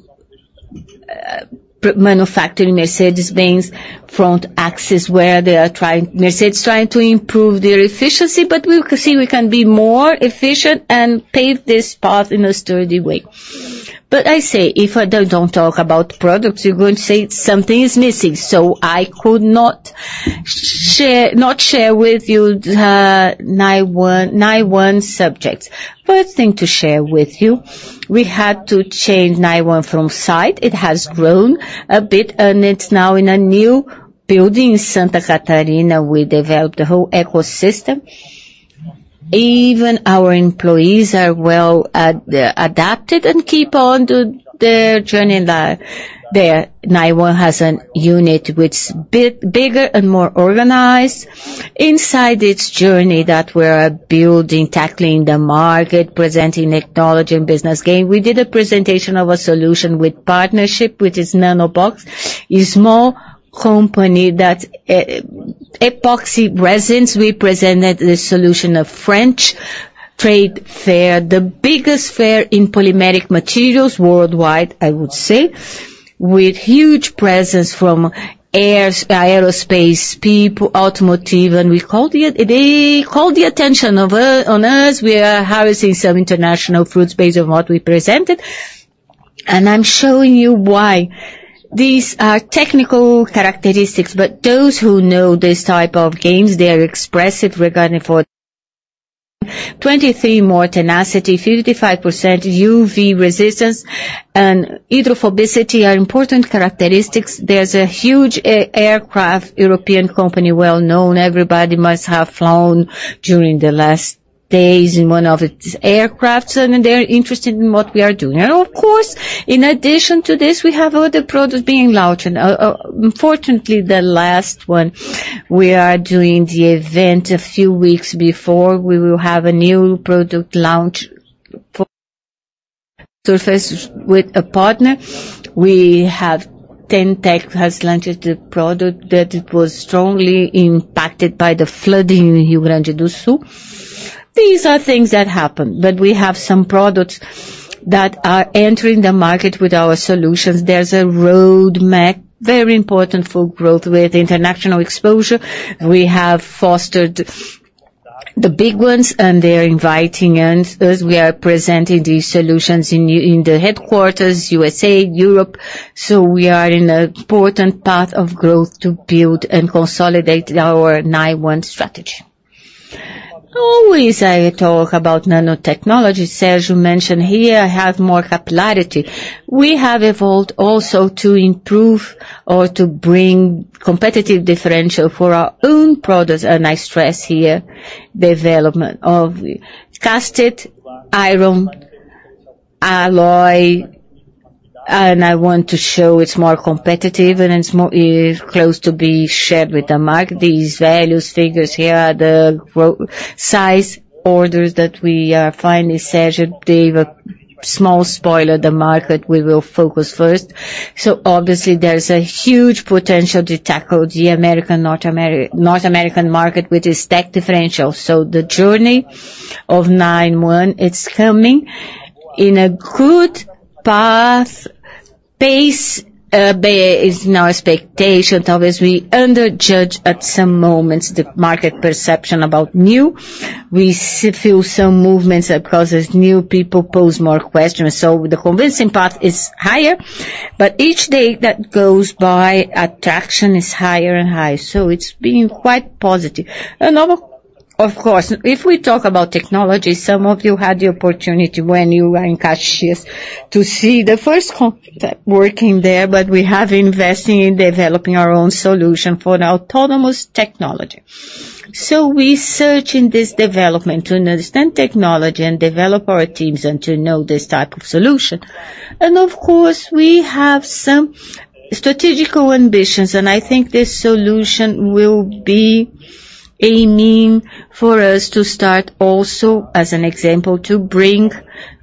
manufacturing Mercedes-Benz front axles, where they are trying, Mercedes trying to improve their efficiency, but we can see we can be more efficient and pave this path in a sturdy way. But I say, if I don't talk about products, you're going to say something is missing. So I could not share, not share with you the Nione, Nione subjects. First thing to share with you, we had to change Nione from site. It has grown a bit, and it's now in a new building in Santa Catarina. We developed the whole ecosystem... even our employees are well adapted and keep on to their journey there. Nione has a unit which is a bit bigger and more organized inside its journey that we're building, tackling the market, presenting technology and business gain. We did a presentation of a solution with partnership, which is NanoScoping, a small company that epoxy resins. We presented the solution at a French trade fair, the biggest fair in polymeric materials worldwide, I would say, with huge presence from aerospace, people, automotive, and they called the attention of, on us. We are housing some international fruits based on what we presented, and I'm showing you why. These are technical characteristics, but those who know this type of games, they are expressive regarding for 23 more tenacity, 55% UV resistance, and hydrophobicity are important characteristics. There's Airbus, a European company, well-known. Everybody must have flown during the last days in one of its aircraft, and they're interested in what we are doing. Unfortunately, the last one, we are doing the event a few weeks before. We will have a new product launch for surfaces with a partner. Tanac has launched the product, that it was strongly impacted by the flooding in Rio Grande do Sul. These are things that happen, but we have some products that are entering the market with our solutions. There's a roadmap, very important for growth with international exposure. We have fostered the big ones, and they're inviting us. We are presenting these solutions in new in the headquarters, USA, Europe. So we are in an important path of growth to build and consolidate our Nione strategy. Always, I talk about nanotechnology. Sérgio mentioned here, I have more capillarity. We have evolved also to improve or to bring competitive differential for our own products, and I stress here, development of cast iron alloy, and I want to show it's more competitive and it's more close to be shared with the market. These values, figures here are the growth size orders that we are finally, Sérgio gave a small spoiler, the market we will focus first. So obviously, there's a huge potential to tackle the American, North American market, with this tech differential. So the journey of Nione, it's coming in a good path. Pace, be is in our expectation. Obviously, we underjudge at some moments the market perception about new. We feel some movements that causes new people pose more questions. So the convincing path is higher, but each day that goes by, attraction is higher and higher, so it's been quite positive. And now, of course, if we talk about technology, some of you had the opportunity when you were in Caxias to see the first concept working there, but we have investing in developing our own solution for an autonomous technology. So we search in this development to understand technology and develop our teams and to know this type of solution. Of course, we have some strategic ambitions, and I think this solution will be a means for us to start also, as an example, to bring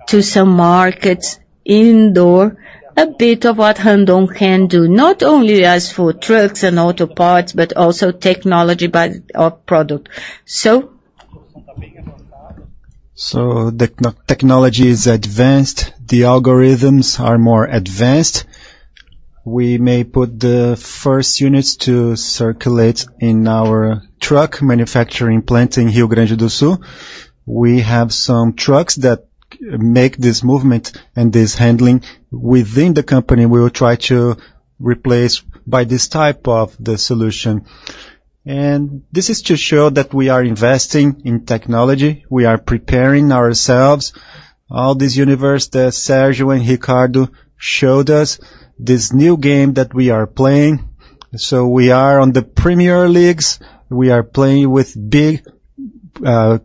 to some markets indoors, a bit of what Randon can do, not only as for trucks and auto parts, but also technology by our product. So- So the technology is advanced, the algorithms are more advanced. We may put the first units to circulate in our truck manufacturing plant in Rio Grande do Sul. We have some trucks that make this movement and this handling within the company. We will try to replace by this type of the solution. And this is to show that we are investing in technology. We are preparing ourselves, all this universe that Sérgio and Ricardo showed us, this new game that we are playing. So we are on the premier leagues. We are playing with big,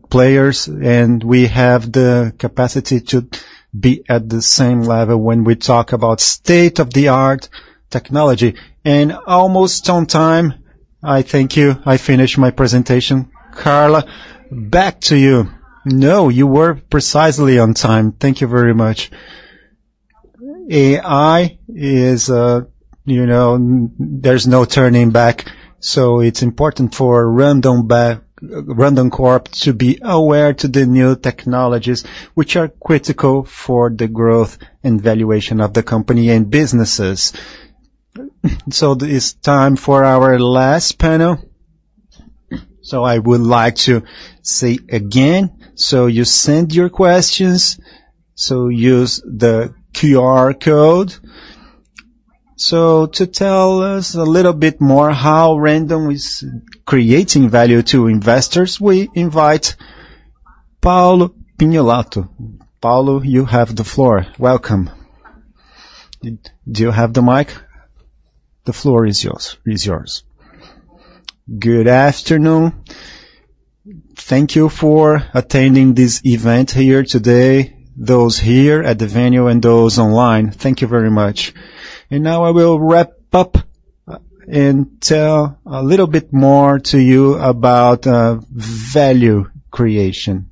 players, and we have the capacity to be at the same level when we talk about state-of-the-art technology. And almost on time, I thank you. I finish my presentation. Carla, back to you. No, you were precisely on time. Thank you very much. AI is, you know, there's no turning back, so it's important for Randon Corp to be aware to the new technologies which are critical for the growth and valuation of the company and businesses. So it's time for our last panel. So I would like to say again, so you send your questions, so use the QR code. So to tell us a little bit more how Randon is creating value to investors, we invite Paulo Prignolato. Paulo, you have the floor. Welcome... Do you have the mic? The floor is yours, is yours. Good afternoon. Thank you for attending this event here today, those here at the venue and those online. Thank you very much. And now I will wrap up, and tell a little bit more to you about value creation.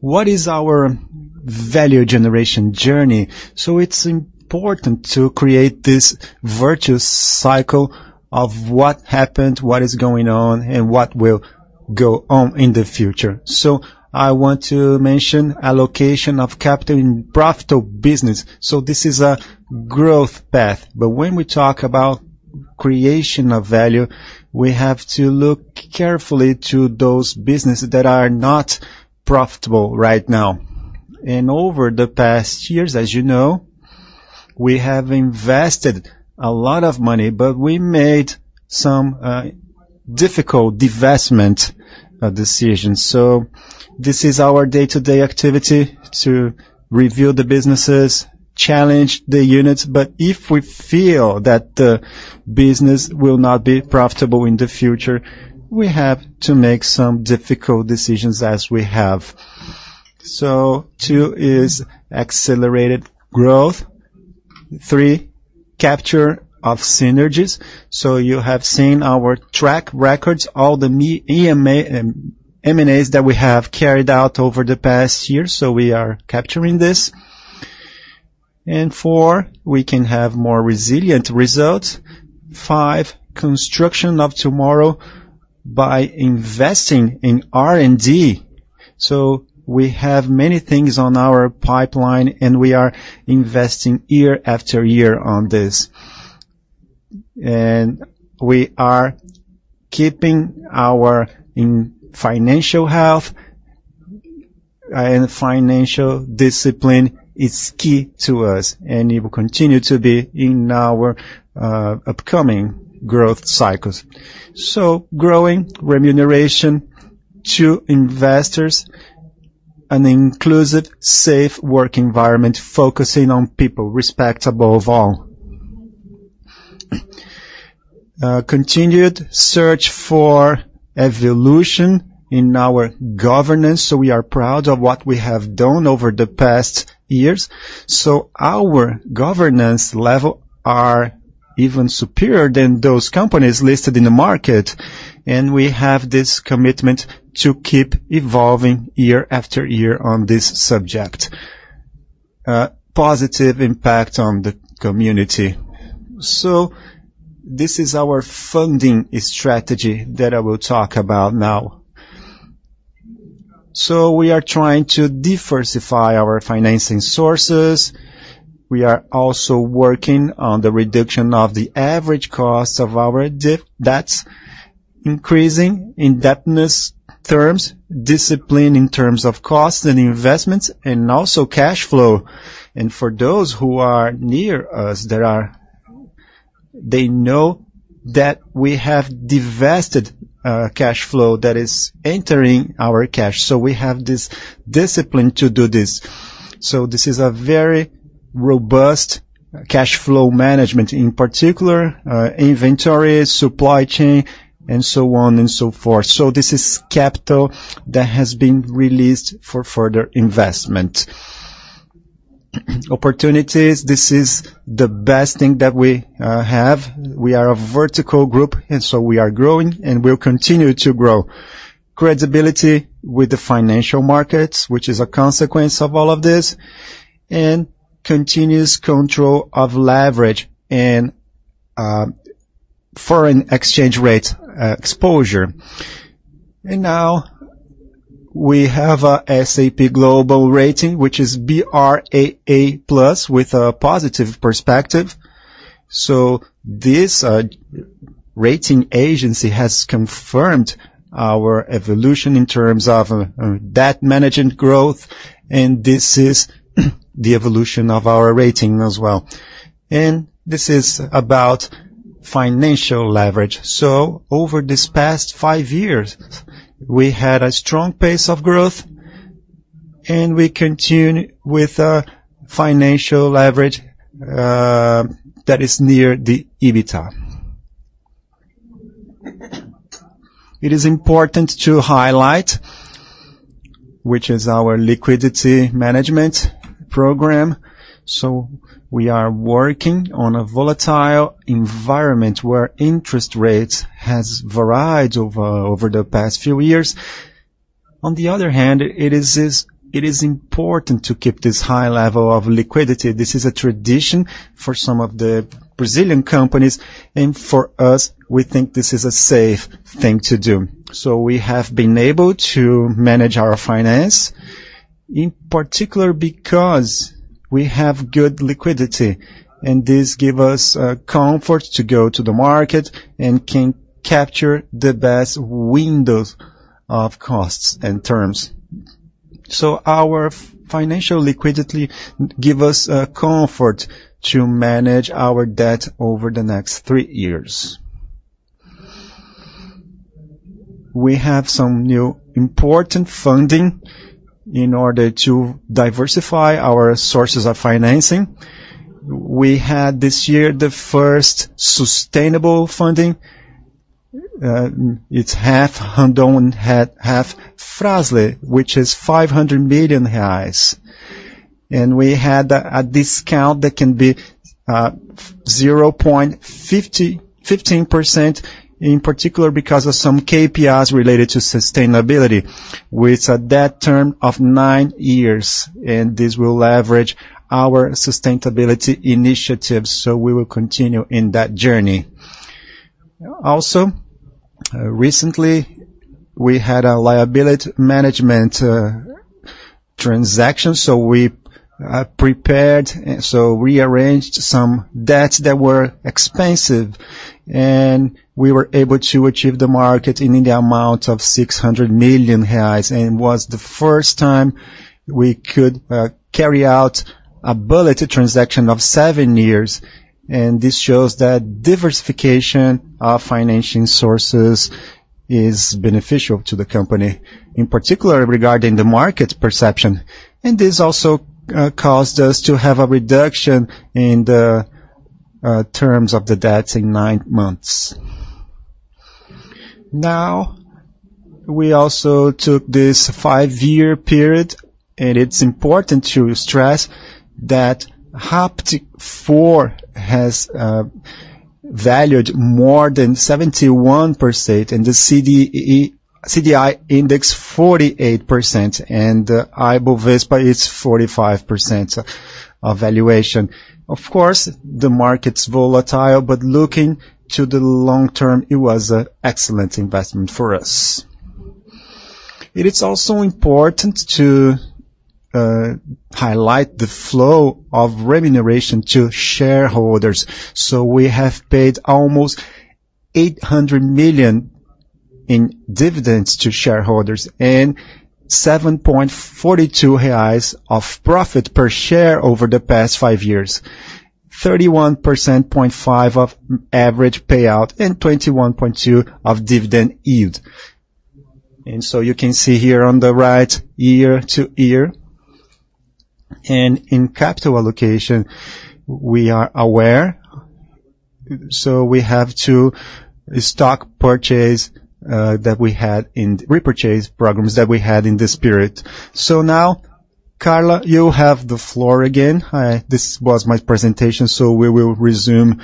What is our value generation journey? So it's important to create this virtuous cycle of what happened, what is going on, and what will go on in the future. So I want to mention allocation of capital in profitable business. So this is a growth path, but when we talk about creation of value, we have to look carefully to those businesses that are not profitable right now. And over the past years, as you know, we have invested a lot of money, but we made some difficult divestment decisions. So this is our day-to-day activity, to review the businesses, challenge the units, but if we feel that the business will not be profitable in the future, we have to make some difficult decisions as we have. So two is accelerated growth. Three, capture of synergies. So you have seen our track records, all the M&As that we have carried out over the past years, so we are capturing this. And four, we can have more resilient results. Five, construction of tomorrow by investing in R&D. So we have many things on our pipeline, and we are investing year after year on this. And we are keeping our financial health and financial discipline is key to us, and it will continue to be in our upcoming growth cycles. So growing remuneration to investors, an inclusive, safe work environment, focusing on people, respect above all. Continued search for evolution in our governance, so we are proud of what we have done over the past years. So our governance level are even superior than those companies listed in the market, and we have this commitment to keep evolving year after year on this subject. Positive impact on the community. So this is our funding strategy that I will talk about now. So we are trying to diversify our financing sources. We are also working on the reduction of the average cost of our debts, increasing indebtedness terms, discipline in terms of costs and investments, and also cash flow. And for those who are near us, they know that we have divested, cash flow that is entering our cash, so we have this discipline to do this. So this is a very robust cash flow management, in particular, inventory, supply chain, and so on and so forth. So this is capital that has been released for further investment. Opportunities, this is the best thing that we have. We are a vertical group, and so we are growing, and we'll continue to grow. Credibility with the financial markets, which is a consequence of all of this, and continuous control of leverage and foreign exchange rate exposure. And now, we have an S&P Global rating, which is brAA+, with a positive perspective. So this rating agency has confirmed our evolution in terms of debt management growth, and this is the evolution of our rating as well. And this is about financial leverage. So over this past five years, we had a strong pace of growth, and we continue with a financial leverage that is near the EBITDA. It is important to highlight, which is our liquidity management program. So we are working on a volatile environment where interest rates has varied over the past few years. On the other hand, it is important to keep this high level of liquidity. This is a tradition for some of the Brazilian companies, and for us, we think this is a safe thing to do. So we have been able to manage our finance, in particular, because we have good liquidity, and this give us comfort to go to the market and can capture the best windows of costs and terms. So our financial liquidity give us comfort to manage our debt over the next three years. We have some new important funding in order to diversify our sources of financing. We had, this year, the first sustainable funding. It's half Randon and half Fras-le, which is 500 million reais. And we had a discount that can be 0.50%-15%, in particular, because of some KPIs related to sustainability, with a debt term of nine years, and this will leverage our sustainability initiatives, so we will continue in that journey. Also, recently, we had a liability management transaction, so we prepared, so rearranged some debts that were expensive, and we were able to access the market in the amount of 600 million reais. And it was the first time we could carry out a bullet transaction of seven years, and this shows that diversification of financing sources is beneficial to the company, in particular, regarding the market perception. And this also caused us to have a reduction in the terms of the debts in nine months. Now, we also took this five-year period, and it's important to stress that RAPT4 has valued more than 71%, and the CDI Index, 48%, and Bovespa is 45% of valuation. Of course, the market's volatile, but looking to the long term, it was a excellent investment for us. It is also important to highlight the flow of remuneration to shareholders. So we have paid almost 800 million in dividends to shareholders and 7.42 reais of profit per share over the past five years. 31.5% average payout and 21.2% dividend yield. And so you can see here on the right, year to year. And in capital allocation, we are aware, so we have to stock purchase that we had in repurchase programs that we had in this period. So now, Carla, you have the floor again. This was my presentation, so we will resume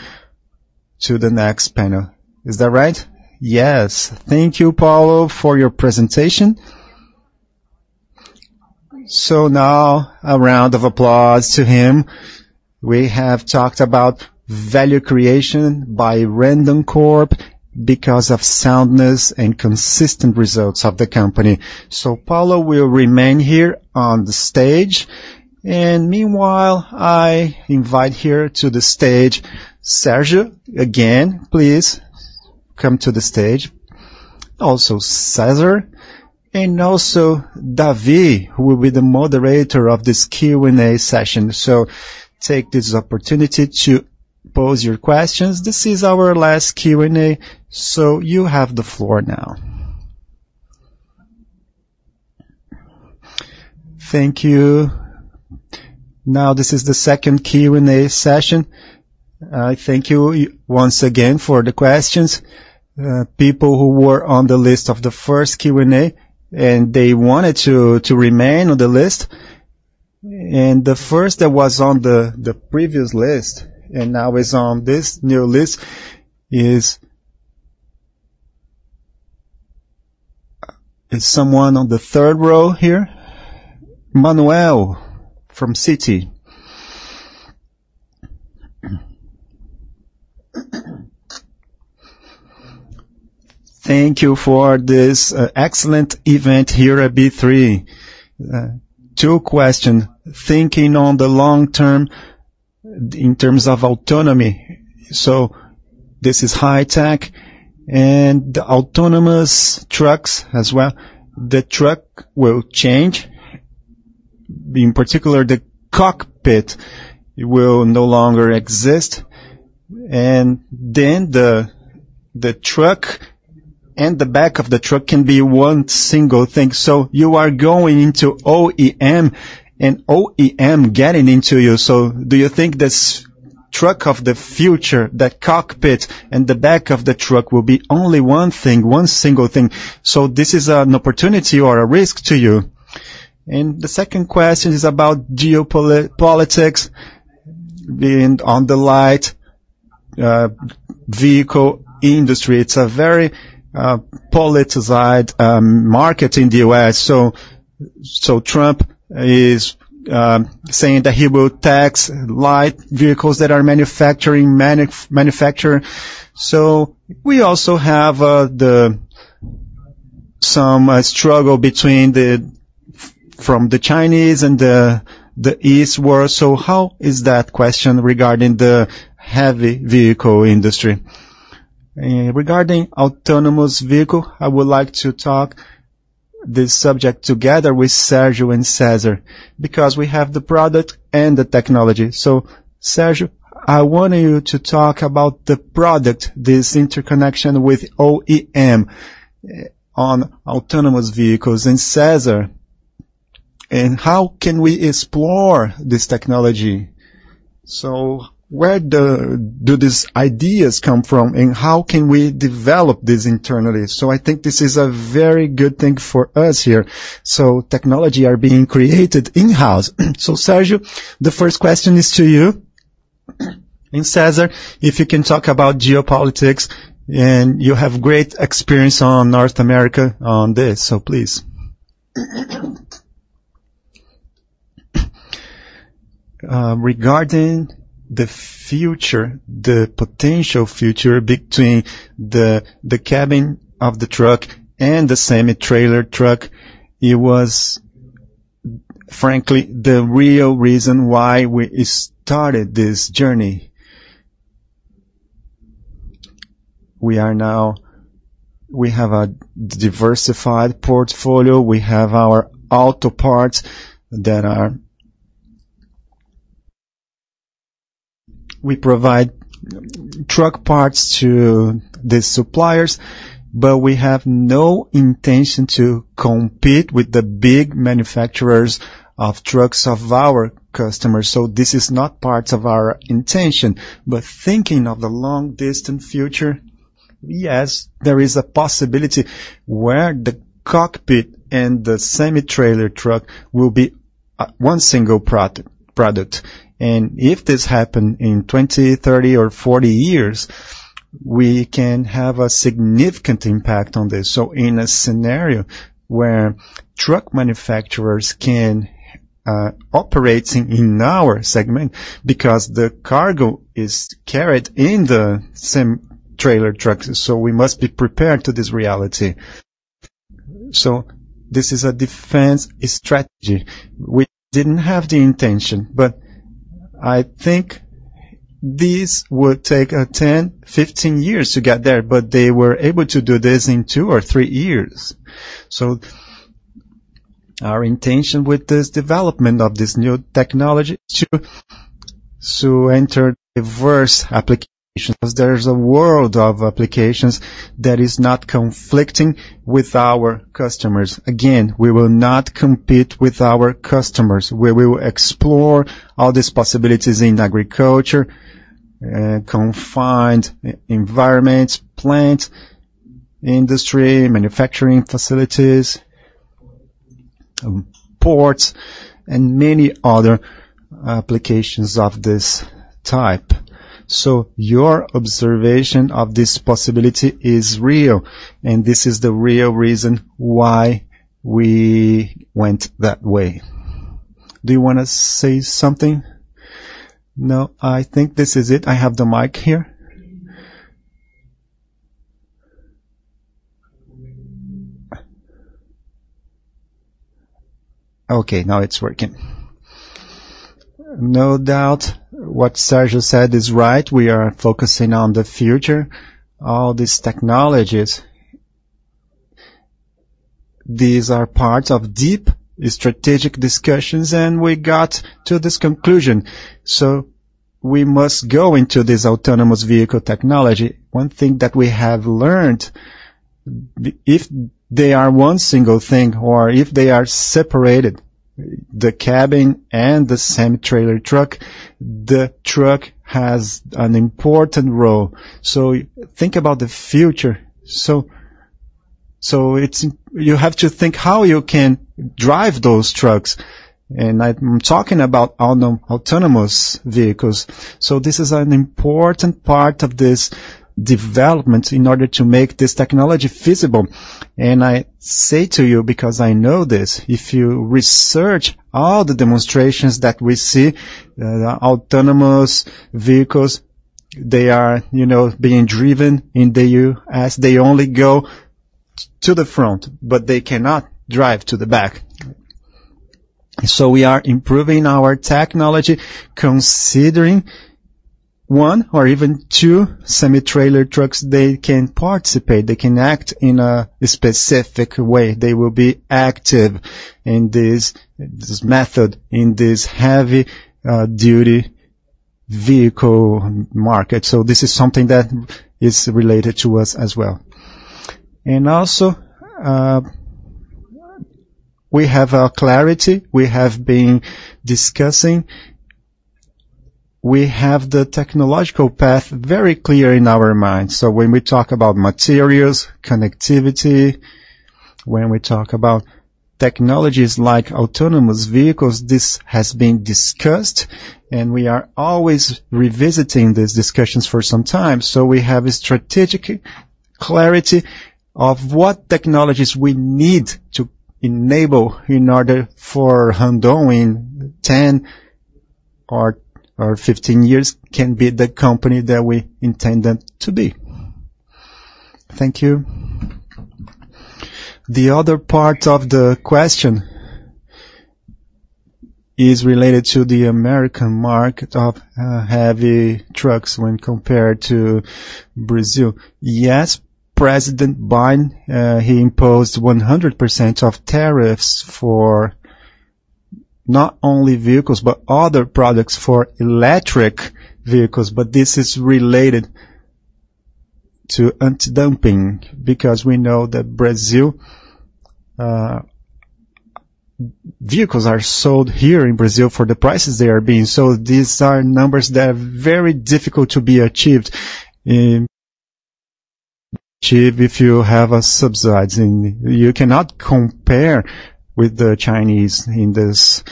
to the next panel. Is that right? Yes. Thank you, Paulo, for your presentation. So now, a round of applause to him. We have talked about value creation by Randoncorp because of soundness and consistent results of the company. So Paulo will remain here on the stage, and meanwhile, I invite here to the stage, Sérgio, again, please come to the stage. Also, César, and also David, who will be the moderator of this Q&A session. So take this opportunity to pose your questions. This is our last Q&A, so you have the floor now. Thank you. Now, this is the second Q&A session. Thank you once again for the questions. People who were on the list of the first Q&A, and they wanted to remain on the list, and the first that was on the previous list, and now is on this new list is... It's someone on the third row here. Manuel from Citi. Thank you for this excellent event here at B3. Two question: thinking on the long term in terms of autonomy, so this is high tech and the autonomous trucks as well. The truck will change, in particular, the cockpit will no longer exist, and then the truck and the back of the truck can be one single thing. So you are going into OEM and OEM getting into you. So do you think this truck of the future, the cockpit and the back of the truck, will be only one thing, one single thing? So this is an opportunity or a risk to you. And the second question is about geopolitics being on the light vehicle industry. It's a very politicized market in the US, so Trump is saying that he will tax light vehicles that are manufactured. So we also have some struggle between the from the Chinese and the East world. So how is that question regarding the heavy vehicle industry? Regarding autonomous vehicle, I would like to talk this subject together with Sérgio and César, because we have the product and the technology. So, Sérgio, I want you to talk about the product, this interconnection with OEM on autonomous vehicles, and César, and how can we explore this technology? So where do these ideas come from, and how can we develop this internally? So I think this is a very good thing for us here. So technology are being created in-house. So, Sérgio, the first question is to you, and César, if you can talk about geopolitics, and you have great experience on North America on this, so please. Regarding the future, the potential future between the, the cabin of the truck and the semi-trailer truck, it was frankly, the real reason why we started this journey. We are now. We have a diversified portfolio. We have our auto parts that are. We provide truck parts to the suppliers, but we have no intention to compete with the big manufacturers of trucks of our customers, so this is not part of our intention. But thinking of the long-distance future, yes, there is a possibility where the cockpit and the semi-trailer truck will be one single product. If this happen in 20, 30, or 40 years, we can have a significant impact on this. In a scenario where truck manufacturers can operate in our segment, because the cargo is carried in the same trailer trucks, so we must be prepared to this reality. This is a defense strategy. We didn't have the intention, but I think this would take 10, 15 years to get there, but they were able to do this in 2 or 3 years. Our intention with this development of this new technology to enter diverse applications, there's a world of applications that is not conflicting with our customers. Again, we will not compete with our customers. We will explore all these possibilities in agriculture, confined environments, plant, industry, manufacturing facilities, ports, and many other applications of this type. So your observation of this possibility is real, and this is the real reason why we went that way. Do you wanna say something? No, I think this is it. I have the mic here. Okay, now it's working. No doubt, what Sérgio said is right. We are focusing on the future, all these technologies. These are part of deep strategic discussions, and we got to this conclusion. So we must go into this autonomous vehicle technology. One thing that we have learned, if they are one single thing or if they are separated, the cabin and the semi-trailer truck, the truck has an important role. So think about the future. So it's-- You have to think how you can drive those trucks, and I'm talking about autonomous vehicles. So this is an important part of this development in order to make this technology feasible. I say to you, because I know this, if you research all the demonstrations that we see, autonomous vehicles, they are, you know, being driven in the U.S. They only go to the front, but they cannot drive to the back. So we are improving our technology, considering one or even two semi-trailer trucks, they can participate, they can act in a specific way. They will be active in this, this method, in this heavy duty vehicle market. So this is something that is related to us as well. And also, we have a clarity, we have been discussing. We have the technological path very clear in our minds. So when we talk about materials, connectivity, when we talk about technologies like autonomous vehicles, this has been discussed, and we are always revisiting these discussions for some time. So we have a strategic clarity of what technologies we need to enable in order for Randon, in 10 or 15 years, can be the company that we intended to be. Thank you. The other part of the question is related to the American market of heavy trucks when compared to Brazil. Yes, President Biden, he imposed 100% of tariffs for not only vehicles, but other products for electric vehicles, but this is related to anti-dumping, because we know that Brazil vehicles are sold here in Brazil for the prices they are being. So these are numbers that are very difficult to be achieved, achieve if you have a subsidizing. You cannot compare with the Chinese in this.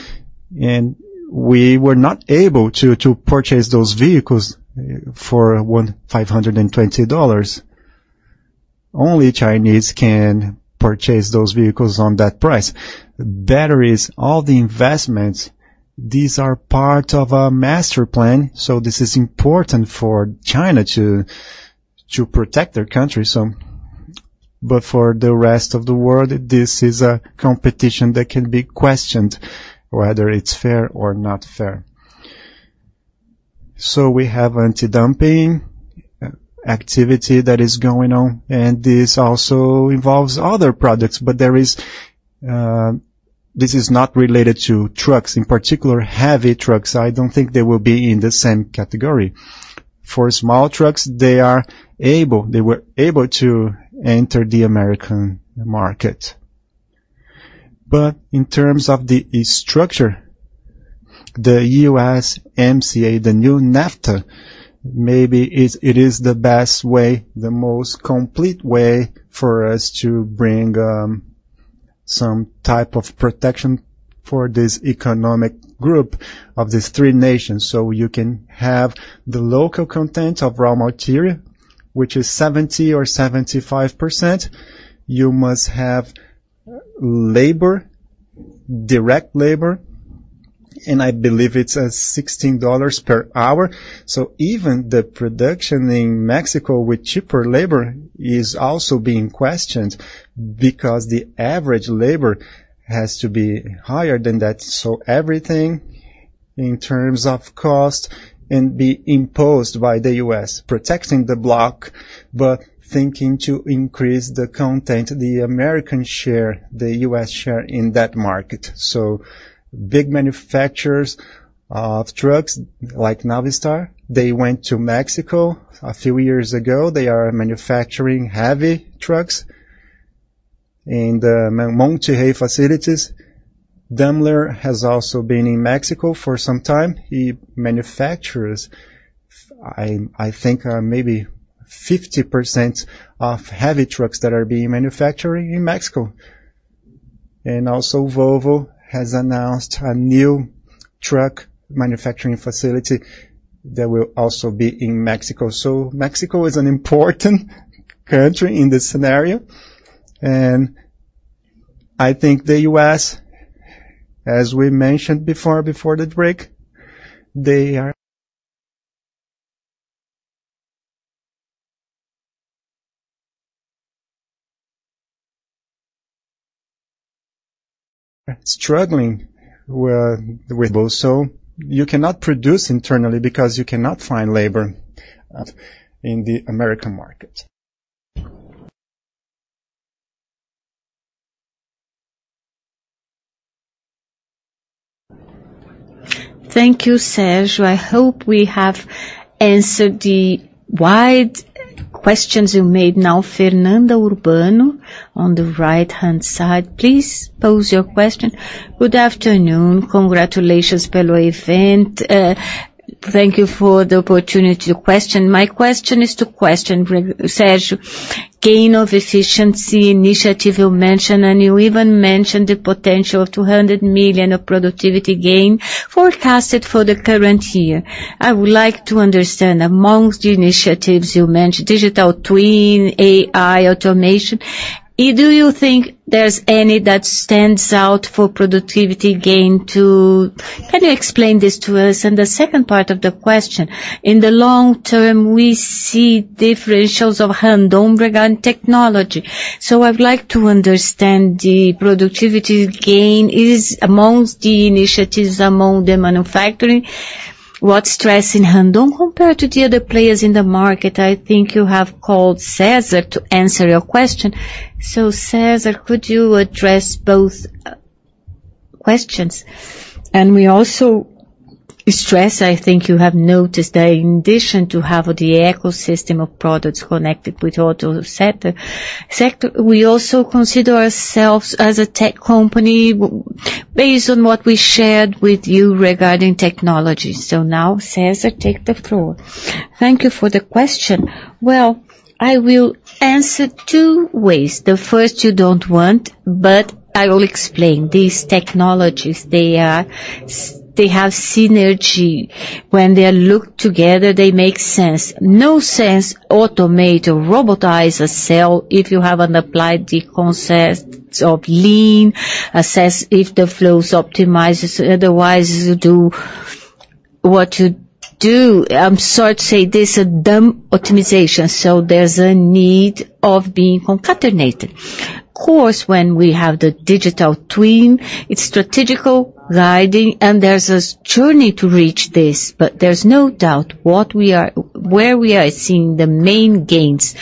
And we were not able to purchase those vehicles for $1,520. Only Chinese can purchase those vehicles on that price. Batteries, all the investments, these are part of our master plan, so this is important for China to protect their country, so. But for the rest of the world, this is a competition that can be questioned, whether it's fair or not fair. So we have anti-dumping activity that is going on, and this also involves other products. But there is. This is not related to trucks, in particular, heavy trucks. I don't think they will be in the same category. For small trucks, they were able to enter the American market. But in terms of the structure, the USMCA, the new NAFTA, maybe it is the best way, the most complete way for us to bring some type of protection for this economic group of these three nations. So you can have the local content of raw material, which is 70 or 75%. You must have labor, direct labor, and I believe it's $16 per hour. So even the production in Mexico with cheaper labor is also being questioned, because the average labor has to be higher than that. So everything in terms of cost and be imposed by the U.S., protecting the block, but thinking to increase the content, the American share, the U.S. share in that market. So big manufacturers of trucks, like Navistar, they went to Mexico a few years ago. They are manufacturing heavy trucks in the Monterrey facilities. Daimler has also been in Mexico for some time. He manufactures. I think maybe 50% of heavy trucks that are being manufactured in Mexico. Also, Volvo has announced a new truck manufacturing facility that will also be in Mexico. So Mexico is an important country in this scenario, and I think the U.S., as we mentioned before, before the break, they are struggling with both. So you cannot produce internally because you cannot find labor in the American market. Thank you, Sérgio. I hope we have answered the wide questions you made. Now, Fernanda Urbano, on the right-hand side, please pose your question. Good afternoon. Congratulations for the event. Thank you for the opportunity to question. My question is to question, Sérgio, gain of efficiency initiative you mentioned, and you even mentioned the potential of 200 million of productivity gain forecasted for the current year. I would like to understand, amongst the initiatives you mentioned, digital twin, AI, automation, do you think there's any that stands out for productivity gain to... Can you explain this to us? And the second part of the question: in the long term, we see differentials of Randon regarding technology. So I'd like to understand the productivity gain is amongst the initiatives, among the manufacturing. What strengths in Randon compare to the other players in the market? I think you have called César to answer your question. So, César, could you address both questions? And we also stress, I think you have noticed, that in addition to have the ecosystem of products connected with auto sector, we also consider ourselves as a tech company based on what we shared with you regarding technology. So now, César, take the floor. Thank you for the question. Well, I will answer two ways. The first, you don't want, but I will explain. These technologies, they have synergy. When they are looked together, they make sense. No sense automate or robotize a cell if you haven't applied the concepts of lean, assess if the flow is optimized, otherwise, you do what to do. I'm sorry to say, this is a dumb optimization, so there's a need of being concatenated. Of course, when we have the digital twin, it's strategical guiding, and there's a journey to reach this, but there's no doubt what we are, where we are seeing the main gains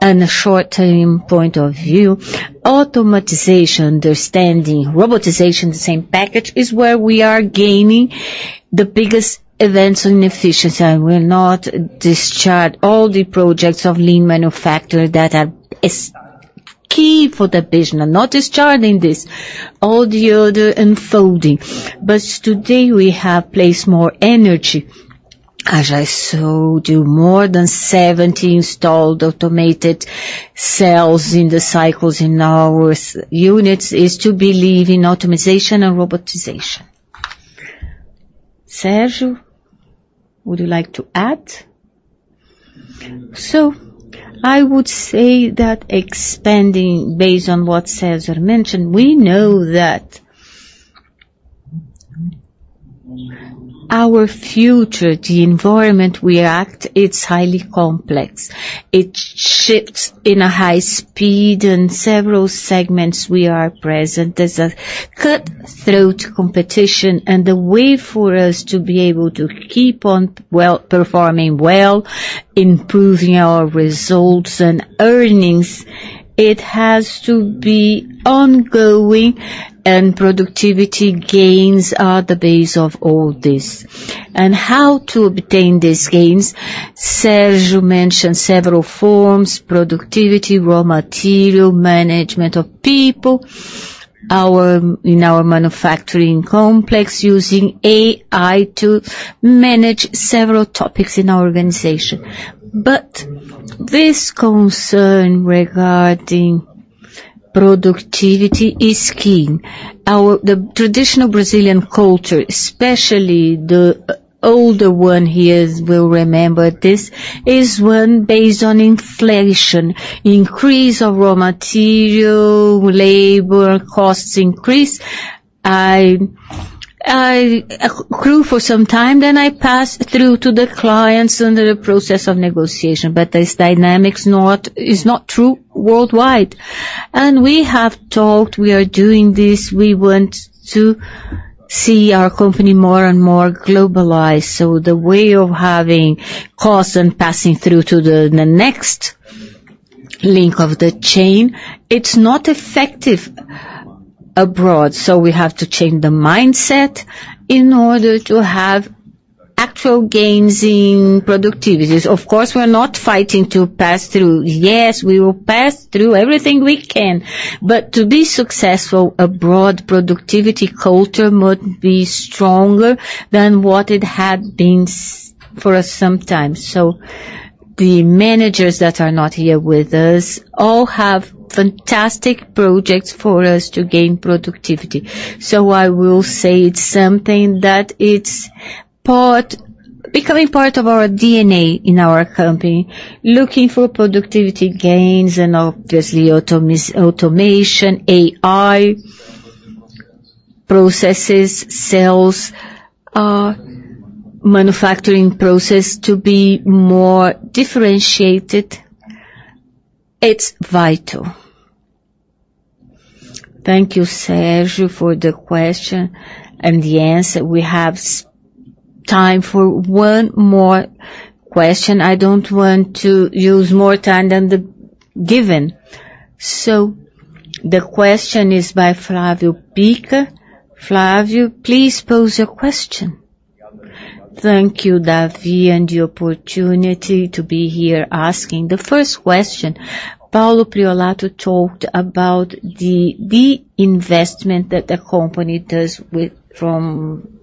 in a short-term point of view. Automatization, understanding, robotization, the same package, is where we are gaining the biggest events in efficiency. I will not discharge all the projects of lean manufacturing that are key for the business. I'm not discharging this, all the other unfolding. But today, we have placed more energy, as I showed you, more than 70 installed automated cells in the cycles in our units, is to believe in automatization and robotization. Sérgio, would you like to add? So I would say that expanding based on what Sérgio mentioned, we know that our future, the environment we act, it's highly complex. It shifts in a high speed, in several segments we are present. There's a cutthroat competition, and the way for us to be able to keep on performing well, improving our results and earnings, it has to be ongoing, and productivity gains are the base of all this. How to obtain these gains? Sérgio mentioned several forms: productivity, raw material, management of people, in our manufacturing complex, using AI to manage several topics in our organization. But this concern regarding productivity is key. The traditional Brazilian culture, especially the older one here, will remember this, is one based on inflation. Increase of raw material, labor costs increase, I accrue for some time, then I pass through to the clients under the process of negotiation. But this dynamic is not true worldwide. We have talked, we are doing this, we want to see our company more and more globalized. So the way of having costs and passing through to the next link of the chain, it's not effective abroad. So we have to change the mindset in order to have actual gains in productivities. Of course, we're not fighting to pass through. Yes, we will pass through everything we can, but to be successful abroad, productivity culture must be stronger than what it had been so for us sometimes. So the managers that are not here with us all have fantastic projects for us to gain productivity. So I will say it's something that's becoming part of our DNA in our company, looking for productivity gains and obviously automation, AI, processes, sales, our manufacturing process to be more differentiated. It's vital. Thank you, Sérgio, for the question and the answer. We have some time for one more question. I don't want to use more time than the given. So the question is by Flávio Pires. Flávio, please pose your question. Thank you, Davi, and the opportunity to be here asking. The first question: Paulo Prignolato talked about the de-investment that the company does with from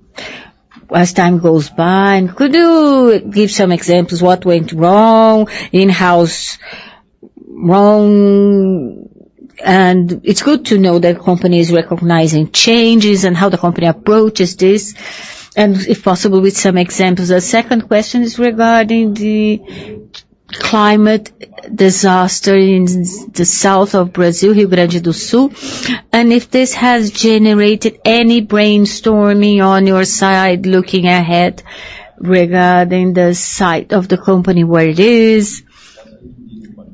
as time goes by. And could you give some examples, what went wrong, in-house wrong? And it's good to know that company is recognizing changes and how the company approaches this, and if possible, with some examples. The second question is regarding the climate disaster in the south of Brazil, Rio Grande do Sul, and if this has generated any brainstorming on your side, looking ahead regarding the site of the company, where it is.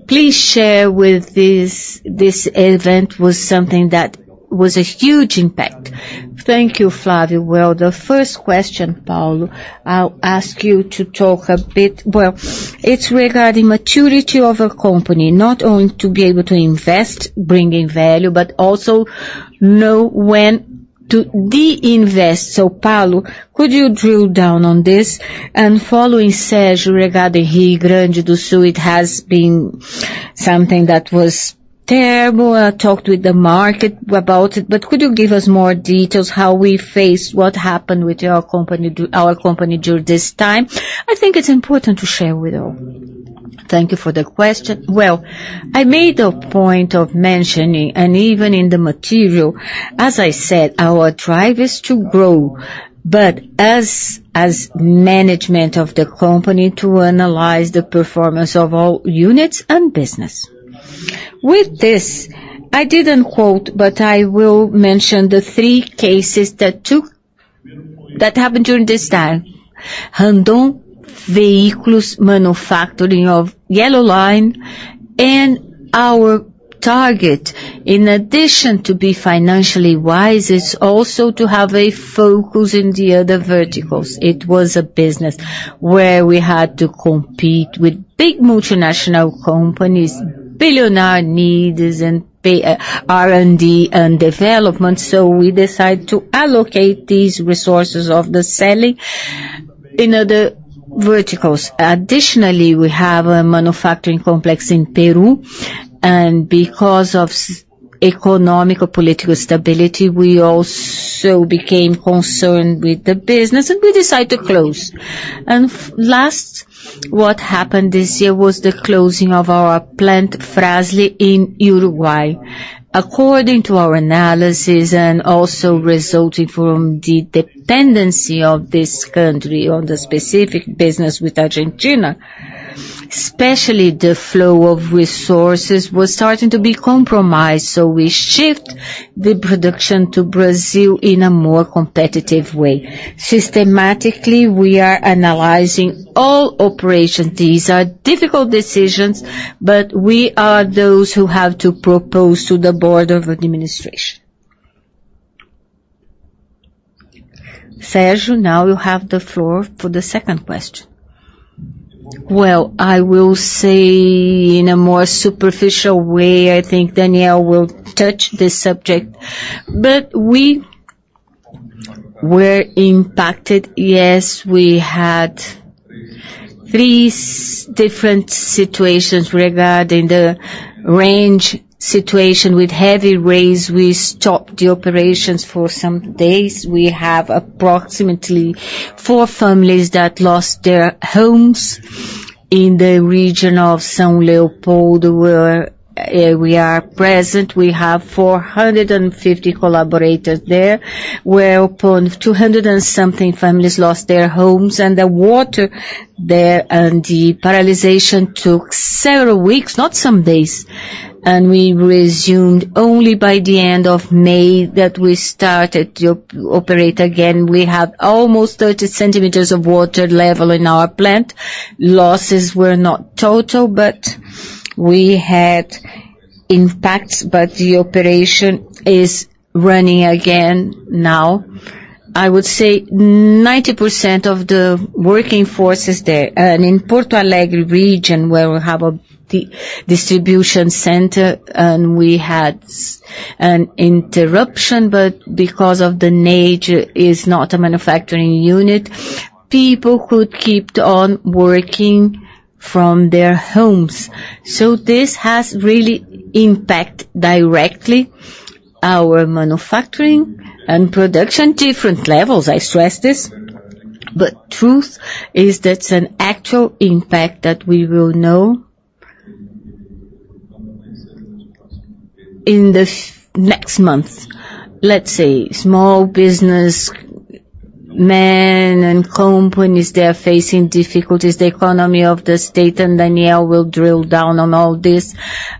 Please share with this, this event was something that was a huge impact. Thank you, Flávio. Well, the first question, Paulo, I'll ask you to talk a bit. Well, it's regarding maturity of a company, not only to be able to invest, bringing value, but also know when to de-invest. So, Paulo, could you drill down on this? And following Sérgio regarding Rio Grande do Sul, it has been something that was terrible. I talked with the market about it, but could you give us more details how we faced what happened with your company—our company during this time? I think it's important to share with all. Thank you for the question. Well, I made a point of mentioning, and even in the material, as I said, our drive is to grow, but as management of the company, to analyze the performance of all units and business. With this, I didn't quote, but I will mention the three cases that happened during this time. Randon Vehicles manufacturing of Yellow Line, and our target, in addition to be financially wise, is also to have a focus in the other verticals. It was a business where we had to compete with big multinational companies, billionaire needs and pay, R&D and development. So we decided to allocate these resources of the selling in other verticals. Additionally, we have a manufacturing complex in Peru, and because of socio-economic, political stability, we also became concerned with the business, and we decided to close. And finally, what happened this year was the closing of our plant, Fras-le, in Uruguay. According to our analysis and also resulting from the dependency of this country on the specific business with Argentina, especially, the flow of resources was starting to be compromised, so we shift the production to Brazil in a more competitive way. Systematically, we are analyzing all operations. These are difficult decisions, but we are those who have to propose to the board of administration. Sérgio, now you have the floor for the second question. Well, I will say in a more superficial way, I think Daniel will touch this subject, but we were impacted. Yes, we had three different situations regarding the Randon situation. With heavy rains, we stopped the operations for some days. We have approximately 4 families that lost their homes in the region of São Leopoldo, where we are present. We have 450 collaborators there, where upon 200-something families lost their homes, and the water there, and the paralyzation took several weeks, not some days. We resumed only by the end of May, that we started to operate again. We had almost 30 centimeters of water level in our plant. Losses were not total, but we had impacts, but the operation is running again now. I would say 90% of the working force is there. In Porto Alegre region, where we have a distribution center, and we had an interruption, but because of the nature, is not a manufacturing unit, people could keep on working from their homes. So this has really impact directly our manufacturing and production, different levels, I stress this, but truth is that's an actual impact that we will know... in the next months. Let's say, small business men and companies, they are facing difficulties. The economy of the state, and Daniel will drill down on all this,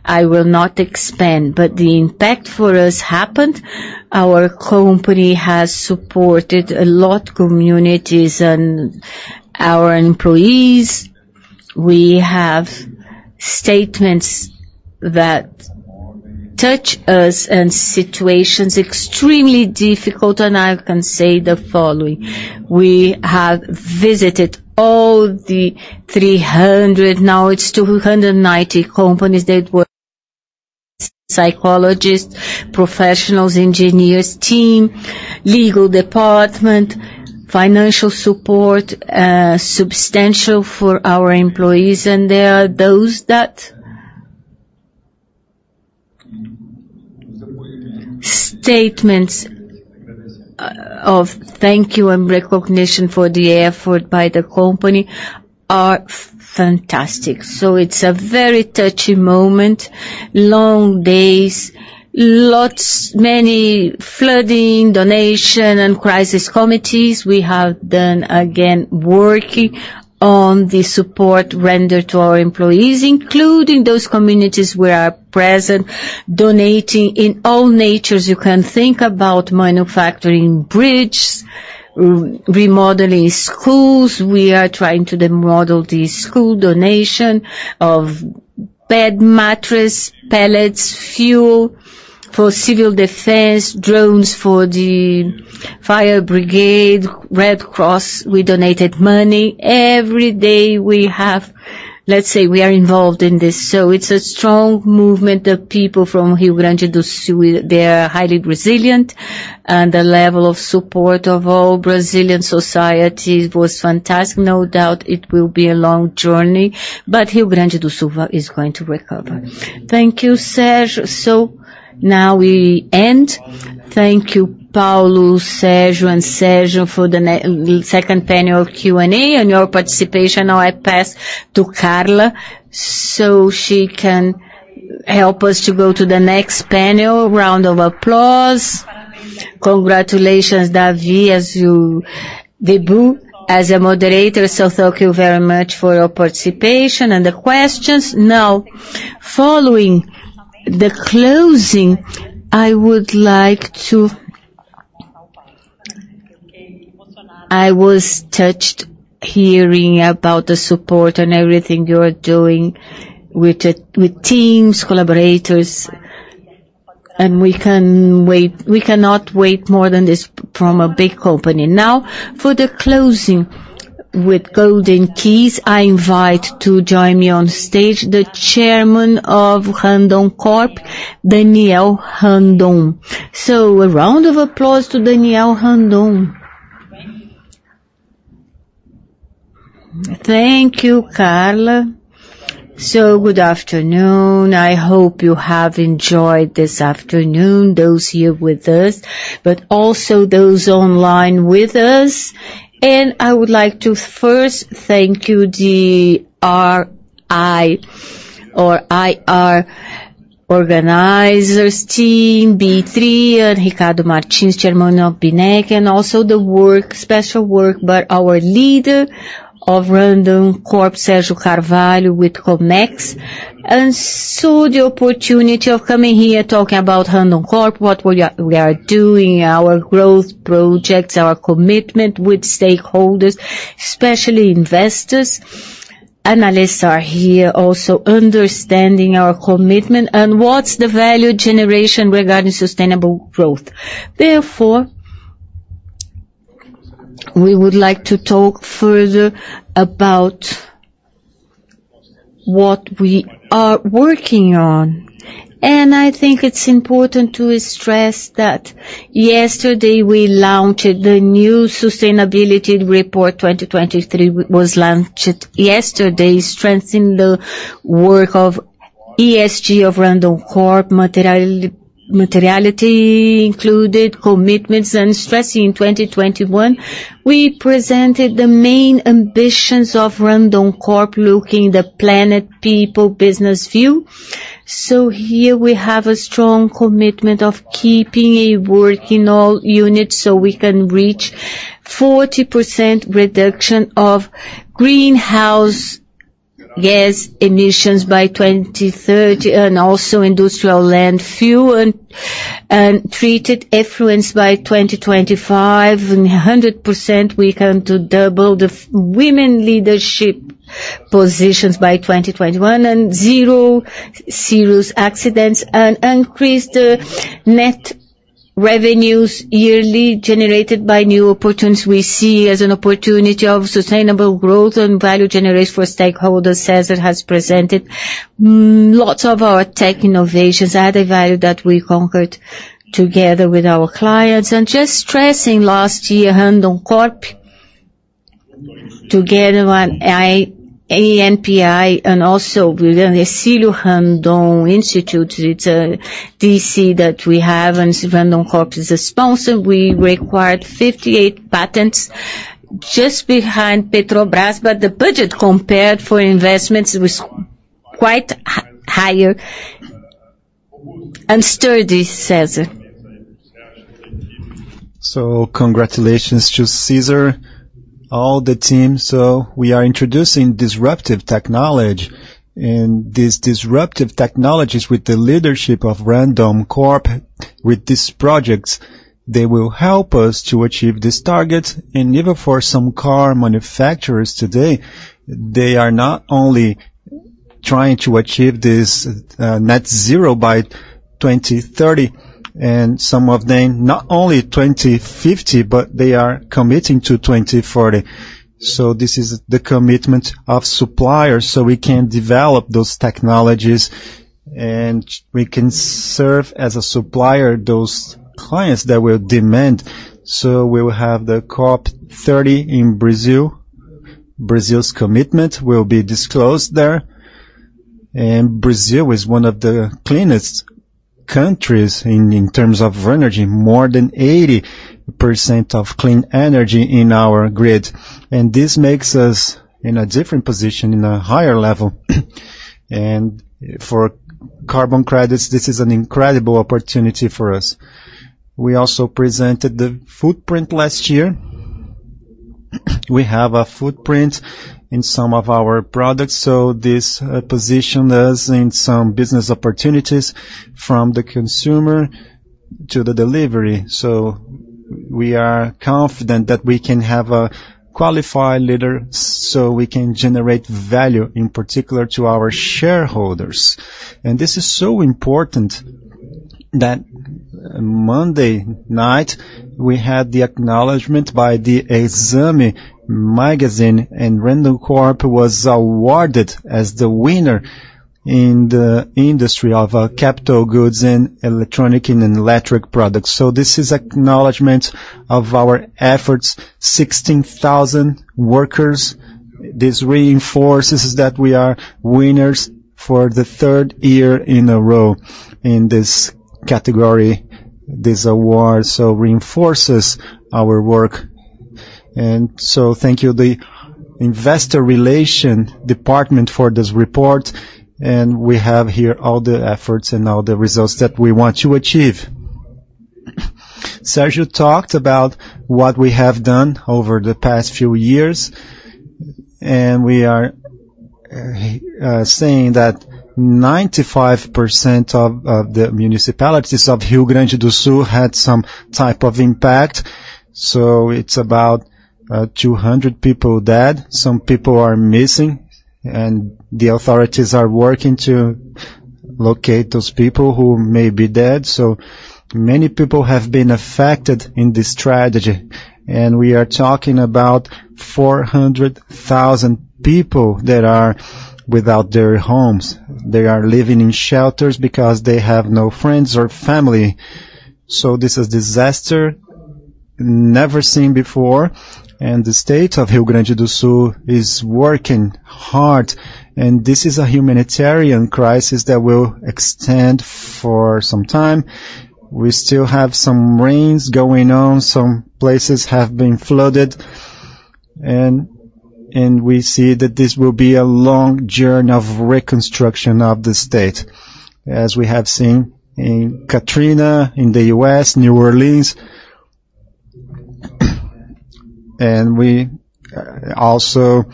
I will not expand, but the impact for us happened. Our company has supported a lot communities and our employees. We have statements that touch us and situations extremely difficult, and I can say the following: We have visited all the 300, now it's 290 companies that were, psychologists, professionals, engineers, team, legal department, financial support, substantial for our employees. And there are those that... statements of thank you and recognition for the effort by the company are fantastic. So it's a very touchy moment, long days, lots, many flooding, donation, and crisis committees. We have done, again, working on the support rendered to our employees, including those communities where are present, donating in all natures. You can think about manufacturing bridge, remodeling schools. We are trying to remodel the school, donation of bed mattress, pellets, fuel for civil defense, drones for the fire brigade, Red Cross, we donated money. Every day we have, let's say, we are involved in this. So it's a strong movement of people from Rio Grande do Sul. They are highly resilient, and the level of support of all Brazilian society was fantastic. No doubt it will be a long journey, but Rio Grande do Sul is going to recover. Thank you, Sérgio. So now we end. Thank you, Paulo, Sérgio and Sérgio for the the second panel Q&A and your participation. Now, I pass to Carla, so she can help us to go to the next panel. Round of applause. Congratulations, David, as you debut as a moderator. So thank you very much for your participation and the questions. Now, following the closing, I would like to. I was touched hearing about the support and everything you are doing with the, with teams, collaborators, and we cannot wait more than this from a big company. Now, for the closing with golden keys, I invite to join me on stage the Chairman of Randoncorp, Daniel Randon. So a round of applause to Daniel Randon. Thank you, Carla. So good afternoon. I hope you have enjoyed this afternoon, those here with us, but also those online with us. And I would like to first thank you, the RI or IR organizers team, B3, and Ricardo Martins, Chairman of APIMEC, and also the work, special work, by our leader of Randoncorp, Sérgio Carvalho, with ComEx. And so the opportunity of coming here, talking about Randoncorp, what we are, we are doing, our growth projects, our commitment with stakeholders, especially investors. Analysts are here also understanding our commitment and what's the value generation regarding sustainable growth. Therefore, we would like to talk further about what we are working on. And I think it's important to stress that yesterday we launched the new sustainability report 2023, was launched yesterday, strengthening the work of ESG of Randoncorp. Materiality included commitments and stressing in 2021, we presented the main ambitions of Randoncorp, looking the planet people business view. So here we have a strong commitment of keeping a working all units, so we can reach 40% reduction of greenhouse gas emissions by 2030, and also industrial land fuel and treated effluents by 2025, and 100% we come to double the women leadership positions by 2021, and zero serious accidents, and increase the net revenues yearly generated by new opportunities we see as an opportunity of sustainable growth and value generation for stakeholders, as it has presented. Lots of our tech innovations add a value that we conquered together with our clients. Just stressing, last year, Randoncorp, together with INPI and also with Hercílio Randon Institute, it's a DC that we have, and Randoncorp is a sponsor. We required 58 patents just behind Petrobras, but the budget compared for investments was quite higher and smaller, César. So congratulations to César, all the team. So we are introducing disruptive technology, and these disruptive technologies, with the leadership of Randoncorp, with these projects, they will help us to achieve these targets. And even for some car manufacturers today, they are not only trying to achieve this, net zero by 2030, and some of them not only 2050, but they are committing to 2040. So this is the commitment of suppliers, so we can develop those technologies, and we can serve as a supplier, those clients that will demand. So we will have the COP 30 in Brazil. Brazil's commitment will be disclosed there. And Brazil is one of the cleanest countries in, in terms of energy, more than 80% of clean energy in our grid. And this makes us in a different position, in a higher level. For carbon credits, this is an incredible opportunity for us. We also presented the footprint last year. We have a footprint in some of our products, so this position us in some business opportunities from the consumer to the delivery. So we are confident that we can have a qualified leader, so we can generate value, in particular to our shareholders. And this is so important that Monday night, we had the acknowledgement by the Exame Magazine, and Randoncorp was awarded as the winner in the industry of capital goods and electronic and electric products. So this is acknowledgement of our efforts, 16,000 workers. This reinforces that we are winners for the third year in a row in this category, this award, so reinforces our work. So thank you, the Investor Relations Department, for this report, and we have here all the efforts and all the results that we want to achieve. Sérgio talked about what we have done over the past few years, and we are saying that 95% of the municipalities of Rio Grande do Sul had some type of impact. So it's about 200 people dead, some people are missing, and the authorities are working to locate those people who may be dead. So many people have been affected in this tragedy, and we are talking about 400,000 people that are without their homes. They are living in shelters because they have no friends or family. So this is disaster never seen before, and the state of Rio Grande do Sul is working hard, and this is a humanitarian crisis that will extend for some time. We still have some rains going on. Some places have been flooded, and we see that this will be a long journey of reconstruction of the state, as we have seen in Katrina, in the U.S., New Orleans. And we also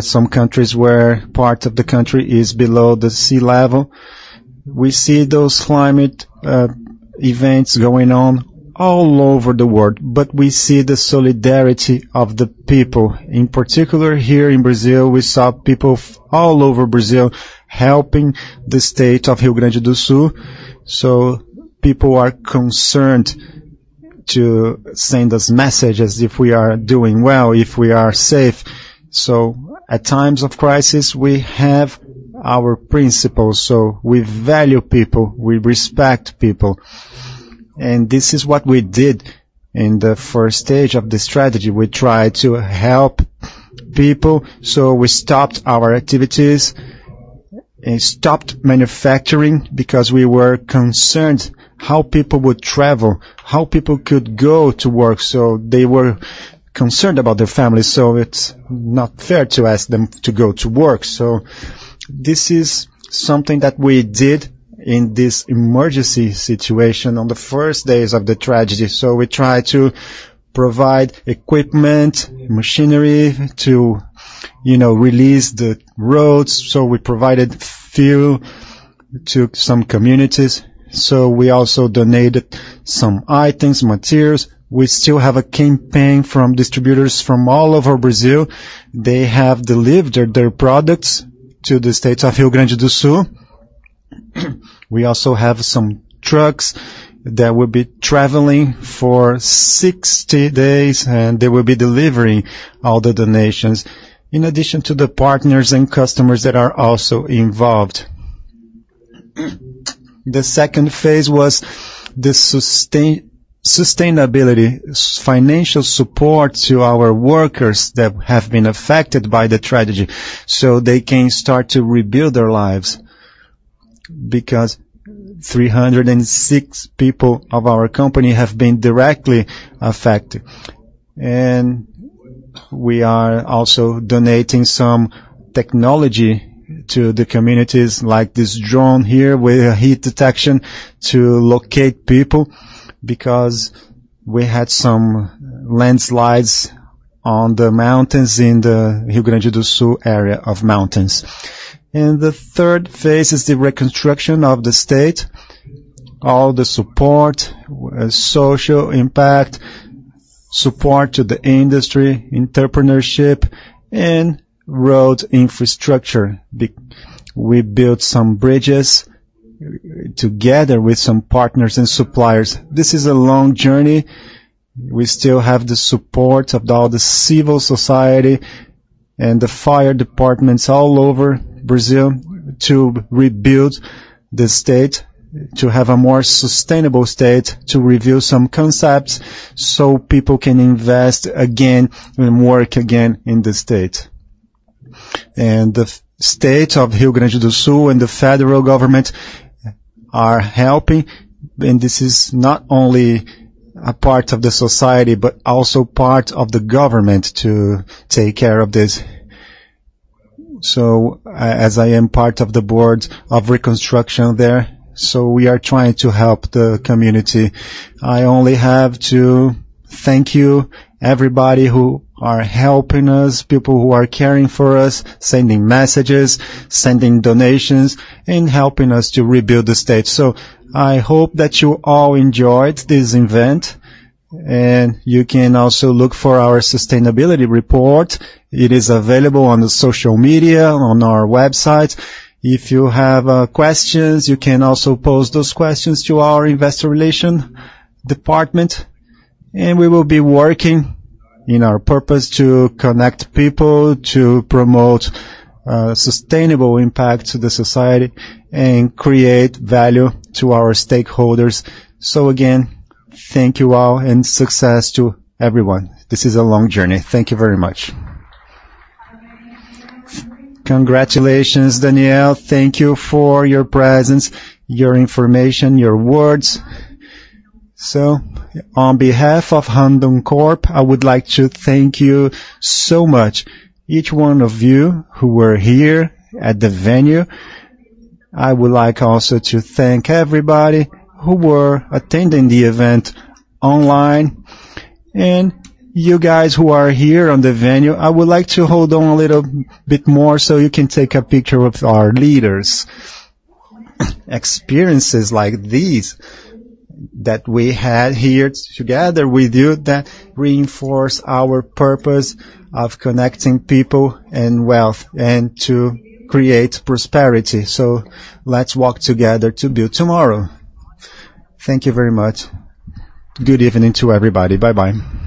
some countries where part of the country is below the sea level. We see those climate events going on all over the world, but we see the solidarity of the people. In particular, here in Brazil, we saw people from all over Brazil helping the state of Rio Grande do Sul. So people are concerned to send us messages if we are doing well, if we are safe. At times of crisis, we have our principles, so we value people, we respect people. This is what we did in the first stage of the strategy. We tried to help people, so we stopped our activities and stopped manufacturing because we were concerned how people would travel, how people could go to work. They were concerned about their family, so it's not fair to ask them to go to work. This is something that we did in this emergency situation on the first days of the tragedy. We tried to provide equipment, machinery to, you know, release the roads. We provided fuel to some communities. We also donated some items, materials. We still have a campaign from distributors from all over Brazil. They have delivered their products to the states of Rio Grande do Sul. We also have some trucks that will be traveling for 60 days, and they will be delivering all the donations, in addition to the partners and customers that are also involved. The second phase was the sustainability, financial support to our workers that have been affected by the tragedy, so they can start to rebuild their lives, because 306 people of our company have been directly affected. And we are also donating some technology to the communities, like this drone here with a heat detection to locate people, because we had some landslides on the mountains in the Rio Grande do Sul area of mountains. And the third phase is the reconstruction of the state. All the support, social impact, support to the industry, entrepreneurship, and road infrastructure. We built some bridges together with some partners and suppliers. This is a long journey. We still have the support of all the civil society and the fire departments all over Brazil to rebuild the state, to have a more sustainable state, to review some concepts, so people can invest again and work again in the state. The state of Rio Grande do Sul and the federal government are helping. This is not only a part of the society, but also part of the government to take care of this. As I am part of the board of reconstruction there, we are trying to help the community. I only have to thank you, everybody who are helping us, people who are caring for us, sending messages, sending donations, and helping us to rebuild the state. I hope that you all enjoyed this event, and you can also look for our sustainability report. It is available on the social media, on our website. If you have questions, you can also pose those questions to our Investor Relations Department, and we will be working in our purpose to connect people, to promote sustainable impact to the society and create value to our stakeholders. So again, thank you all and success to everyone. This is a long journey. Thank you very much. Congratulations, Daniel. Thank you for your presence, your information, your words. So on behalf of Randoncorp, I would like to thank you so much, each one of you who were here at the venue. I would like also to thank everybody who were attending the event online. And you guys who are here on the venue, I would like to hold on a little bit more, so you can take a picture with our leaders. Experiences like these that we had here together with you, that reinforce our purpose of connecting people and wealth, and to create prosperity. Let's walk together to build tomorrow. Thank you very much. Good evening to everybody. Bye-bye.